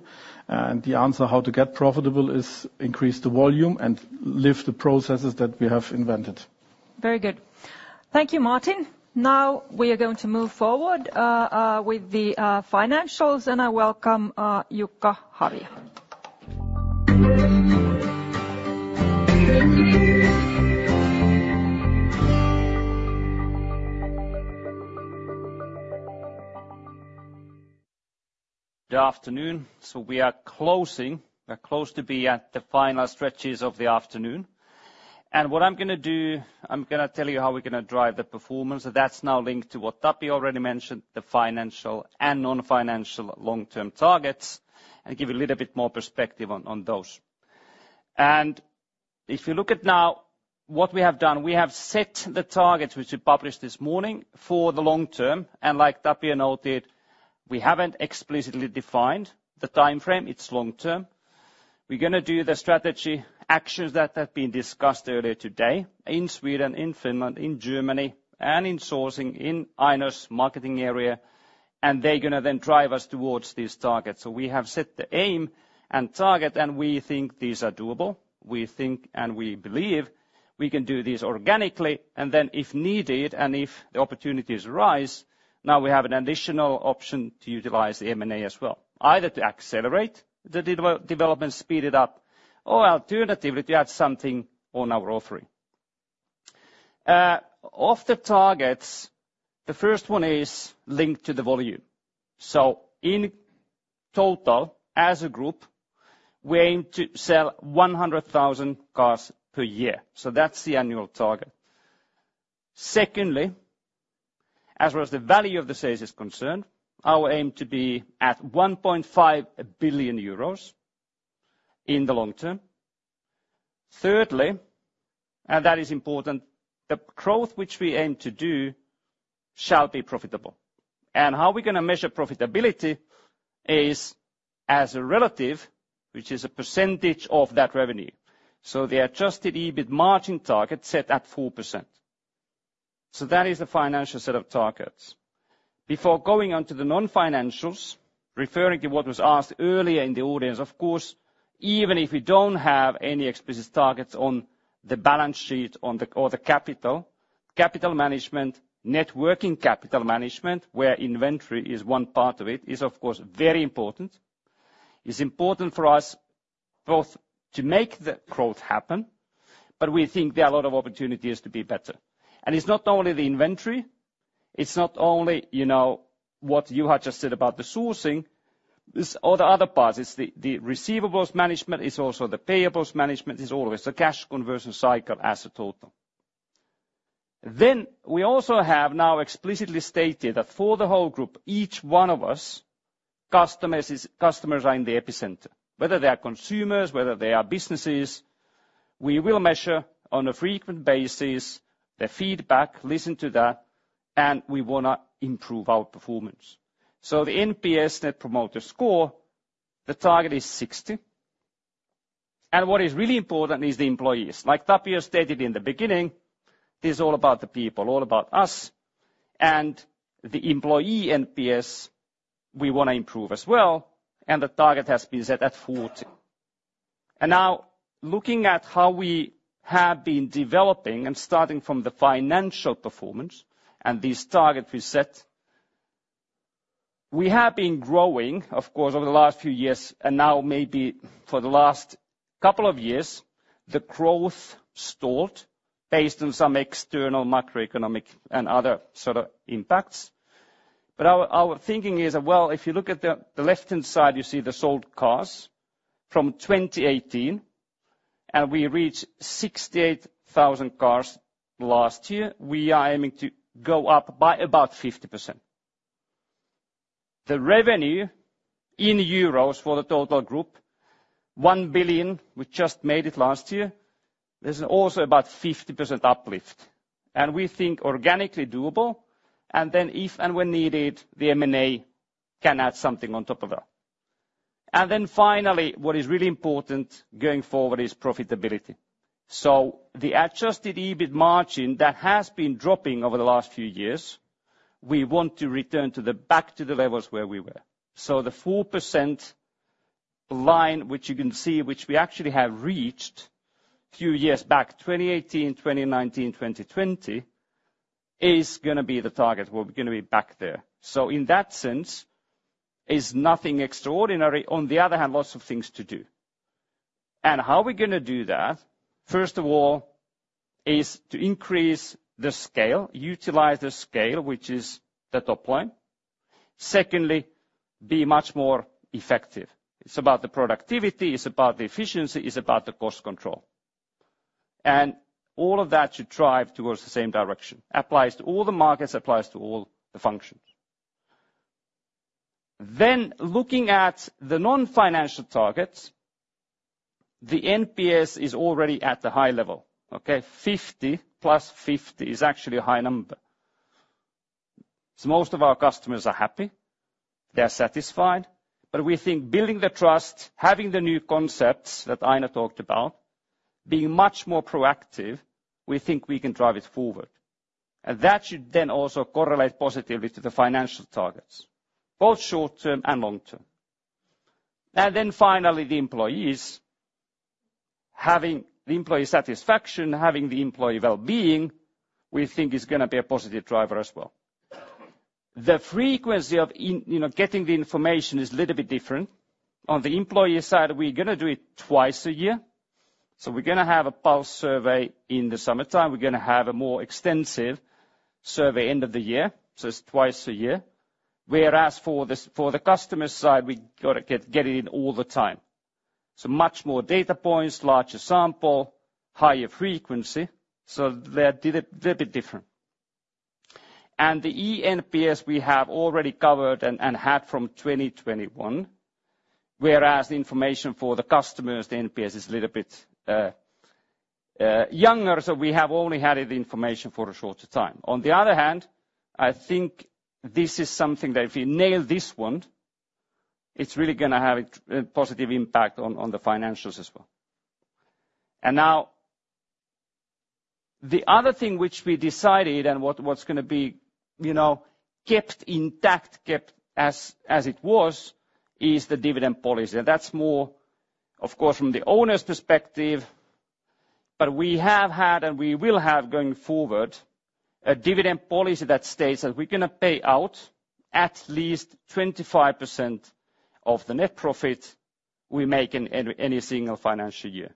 The answer how to get profitable is increase the volume and live the processes that we have invented. Very good. Thank you, Martin. Now we are going to move forward with the financials, and I welcome Jukka Havia. Good afternoon. We are closing, we are close to be at the final stretches of the afternoon. What I'm gonna do, I'm gonna tell you how we're gonna drive the performance. That's now linked to what Tapio already mentioned, the financial and non-financial long-term targets, and give a little bit more perspective on, on those. If you look at now what we have done, we have set the targets, which we published this morning, for the long term, and like Tapio noted, we haven't explicitly defined the time frame, it's long term. We're gonna do the strategy actions that have been discussed earlier today in Sweden, in Finland, in Germany, and in sourcing, in Aino's marketing area, and they're gonna then drive us towards these targets. We have set the aim and target, and we think these are doable. We think and we believe we can do this organically, and then if needed, and if the opportunities arise, now we have an additional option to utilize the M&A as well, either to accelerate the development, speed it up, or alternatively, to add something on our offering. Of the targets, the first one is linked to the volume. So in total, as a group, we aim to sell 100,000 cars per year. So that's the annual target. Secondly, as well as the value of the sales is concerned, our aim to be at 1.5 billion euros in the long term. Thirdly, and that is important, the growth which we aim to do shall be profitable. And how we're gonna measure profitability is as a relative, which is a percentage of that revenue, so the Adjusted EBIT margin target set at 4%. So that is the financial set of targets. Before going on to the non-financials, referring to what was asked earlier in the audience, of course, even if we don't have any explicit targets on the balance sheet, on the, or the capital, capital management, net working capital management, where inventory is one part of it, is, of course, very important. It's important for us both to make the growth happen, but we think there are a lot of opportunities to be better. And it's not only the inventory, it's not only, you know, what you had just said about the sourcing, it's all the other parts. It's the, the receivables management, it's also the payables management, it's always the cash conversion cycle as a total. Then we also have now explicitly stated that for the whole group, each one of us, customers is- customers are in the epicenter. Whether they are consumers, whether they are businesses, we will measure on a frequent basis, the feedback, listen to that, and we wanna improve our performance. So the NPS, Net Promoter Score, the target is 60. And what is really important is the employees. Like Tapio stated in the beginning, this is all about the people, all about us, and the employee NPS, we wanna improve as well, and the target has been set at 40. And now, looking at how we have been developing and starting from the financial performance and this target we set, we have been growing, of course, over the last few years, and now maybe for the last couple of years, the growth stalled based on some external macroeconomic and other sort of impacts. But our thinking is, well, if you look at the left-hand side, you see the sold cars from 2018, and we reached 68,000 cars last year. We are aiming to go up by about 50%. The revenue in euros for the total group, 1 billion, we just made it last year. There's also about 50% uplift, and we think organically doable, and then if and when needed, the M&A can add something on top of that. And then finally, what is really important going forward is profitability. So the adjusted EBIT margin that has been dropping over the last few years, we want to return to the back to the levels where we were. So the 4% line, which you can see, which we actually have reached a few years back, 2018, 2019, 2020, is gonna be the target. We're gonna be back there. So in that sense, is nothing extraordinary. On the other hand, lots of things to do. And how we're gonna do that, first of all, is to increase the scale, utilize the scale, which is the top line. Secondly, be much more effective. It's about the productivity, it's about the efficiency, it's about the cost control. And all of that should drive towards the same direction, applies to all the markets, applies to all the functions. Then looking at the non-financial targets, the NPS is already at the high level, okay? 50 + 50 is actually a high number. So most of our customers are happy, they are satisfied, but we think building the trust, having the new concepts that Aino talked about, being much more proactive, we think we can drive it forward. That should then also correlate positively to the financial targets, both short term and long term. Then finally, the employees. Having the employee satisfaction, having the employee well-being, we think is gonna be a positive driver as well. The frequency of in, you know, getting the information is a little bit different. On the employee side, we're gonna do it twice a year. So we're gonna have a pulse survey in the summertime. We're gonna have a more extensive survey end of the year, so it's twice a year. Whereas for this, for the customer side, we gotta get, get it in all the time. So much more data points, larger sample, higher frequency, so they're a little bit different. And the eNPS, we have already covered and had from 2021, whereas the information for the customers, the NPS, is a little bit younger, so we have only had the information for a shorter time. On the other hand, I think this is something that if we nail this one, it's really gonna have a positive impact on the financials as well. And now, the other thing which we decided what's gonna be, you know, kept intact, kept as it was, is the dividend policy. That's more, of course, from the owner's perspective. But we have had, and we will have going forward, a dividend policy that states that we're gonna pay out at least 25% of the net profit we make in any single financial year.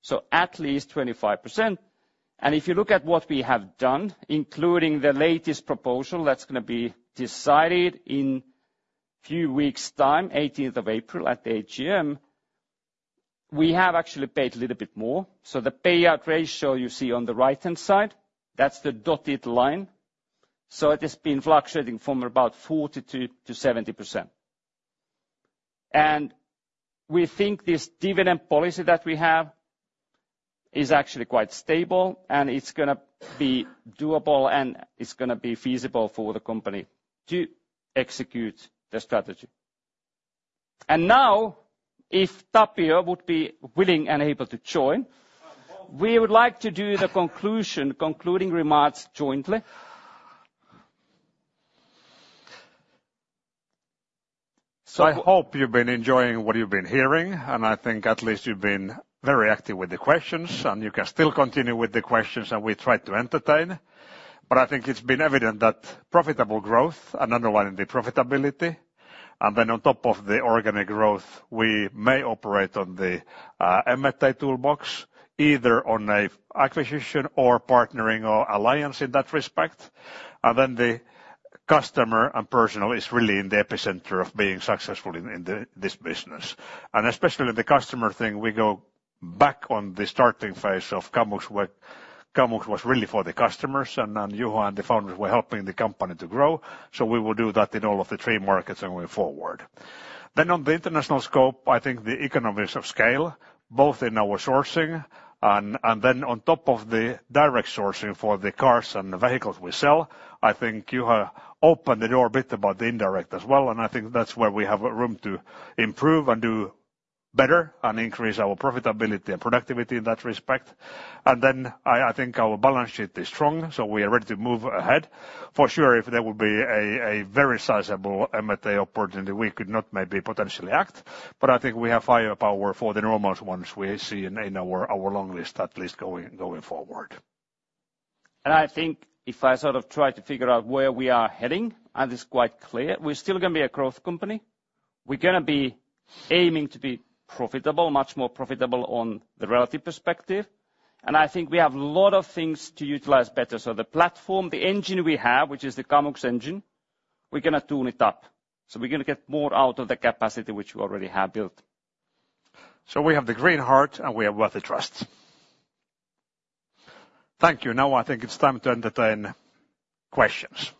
So at least 25%, and if you look at what we have done, including the latest proposal that's gonna be decided in a few weeks' time, 18th of April, at the AGM, we have actually paid a little bit more. So the payout ratio you see on the right-hand side, that's the dotted line, so it has been fluctuating from about 40 to 70%. And we think this dividend policy that we have is actually quite stable, and it's gonna be doable, and it's gonna be feasible for the company to execute the strategy. And now, if Tapio would be willing and able to join, we would like to do the conclusion, concluding remarks jointly. So I hope you've been enjoying what you've been hearing, and I think at least you've been very active with the questions, and you can still continue with the questions, and we try to entertain. But I think it's been evident that profitable growth and underlying the profitability, and then on top of the organic growth, we may operate on the M&A toolbox, either on a acquisition or partnering or alliance in that respect. And then the customer and personal is really in the epicenter of being successful in this business. And especially the customer thing, we go back on the starting phase of Kamux, where Kamux was really for the customers, and then Juha and the founders were helping the company to grow. So we will do that in all of the three markets going forward. Then on the international scope, I think the economies of scale, both in our sourcing and then on top of the direct sourcing for the cars and the vehicles we sell, I think you have opened the door a bit about the indirect as well, and I think that's where we have room to improve and do better and increase our profitability and productivity in that respect. And then I think our balance sheet is strong, so we are ready to move ahead. For sure, if there will be a very sizable M&A opportunity, we could not maybe potentially act, but I think we have firepower for the normal ones we see in our long list, at least going forward. I think if I sort of try to figure out where we are heading, and it's quite clear, we're still gonna be a growth company. We're gonna be aiming to be profitable, much more profitable on the relative perspective. I think we have a lot of things to utilize better. The platform, the engine we have, which is the Kamux engine, we're gonna tune it up, so we're gonna get more out of the capacity which we already have built. So we have the green heart, and we are worth the trust. Thank you. Now, I think it's time to entertain questions.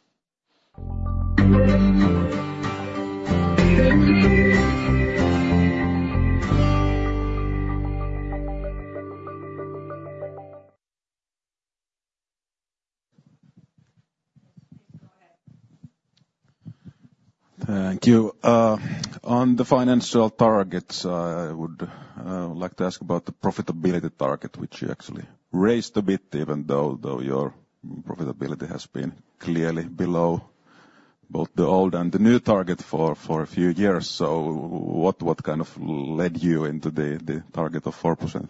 Thank you. On the financial targets, I would like to ask about the profitability target, which you actually raised a bit, even though your profitability has been clearly below both the old and the new target for a few years. So what kind of led you into the target of 4%?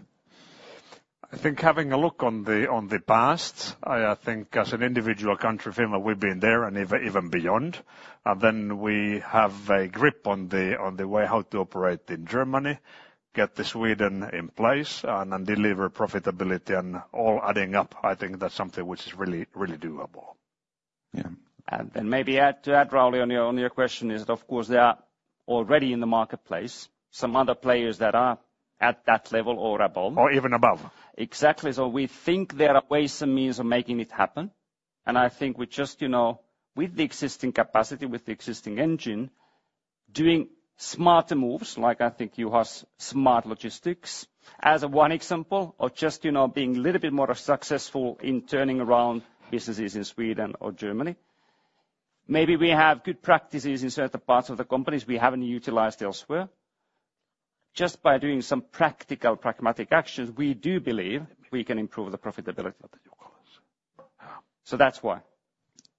I think having a look on the past, I think as an individual country, Finland, we've been there and even beyond. And then we have a grip on the way how to operate in Germany, get the Sweden in place and deliver profitability and all adding up, I think that's something which is really, really doable. Yeah. Then, to add, Rauli, on your question: of course, they are already in the marketplace, some other players that are at that level or above. Or even above. Exactly. So we think there are ways and means of making it happen. And I think we just, you know, with the existing capacity, with the existing engine, doing smarter moves, like, I think Juha's smart logistics, as one example, or just, you know, being a little bit more successful in turning around businesses in Sweden or Germany. Maybe we have good practices in certain parts of the companies we haven't utilized elsewhere. Just by doing some practical, pragmatic actions, we do believe we can improve the profitability. Yeah. That's why.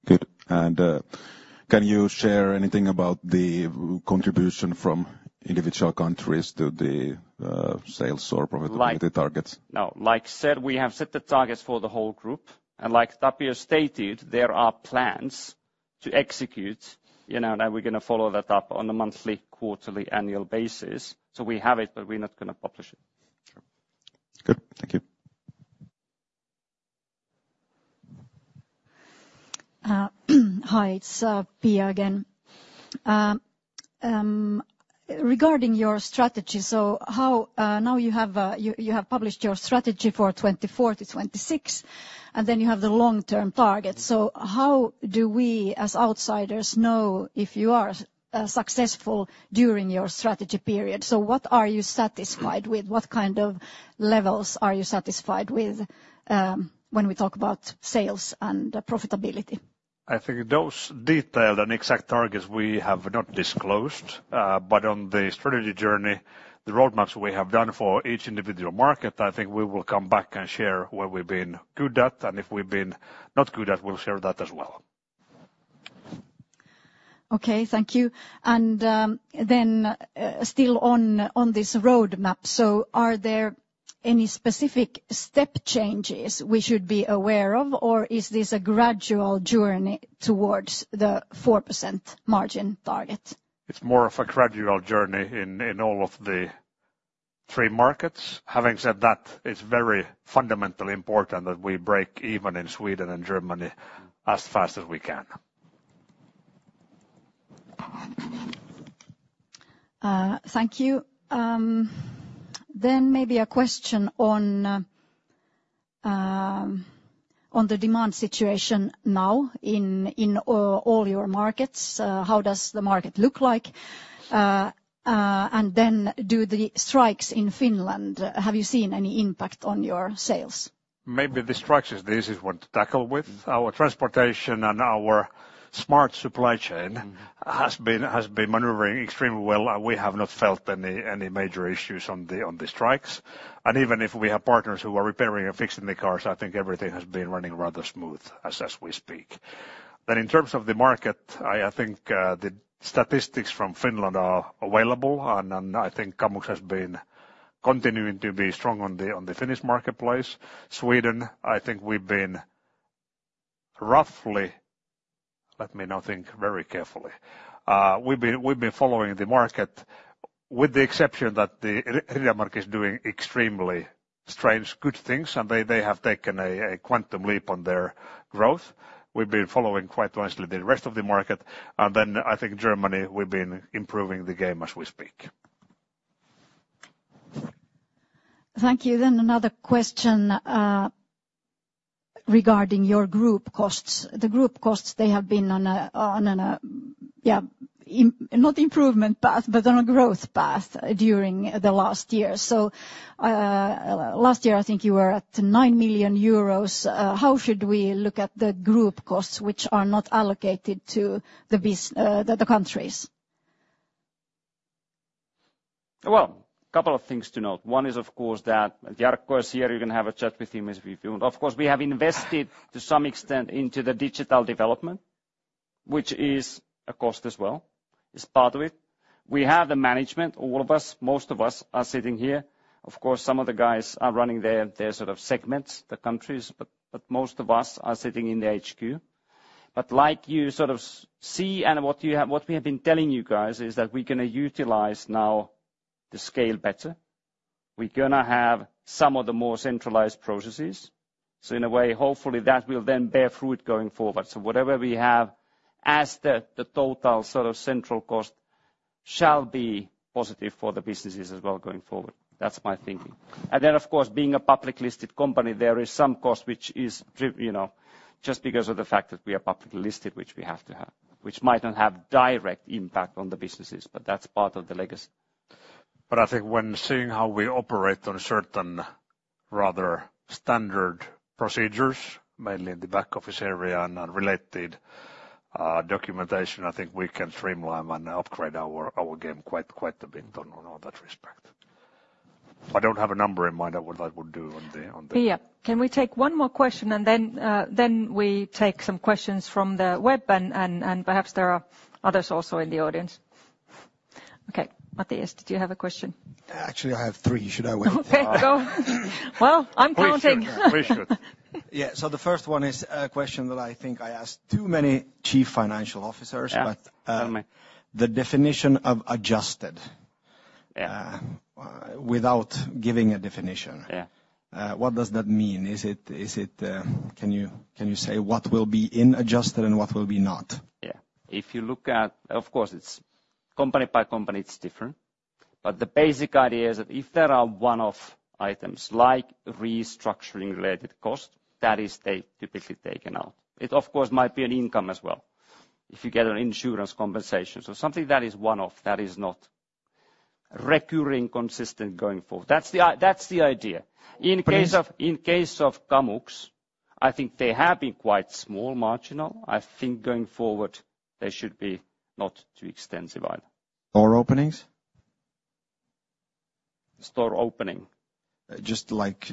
Good. And, can you share anything about the contribution from individual countries to the sales or. Like. Profitability targets? No. Like said, we have set the targets for the whole group, and like Tapio stated, there are plans to execute, you know, and we're gonna follow that up on a monthly, quarterly, annual basis. So we have it, but we're not gonna publish it. Good. Thank you. Hi, it's Pia again. Regarding your strategy, so how. Now you have, you have published your strategy for 2024-2026, and then you have the long-term target. So how do we, as outsiders, know if you are successful during your strategy period? So what are you satisfied with? What kind of levels are you satisfied with, when we talk about sales and profitability? I think those detailed and exact targets we have not disclosed. But on the strategy journey, the roadmaps we have done for each individual market, I think we will come back and share where we've been good at, and if we've been not good at, we'll share that as well. Okay. Thank you. And then still on this roadmap, so are there any specific step changes we should be aware of, or is this a gradual journey towards the 4% margin target? It's more of a gradual journey in all of the three markets. Having said that, it's very fundamentally important that we break even in Sweden and Germany as fast as we can. Thank you. Maybe a question on the demand situation now in all your markets. And then, do the strikes in Finland, have you seen any impact on your sales? Maybe the strikes is the easiest one to tackle with. Our transportation and our smart supply chain has been maneuvering extremely well. We have not felt any major issues on the strikes. And even if we have partners who are repairing and fixing the cars, I think everything has been running rather smooth as we speak. But in terms of the market, I think the statistics from Finland are available, and then I think Kamux has been continuing to be strong on the Finnish marketplace. Sweden, I think we've been roughly. Let me now think very carefully. We've been following the market, with the exception that the Riddermark is doing extremely strange, good things, and they have taken a quantum leap on their growth. We've been following quite nicely the rest of the market. And then I think Germany, we've been improving the game as we speak. Thank you. Another question regarding your group costs. The group costs, they have been not on an improvement path, but on a growth path during the last year. Last year, I think you were at 9 million euros. How should we look at the group costs, which are not allocated to the countries? Well, couple of things to note. One is, of course, that Jarkko is here. You can have a chat with him if you want. Of course, we have invested, to some extent, into the digital development, which is a cost as well. It's part of it. We have the management, all of us, most of us are sitting here. Of course, some of the guys are running their sort of segments, the countries, but most of us are sitting in the HQ. But like you sort of see, and what we have been telling you guys, is that we're gonna utilize now the scale better. We're gonna have some of the more centralized processes. So in a way, hopefully, that will then bear fruit going forward. So whatever we have as the total sort of central cost shall be positive for the businesses as well going forward. That's my thinking. And then, of course, being a publicly listed company, there is some cost which is driven, you know, just because of the fact that we are publicly listed, which we have to have, which might not have direct impact on the businesses, but that's part of the legacy. But I think when seeing how we operate on certain rather standard procedures, mainly in the back office area and related documentation, I think we can streamline and upgrade our game quite a bit on all that respect. I don't have a number in mind of what I would do on the, on the. Pia, can we take one more question, and then, then we take some questions from the web, and perhaps there are others also in the audience? Okay, Mattias, did you have a question? Actually, I have three. Should I wait? Okay, go. Well, I'm counting. Please should. Yeah. So the first one is a question that I think I ask too many chief financial officers. Yeah, tell me. But, the definition of adjusted. Yeah. Without giving a definition Yeah. What does that mean? Is it? Can you say what will be in adjusted and what will be not? Yeah. If you look at. Of course, it's company by company, it's different. But the basic idea is that if there are one-off items, like restructuring-related cost, that is they typically taken out. It, of course, might be an income as well, if you get an insurance compensation. So something that is one-off, that is not recurring, consistent going forward. That's the idea. In case of, in case of Kamux, I think they have been quite small margins. I think going forward, they should be not too extensive either. Store openings? Store opening? Just like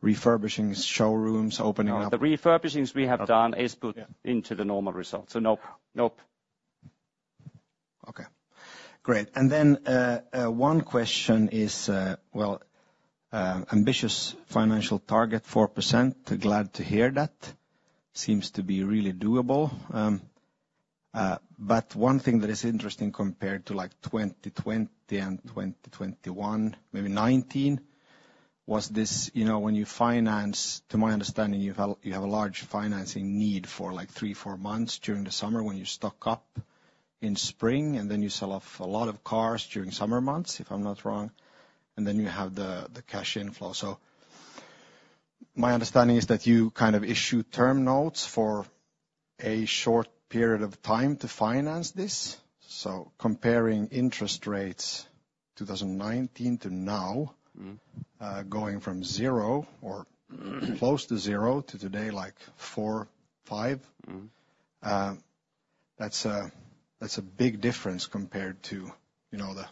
refurbishing showrooms, opening up- The refurbishments we have done is put into the normal results, so nope, nope. Great! And then one question is, well, ambitious financial target 4%, glad to hear that. Seems to be really doable. But one thing that is interesting compared to, like, 2020 and 2021, maybe 2019, was this, you know, when you finance, to my understanding, you have a large financing need for, like, 3-4 months during the summer when you stock up in spring, and then you sell off a lot of cars during summer months, if I'm not wrong, and then you have the cash inflow. So my understanding is that you kind of issue term notes for a short period of time to finance this. So comparing interest rates, 2019 to now going from zero or close to zero to today, like 4, 5. That's a big difference compared to, you know, the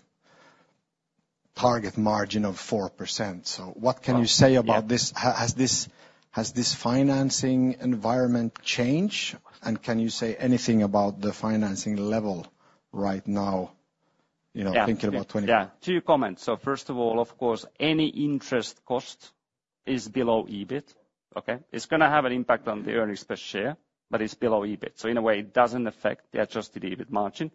target margin of 4%. So what can you say. Well, yeah. About this? Has this financing environment changed, and can you say anything about the financing level right now? You know. Yeah. Thinking about 20. Yeah, two comments. So first of all, of course, any interest cost is below EBIT, okay? It's gonna have an impact on the earnings per share, but it's below EBIT, so in a way, it doesn't affect the adjusted EBIT margin,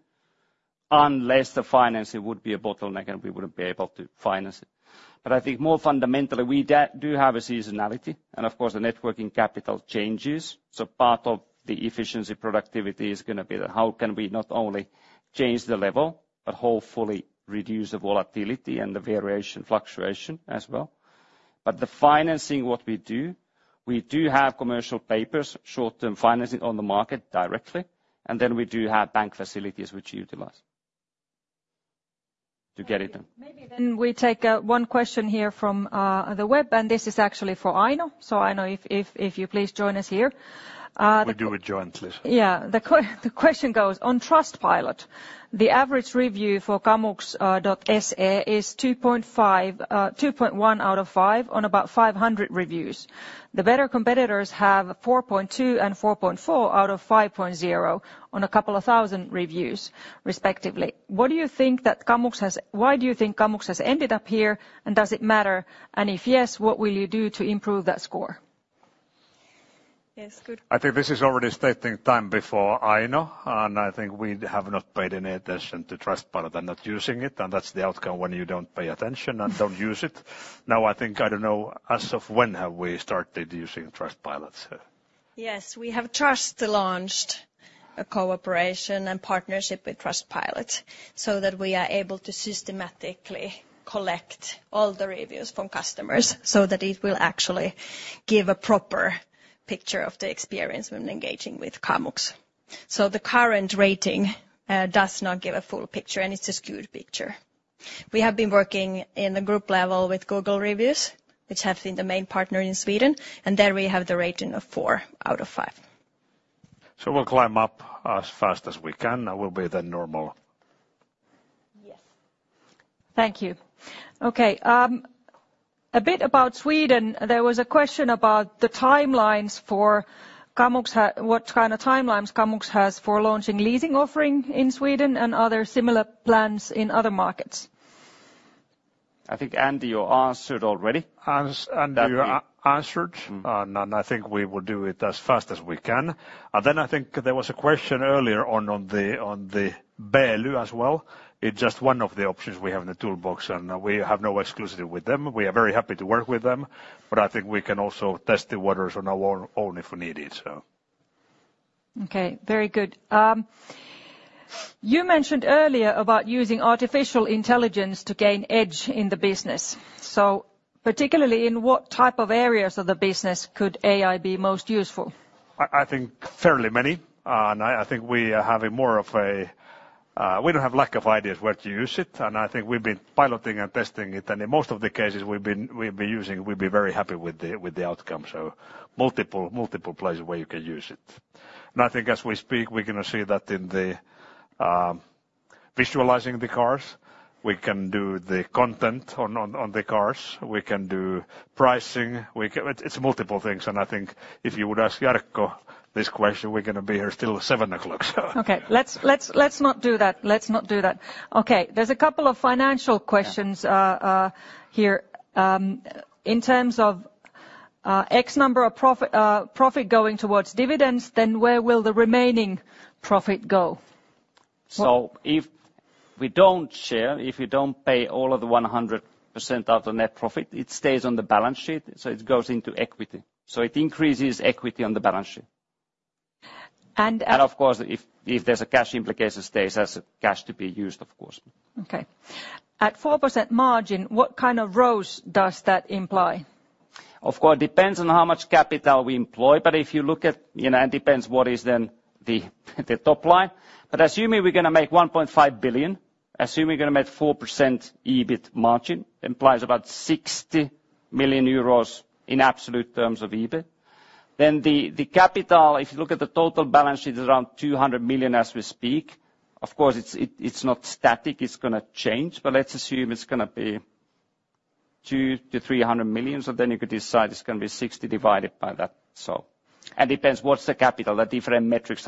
unless the financing would be a bottleneck, and we wouldn't be able to finance it. But I think more fundamentally, we do have a seasonality, and of course, the net working capital changes. So part of the efficiency productivity is gonna be how can we not only change the level, but hopefully reduce the volatility and the variation, fluctuation as well. But the financing, what we do, we do have commercial paper, short-term financing on the market directly, and then we do have bank facilities which we utilize, to get it done. Maybe then we take one question here from the web, and this is actually for Aino. So Aino, if you please join us here. We do it jointly. The question goes: On Trustpilot, the average review for Kamux.se is 2.5, 2.1 out of 5 on about 500 reviews. The better competitors have 4.2 and 4.4 out of 5.0 on a couple of 1,000 reviews, respectively. What do you think that Kamux has? Why do you think Kamux has ended up here, and does it matter? And if yes, what will you do to improve that score? Yes, good. I think this is already stating time before Aino, and I think we have not paid any attention to Trustpilot and not using it, and that's the outcome when you don't pay attention - and don't use it. Now, I think, I don't know, as of when have we started using Trustpilot, so? Yes, we have just launched a cooperation and partnership with Trustpilot so that we are able to systematically collect all the reviews from customers, so that it will actually give a proper picture of the experience when engaging with Kamux. So the current rating does not give a full picture, and it's a skewed picture. We have been working in the group level with Google Reviews, which have been the main partner in Sweden, and there we have the rating of four out of five. So we'll climb up as fast as we can, and we'll be the normal. Yes. Thank you. Okay, a bit about Sweden. There was a question about the timelines for Kamux. What kind of timelines Kamux has for launching leasing offering in Sweden and other similar plans in other markets. I think, Andy, you answered already. Andy answered. And I think we will do it as fast as we can. And then I think there was a question earlier on, on the Beely as well. It's just one of the options we have in the toolbox, and we have no exclusive with them. We are very happy to work with them, but I think we can also test the waters on our own if needed, so. Okay, very good. You mentioned earlier about using artificial intelligence to gain edge in the business. So particularly, in what type of areas of the business could AI be most useful? I think fairly many, and I think we are having more of a. We don't have lack of ideas where to use it, and I think we've been piloting and testing it, and in most of the cases, we've been using, we've been very happy with the outcome, so multiple places where you can use it. And I think as we speak, we're gonna see that in the visualizing the cars. We can do the content on the cars. We can do pricing. We can. It's multiple things, and I think if you would ask Jarkko this question, we're gonna be here till seven o'clock, so. Okay, let's not do that. Let's not do that. Okay, there's a couple of financial questions here. In terms of, X number of profit, profit going towards dividends, then where will the remaining profit go? So if we don't share, if we don't pay all of the 100% of the net profit, it stays on the balance sheet, so it goes into equity. So it increases equity on the balance sheet. And. Of course, if there's a cash implication, it stays as cash to be used, of course. Okay. At 4% margin, what kind of growth does that imply? Of course, it depends on how much capital we employ, but if you look at, you know, it depends what is then the top line. But assuming we're gonna make 1.5 billion, assuming we're gonna make 4% EBIT margin, implies about 60 million euros in absolute terms of EBIT. Then the capital, if you look at the total balance, it's around 200 million as we speak. Of course, it's not static, it's gonna change, but let's assume it's gonna be 200-300 million of the negative side is going to be 60 divided by that, so. And depends what's the capital, the different metrics,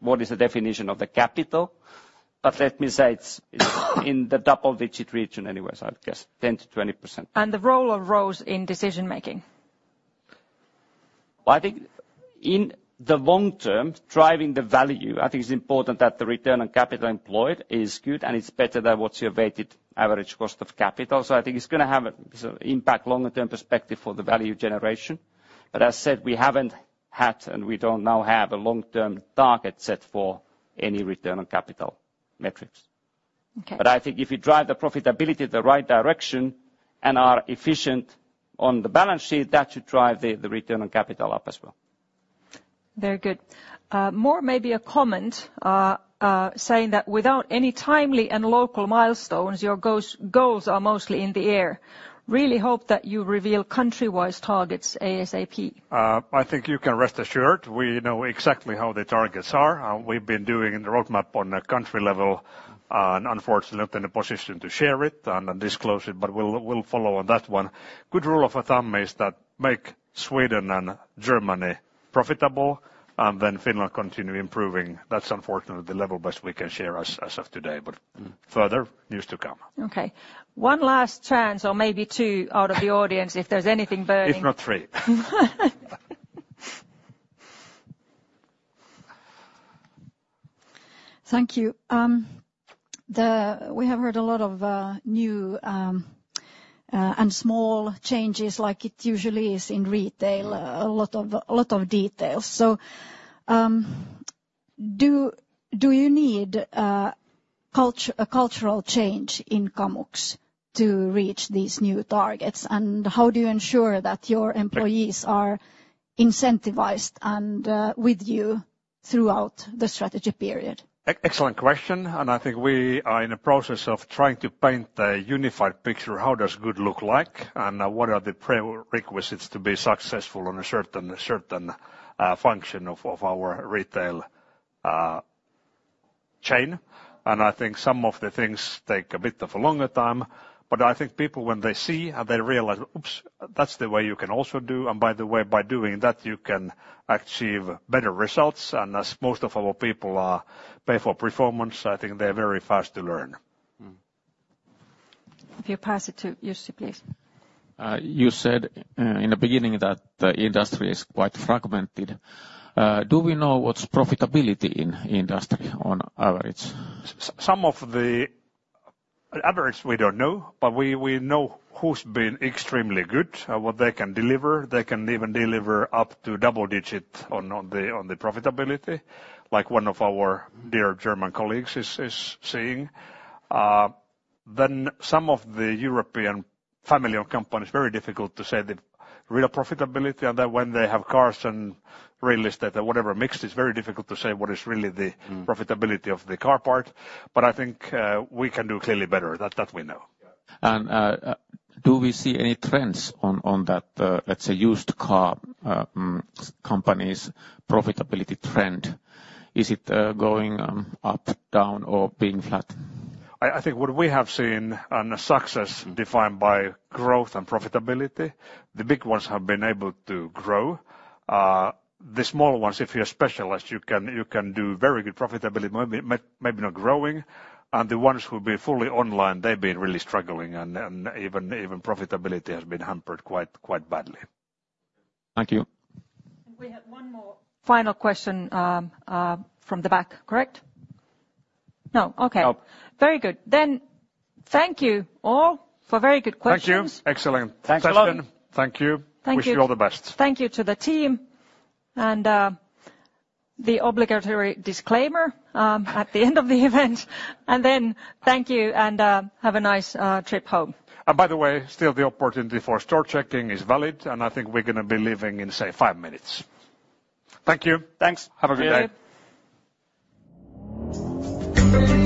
what is the definition of the capital? But let me say it's in the double-digit region anyways, I'd guess 10%-20%. The role of ROCE in decision-making? Well, I think in the long term, driving the value, I think it's important that the return on capital employed is good, and it's better than what's your weighted average cost of capital. So I think it's gonna have a, so impact longer-term perspective for the value generation. But as said, we haven't had, and we don't now have a long-term target set for any return on capital metrics. Okay. But I think if you drive the profitability the right direction and are efficient on the balance sheet, that should drive the return on capital up as well. Very good. More maybe a comment, saying that without any timely and local milestones, your goals, goals are mostly in the air. Really hope that you reveal country-wise targets ASAP. I think you can rest assured we know exactly how the targets are. We've been doing the roadmap on a country level, and unfortunately not in a position to share it and disclose it, but we'll follow on that one. Good rule of a thumb is that make Sweden and Germany profitable, and then Finland continue improving. That's unfortunately the level best we can share as of today, but further news to come. Okay. One last chance or maybe two out of the audience, if there's anything burning. If not three. Thank you. We have heard a lot of new and small changes like it usually is in retail, a lot of details. So, do you need a cultural change in Kamux to reach these new targets? And how do you ensure that your employees are incentivized and with you throughout the strategy period? Excellent question, and I think we are in the process of trying to paint a unified picture, how does good look like, and what are the prerequisites to be successful on a certain function of our retail chain. And I think some of the things take a bit of a longer time, but I think people, when they see and they realize, oops, that's the way you can also do, and by the way, by doing that, you can achieve better results. And as most of our people are paid for performance, I think they're very fast to learn. If you pass it to Jussi, please. You said, in the beginning that the industry is quite fragmented. Do we know what's profitability in industry on average? Some of the average, we don't know, but we know who's been extremely good at what they can deliver. They can even deliver up to double-digit on the profitability, like one of our dear German colleagues is saying. Then some of the European familiar companies, very difficult to say the real profitability. And then when they have cars and real estate or whatever mix, it's very difficult to say what is really the profitability of the car part, but I think, we can do clearly better. That, that we know. Do we see any trends on that, let's say, used car company's profitability trend? Is it going up, down or being flat? I think what we have seen and the success defined by growth and profitability, the big ones have been able to grow. The smaller ones, if you're a specialist, you can do very good profitability, maybe not growing. And the ones who be fully online, they've been really struggling, and even profitability has been hampered quite badly. Thank you. We have one more final question, from the back, correct? No. Okay. No. Very good. Then thank you all for very good questions. Thank you. Excellent. Thanks a lot. Thank you. Thank you. Wish you all the best. Thank you to the team. And, the obligatory disclaimer, at the end of the event, and then thank you, and, have a nice, trip home. By the way, still the opportunity for store checking is valid, and I think we're gonna be leaving in, say, five minutes. Thank you. Thanks. Have a good day. See you.